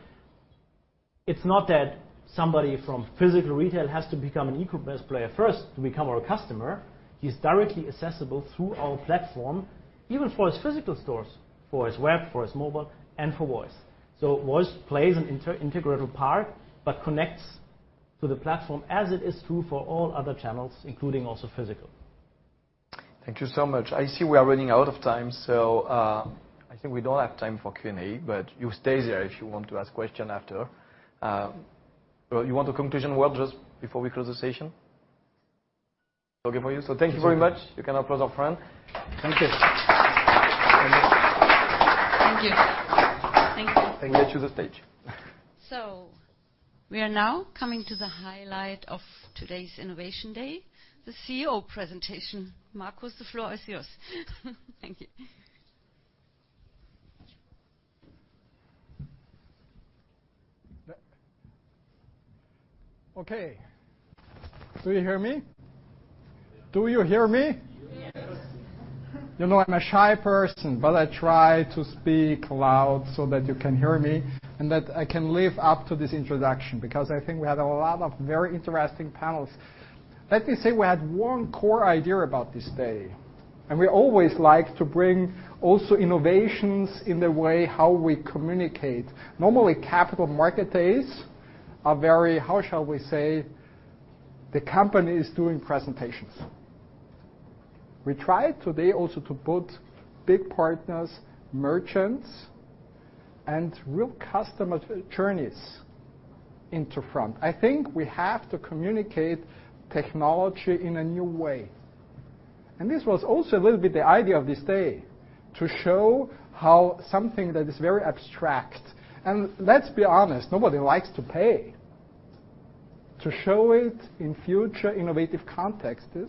it's not that somebody from physical retail has to become an e-commerce player first to become our customer. He's directly accessible through our platform, even for his physical stores, for his web, for his mobile, and for voice. Voice plays an integrated part but connects to the platform as it is true for all other channels, including also physical. Thank you so much. I see we are running out of time, I think we don't have time for Q&A, but you stay there if you want to ask question after. You want a conclusion word just before we close the session? It's all good for you. Thank you very much. You can applaud our friend. Thank you. Thank you. Thank you. Thank you. I give you the stage. We are now coming to the highlight of today's Innovation Day, the CEO presentation. Markus, the floor is yours. Thank you. Okay. Do you hear me? Do you hear me? Yes. You know I'm a shy person, but I try to speak loud so that you can hear me, and that I can live up to this introduction, because I think we had a lot of very interesting panels. Let me say, we had one core idea about this day, and we always like to bring also innovations in the way how we communicate. Normally, capital market days are very, how shall we say, the company is doing presentations. We tried today also to put big partners, merchants, and real customer journeys into front. I think we have to communicate technology in a new way. This was also a little bit the idea of this day, to show how something that is very abstract, and let's be honest, nobody likes to pay. To show it in future innovative contexts,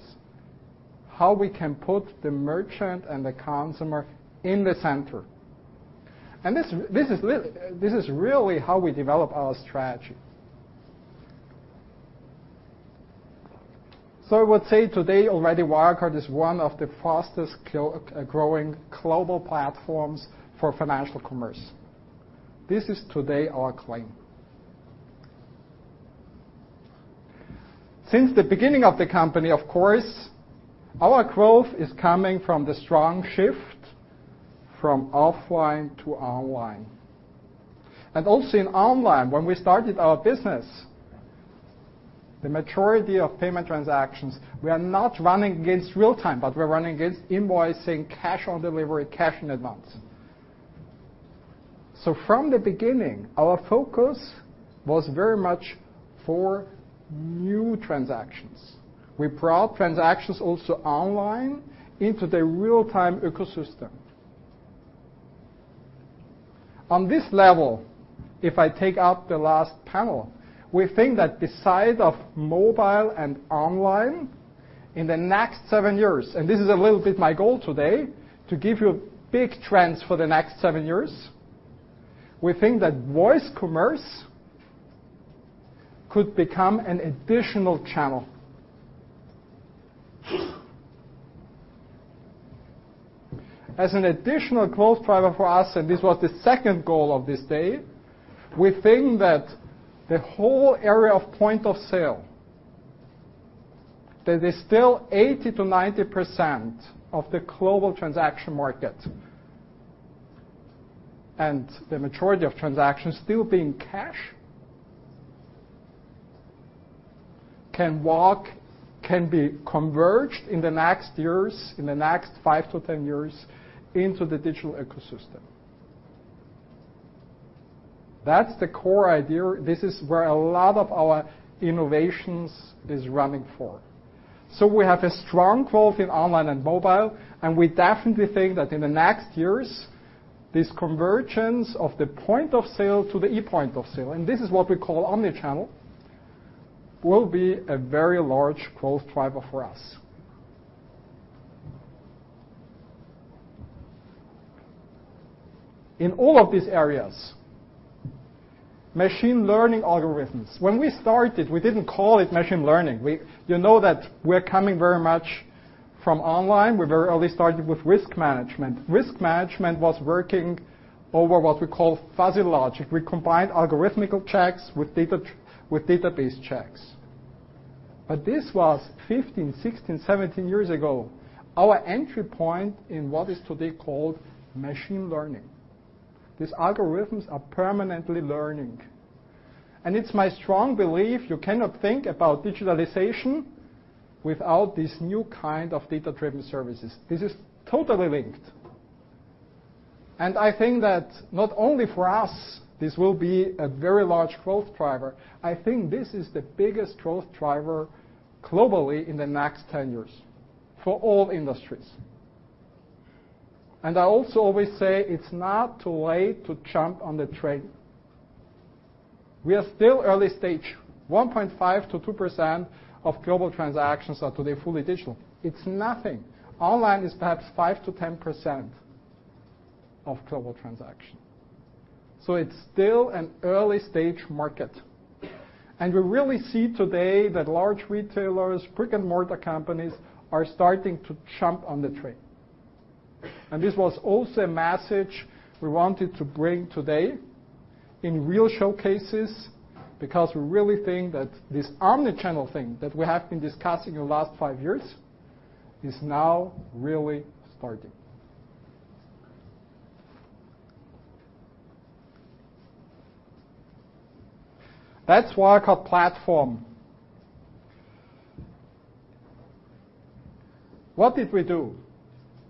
how we can put the merchant and the consumer in the center. This is really how we develop our strategy. I would say today already, Wirecard is one of the fastest growing global platforms for financial commerce. This is today our claim. Since the beginning of the company, of course, our growth is coming from the strong shift from offline to online. Also in online, when we started our business, the majority of payment transactions were not running against real time, but were running against invoicing, cash on delivery, cash in advance. From the beginning, our focus was very much for new transactions. We brought transactions also online into the real-time ecosystem. On this level, if I take up the last panel, we think that beside of mobile and online, in the next 7 years, this is a little bit my goal today, to give you big trends for the next 7 years. We think that voice commerce could become an additional channel. As an additional growth driver for us, this was the second goal of this day, we think that the whole area of point of sale, that is still 80%-90% of the global transaction market, and the majority of transactions still being cash, can be converged in the next years, in the next 5 to 10 years, into the digital ecosystem. That's the core idea. This is where a lot of our innovations is running for. We have a strong growth in online and mobile, we definitely think that in the next years, this convergence of the point of sale to the e-point of sale, this is what we call omni-channel will be a very large growth driver for us. In all of these areas, machine learning algorithms. When we started, we didn't call it machine learning. You know that we're coming very much from online. We very early started with risk management. Risk management was working over what we call fuzzy logic. We combined algorithmical checks with database checks. This was 15, 16, 17 years ago. Our entry point in what is today called machine learning. These algorithms are permanently learning. It's my strong belief you cannot think about digitalization without this new kind of data-driven services. This is totally linked. I think that not only for us, this will be a very large growth driver. I think this is the biggest growth driver globally in the next 10 years for all industries. I also always say it's not too late to jump on the train. We are still early stage, 1.5%-2% of global transactions are today fully digital. It's nothing. Online is perhaps 5%-10% of global transaction. It's still an early-stage market. We really see today that large retailers, brick-and-mortar companies, are starting to jump on the train. This was also a message we wanted to bring today in real showcases, because we really think that this omni-channel thing that we have been discussing in the last 5 years is now really starting. That's Wirecard Platform. What did we do?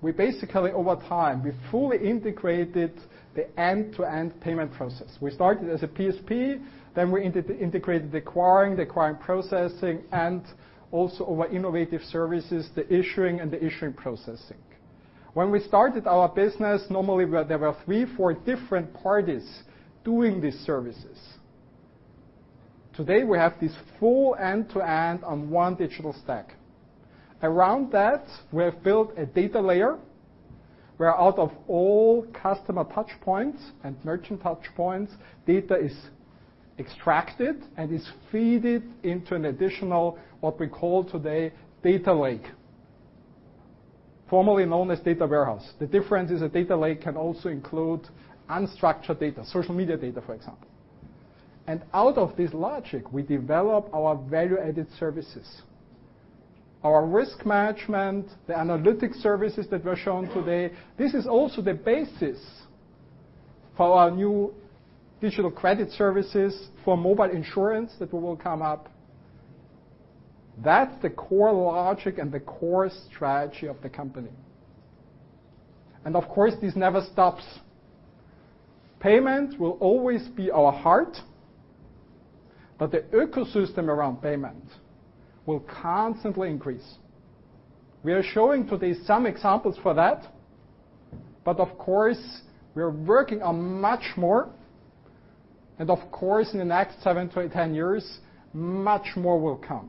We basically, over time, we fully integrated the end-to-end payment process. We started as a PSP, then we integrated acquiring processing, and also over innovative services, the issuing and the issuing processing. When we started our business, normally there were three, four different parties doing these services. Today, we have this full end-to-end on one digital stack. Around that, we have built a data layer where out of all customer touchpoints and merchant touchpoints, data is extracted and is fed into an additional, what we call today, data lake, formerly known as data warehouse. The difference is a data lake can also include unstructured data, social media data, for example. Out of this logic, we develop our value-added services. Our risk management, the analytic services that were shown today. This is also the basis for our new digital credit services, for mobile insurance that will come up. That's the core logic and the core strategy of the company. Of course, this never stops. The ecosystem around payment will constantly increase. We are showing today some examples for that, of course, we are working on much more. Of course, in the next seven to 10 years, much more will come.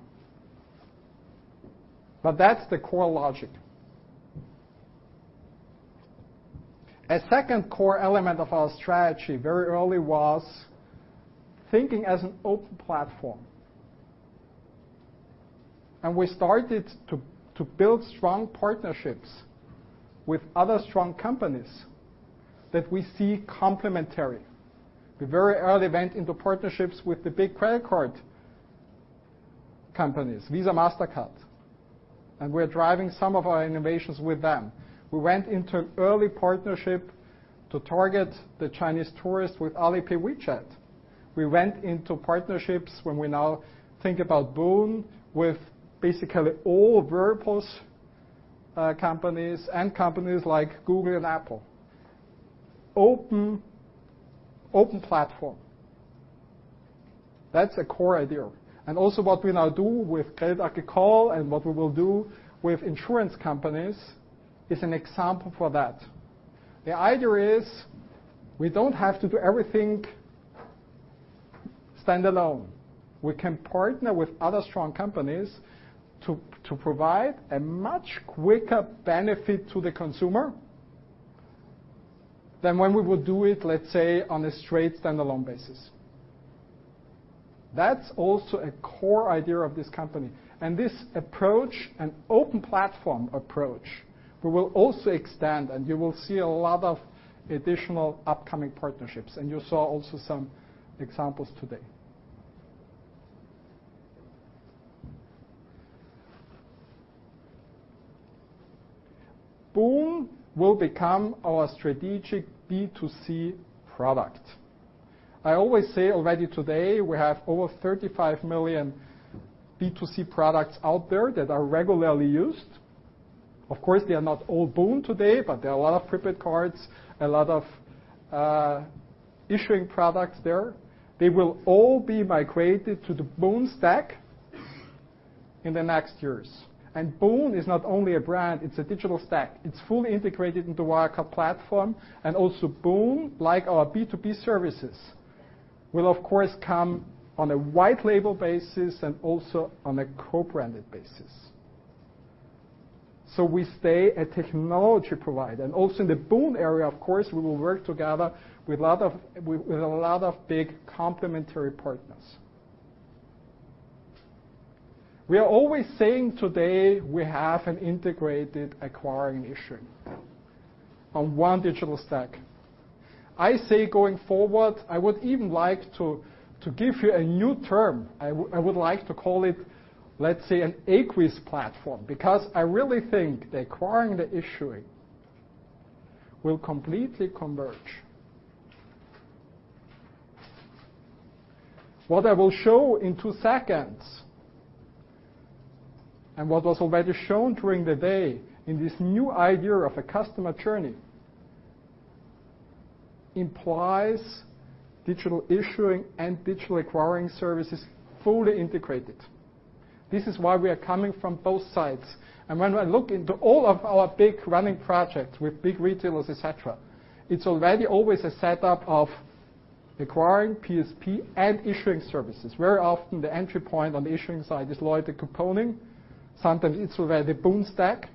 That's the core logic. A second core element of our strategy very early was thinking as an open platform. We started to build strong partnerships with other strong companies that we see complementary. We very early went into partnerships with the big credit card companies, Visa, Mastercard. We are driving some of our innovations with them. We went into early partnership to target the Chinese tourists with Alipay, WeChat. We went into partnerships when we now think about Boon, with basically all wearables companies and companies like Google and Apple. Open platform. That's a core idea. Also what we now do with Crédit Agricole and what we will do with insurance companies is an example for that. The idea is we don't have to do everything stand-alone. We can partner with other strong companies to provide a much quicker benefit to the consumer than when we would do it, let's say, on a straight stand-alone basis. That's also a core idea of this company. This approach, an open platform approach, we will also extend, and you will see a lot of additional upcoming partnerships, and you saw also some examples today. Boon will become our strategic B2C product. I always say already today, we have over 35 million B2C products out there that are regularly used. Of course, they are not all Boon today, but there are a lot of prepaid cards, a lot of issuing products there. They will all be migrated to the Boon stack in the next years. Boon is not only a brand, it's a digital stack. It's fully integrated into Wirecard platform, and also Boon, like our B2B services, will of course come on a white label basis and also on a co-branded basis. We stay a technology provider. Also in the Boon area, of course, we will work together with a lot of big complementary partners. We are always saying today we have an integrated acquiring issuing on one digital stack. I say going forward, I would even like to give you a new term. I would like to call it, let's say, an acquis platform, because I really think the acquiring the issuing will completely converge. What I will show in two seconds, what was already shown during the day in this new idea of a customer journey, implies digital issuing and digital acquiring services fully integrated. This is why we are coming from both sides. When I look into all of our big running projects with big retailers, et cetera, it's already always a setup of acquiring PSP and issuing services. Very often the entry point on the issuing side is loyalty component, sometimes it's already Boon stack.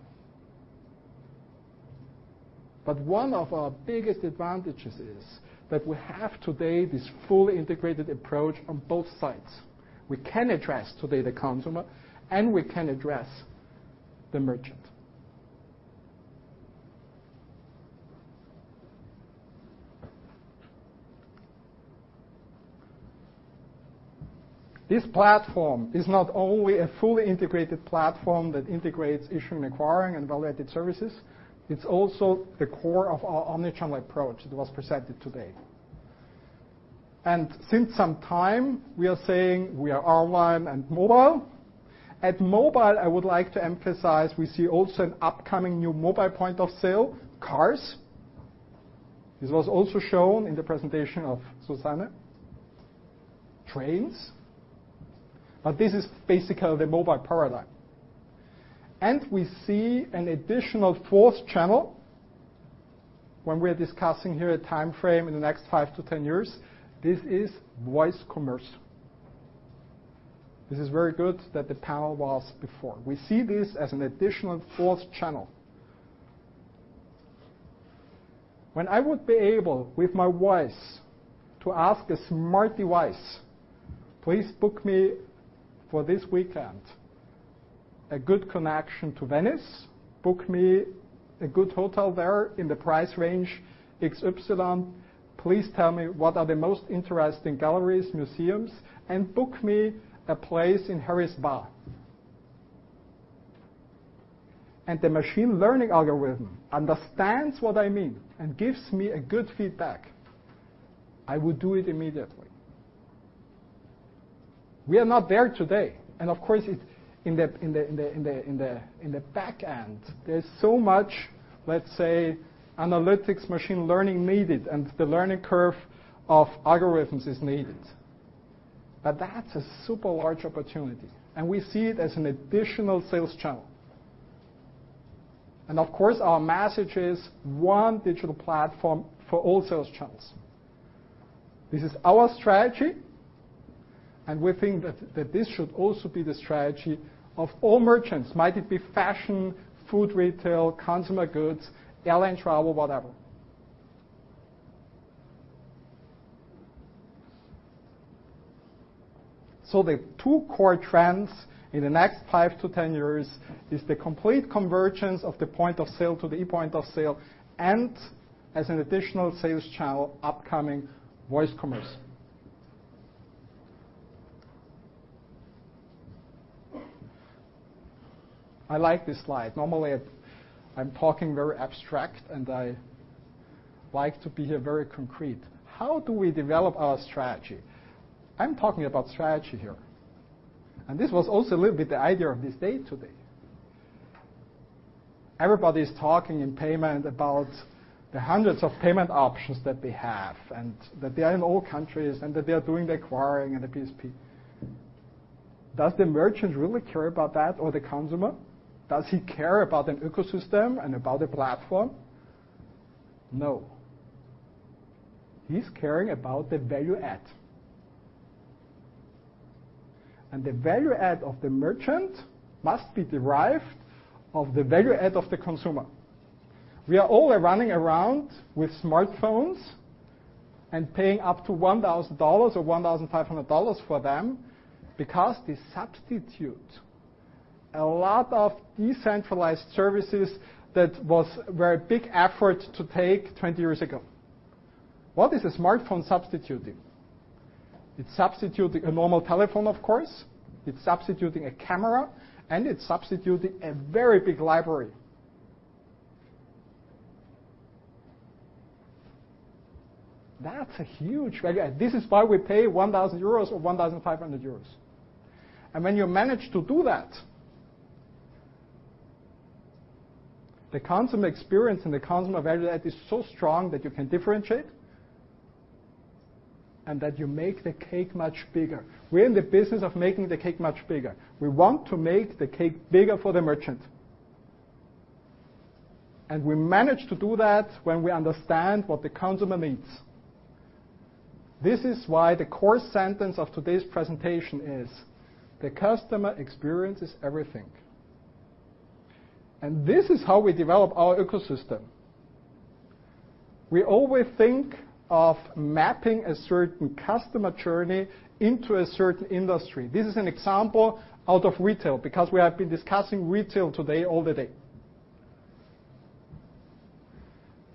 But one of our biggest advantages is that we have today this fully integrated approach on both sides. We can address today the consumer and we can address the merchant. This platform is not only a fully integrated platform that integrates issuing, acquiring, and value-added services, it's also the core of our omnichannel approach that was presented today. Since some time, we are saying we are online and mobile. At mobile, I would like to emphasize we see also an upcoming new mobile point of sale: cars. This was also shown in the presentation of Susanne. Trains. This is basically the mobile paradigm. We see an additional fourth channel when we're discussing here a time frame in the next 5 to 10 years. This is voice commerce. This is very good that the panel was before. We see this as an additional fourth channel. When I would be able, with my voice, to ask a smart device, "Please book me for this weekend a good connection to Venice. Book me a good hotel there in the price range X Y. Please tell me what are the most interesting galleries, museums, and book me a place in Harry's Bar," the machine learning algorithm understands what I mean and gives me a good feedback, I would do it immediately. We are not there today, and of course, in the back end, there's so much, let's say, analytics machine learning needed, and the learning curve of algorithms is needed. That's a super large opportunity, and we see it as an additional sales channel. Of course, our message is one digital platform for all sales channels. This is our strategy, and we think that this should also be the strategy of all merchants, might it be fashion, food retail, consumer goods, air and travel, whatever. The two core trends in the next 5 to 10 years is the complete convergence of the point of sale to the e-point of sale, as an additional sales channel, upcoming voice commerce. I like this slide. Normally, I'm talking very abstract, I like to be here very concrete. How do we develop our strategy? I'm talking about strategy here, this was also a little bit the idea of this day today. Everybody's talking in payment about the hundreds of payment options that we have, that they are in all countries, that they are doing the acquiring and the PSP. Does the merchant really care about that or the consumer? Does he care about an ecosystem and about a platform? No. He's caring about the value add. The value add of the merchant must be derived of the value add of the consumer. We are all running around with smartphones and paying up to EUR 1,000 or EUR 1,500 for them because they substitute a lot of decentralized services that was very big effort to take 20 years ago. What is a smartphone substituting? It's substituting a normal telephone, of course. It's substituting a camera and it's substituting a very big library. That's a huge value add. This is why we pay 1,000 euros or 1,500 euros. When you manage to do that, the consumer experience and the consumer value add is so strong that you can differentiate, and that you make the cake much bigger. We're in the business of making the cake much bigger. We want to make the cake bigger for the merchant. We manage to do that when we understand what the consumer needs. This is why the core sentence of today's presentation is, "The customer experience is everything." This is how we develop our ecosystem. We always think of mapping a certain customer journey into a certain industry. This is an example out of retail because we have been discussing retail today all the day.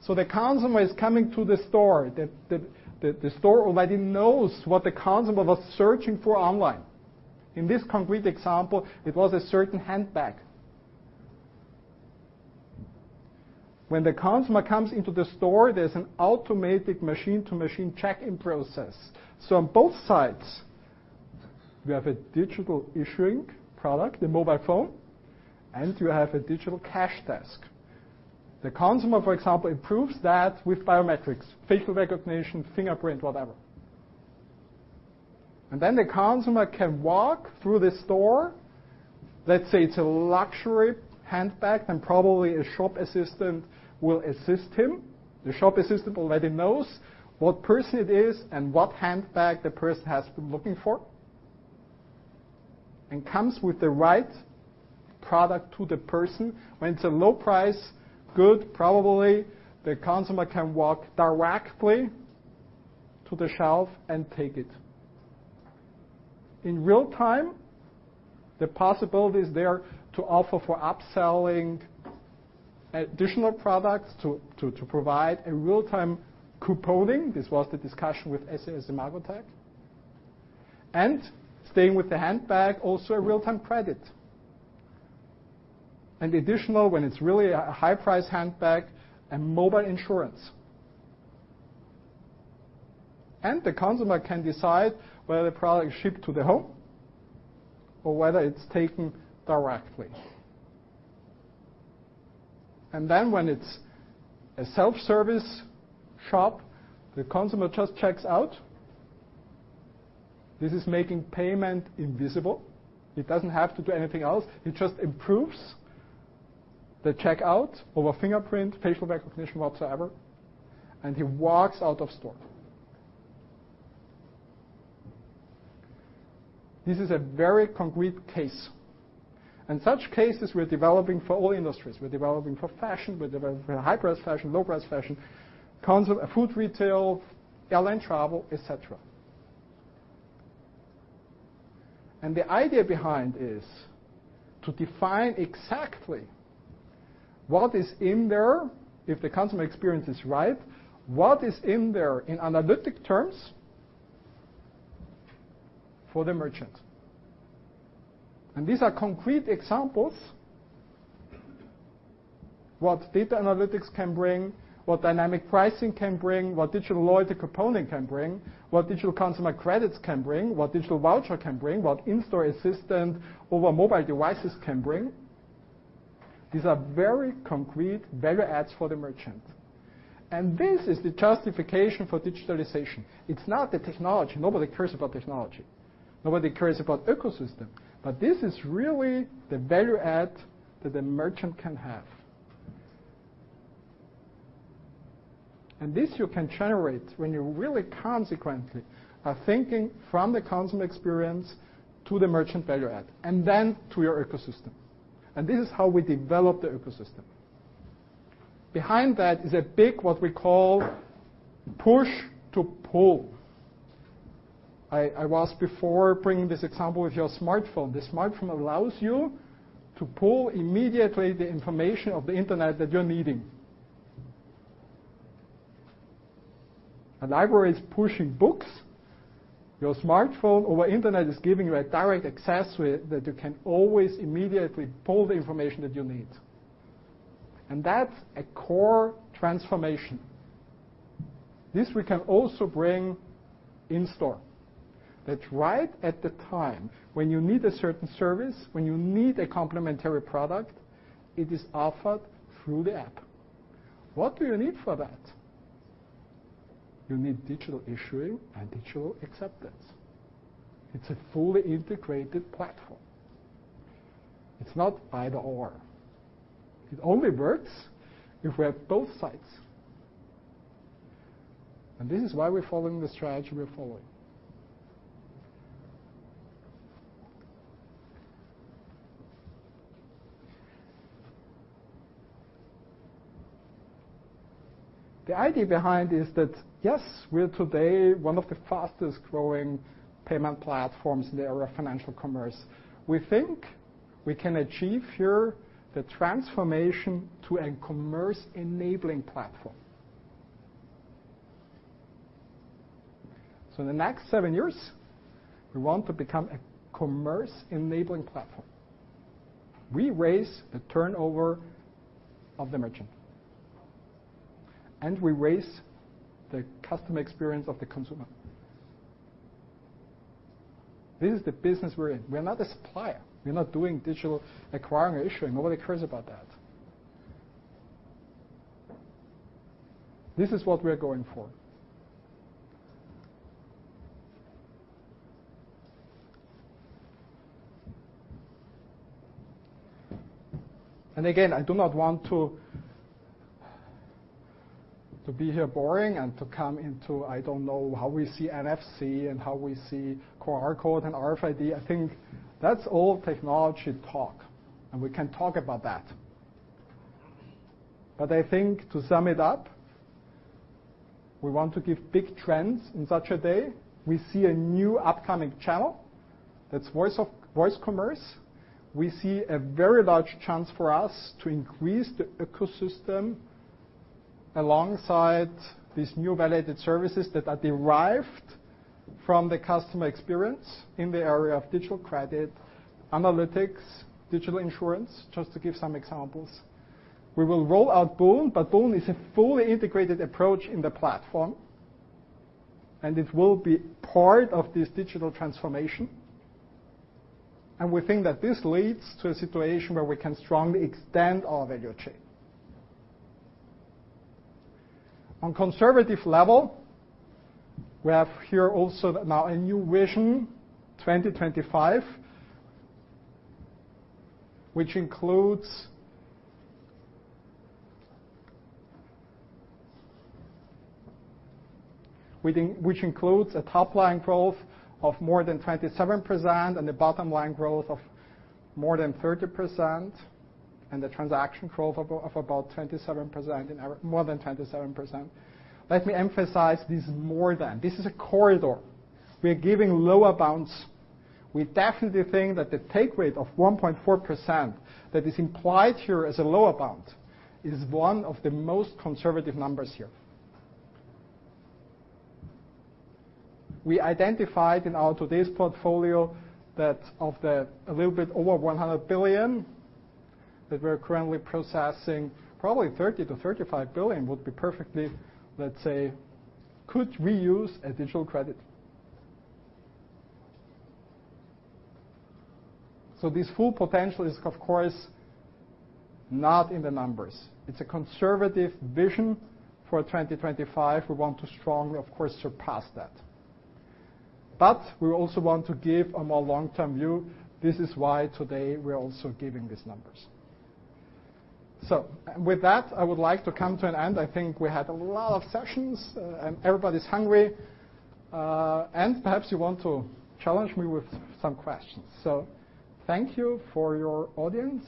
The consumer is coming to the store. The store already knows what the consumer was searching for online. In this concrete example, it was a certain handbag. When the consumer comes into the store, there's an automated machine-to-machine check-in process. On both sides, we have a digital issuing product, the mobile phone, and you have a digital cash desk. The consumer, for example, improves that with biometrics, facial recognition, fingerprint, whatever. The consumer can walk through the store. Let's say it's a luxury handbag, then probably a shop assistant will assist him. The shop assistant already knows what person it is and what handbag the person has been looking for and comes with the right product to the person. When it's a low-price good, probably the consumer can walk directly to the shelf and take it. In real-time, the possibility is there to offer for upselling additional products to provide a real-time couponing. This was the discussion with SES-imagotag. Staying with the handbag, also a real-time credit. Additionally, when it's really a high-price handbag, a mobile insurance. The consumer can decide whether the product is shipped to the home or whether it's taken directly. When it's a self-service shop, the consumer just checks out. This is making payment invisible. He doesn't have to do anything else. He just improves the checkout over fingerprint, facial recognition, whatsoever, and he walks out of store. This is a very concrete case, and such cases we're developing for all industries. We're developing for fashion, we're developing for high-price fashion, low-price fashion, food retail, airline travel, et cetera. The idea behind is to define exactly what is in there, if the consumer experience is right, what is in there in analytic terms for the merchant. These are concrete examples what data analytics can bring, what dynamic pricing can bring, what digital loyalty component can bring, what digital consumer credits can bring, what digital voucher can bring, what in-store assistant over mobile devices can bring. These are very concrete value adds for the merchant. This is the justification for digitalization. It's not the technology. Nobody cares about technology. Nobody cares about ecosystem, but this is really the value add that the merchant can have. This you can generate when you really consequently are thinking from the consumer experience to the merchant value add, then to your ecosystem. This is how we develop the ecosystem. Behind that is a big, what we call push to pull. I was before bringing this example with your smartphone. The smartphone allows you to pull immediately the information of the internet that you're needing. A library is pushing books. Your smartphone over internet is giving you a direct access that you can always immediately pull the information that you need. That's a core transformation. This we can also bring in store. That right at the time when you need a certain service, when you need a complementary product, it is offered through the app. What do you need for that? You need digital issuing and digital acceptance. It's a fully integrated platform. It's not either/or. It only works if we have both sides. This is why we're following the strategy we're following. The idea behind is that, yes, we're today one of the fastest-growing payment platforms in the era of financial commerce. We think we can achieve here the transformation to a commerce-enabling platform. In the next seven years, we want to become a commerce-enabling platform. We raise the turnover of the merchant, and we raise the customer experience of the consumer. This is the business we're in. We're not a supplier. We're not doing digital acquiring or issuing. Nobody cares about that. This is what we're going for. Again, I do not want to be here boring and to come into, I don't know, how we see NFC and how we see QR code and RFID. I think that's all technology talk, and we can talk about that. I think to sum it up, we want to give big trends in such a day. We see a new upcoming channel that's voice commerce. We see a very large chance for us to increase the ecosystem alongside these new validated services that are derived from the customer experience in the area of digital credit, analytics, digital insurance, just to give some examples. We will roll out Boon, but Boon is a fully integrated approach in the platform, and it will be part of this digital transformation. We think that this leads to a situation where we can strongly extend our value chain. On conservative level, we have here also now a new vision 2025, which includes a top-line growth of more than 27% and a bottom-line growth of more than 30% and a transaction growth of more than 27%. Let me emphasize this more than. This is a corridor. We are giving lower bounds. We definitely think that the take rate of 1.4% that is implied here as a lower bound is one of the most conservative numbers here. We identified in our today's portfolio that of the little bit over 100 billion that we're currently processing, probably 30 billion to 35 billion would be perfectly, let's say, could reuse a digital credit. This full potential is, of course, not in the numbers. It's a conservative vision for 2025. We want to strongly, of course, surpass that. We also want to give a more long-term view. This is why today we're also giving these numbers. With that, I would like to come to an end. I think we had a lot of sessions, and everybody's hungry. Perhaps you want to challenge me with some questions. Thank you for your audience.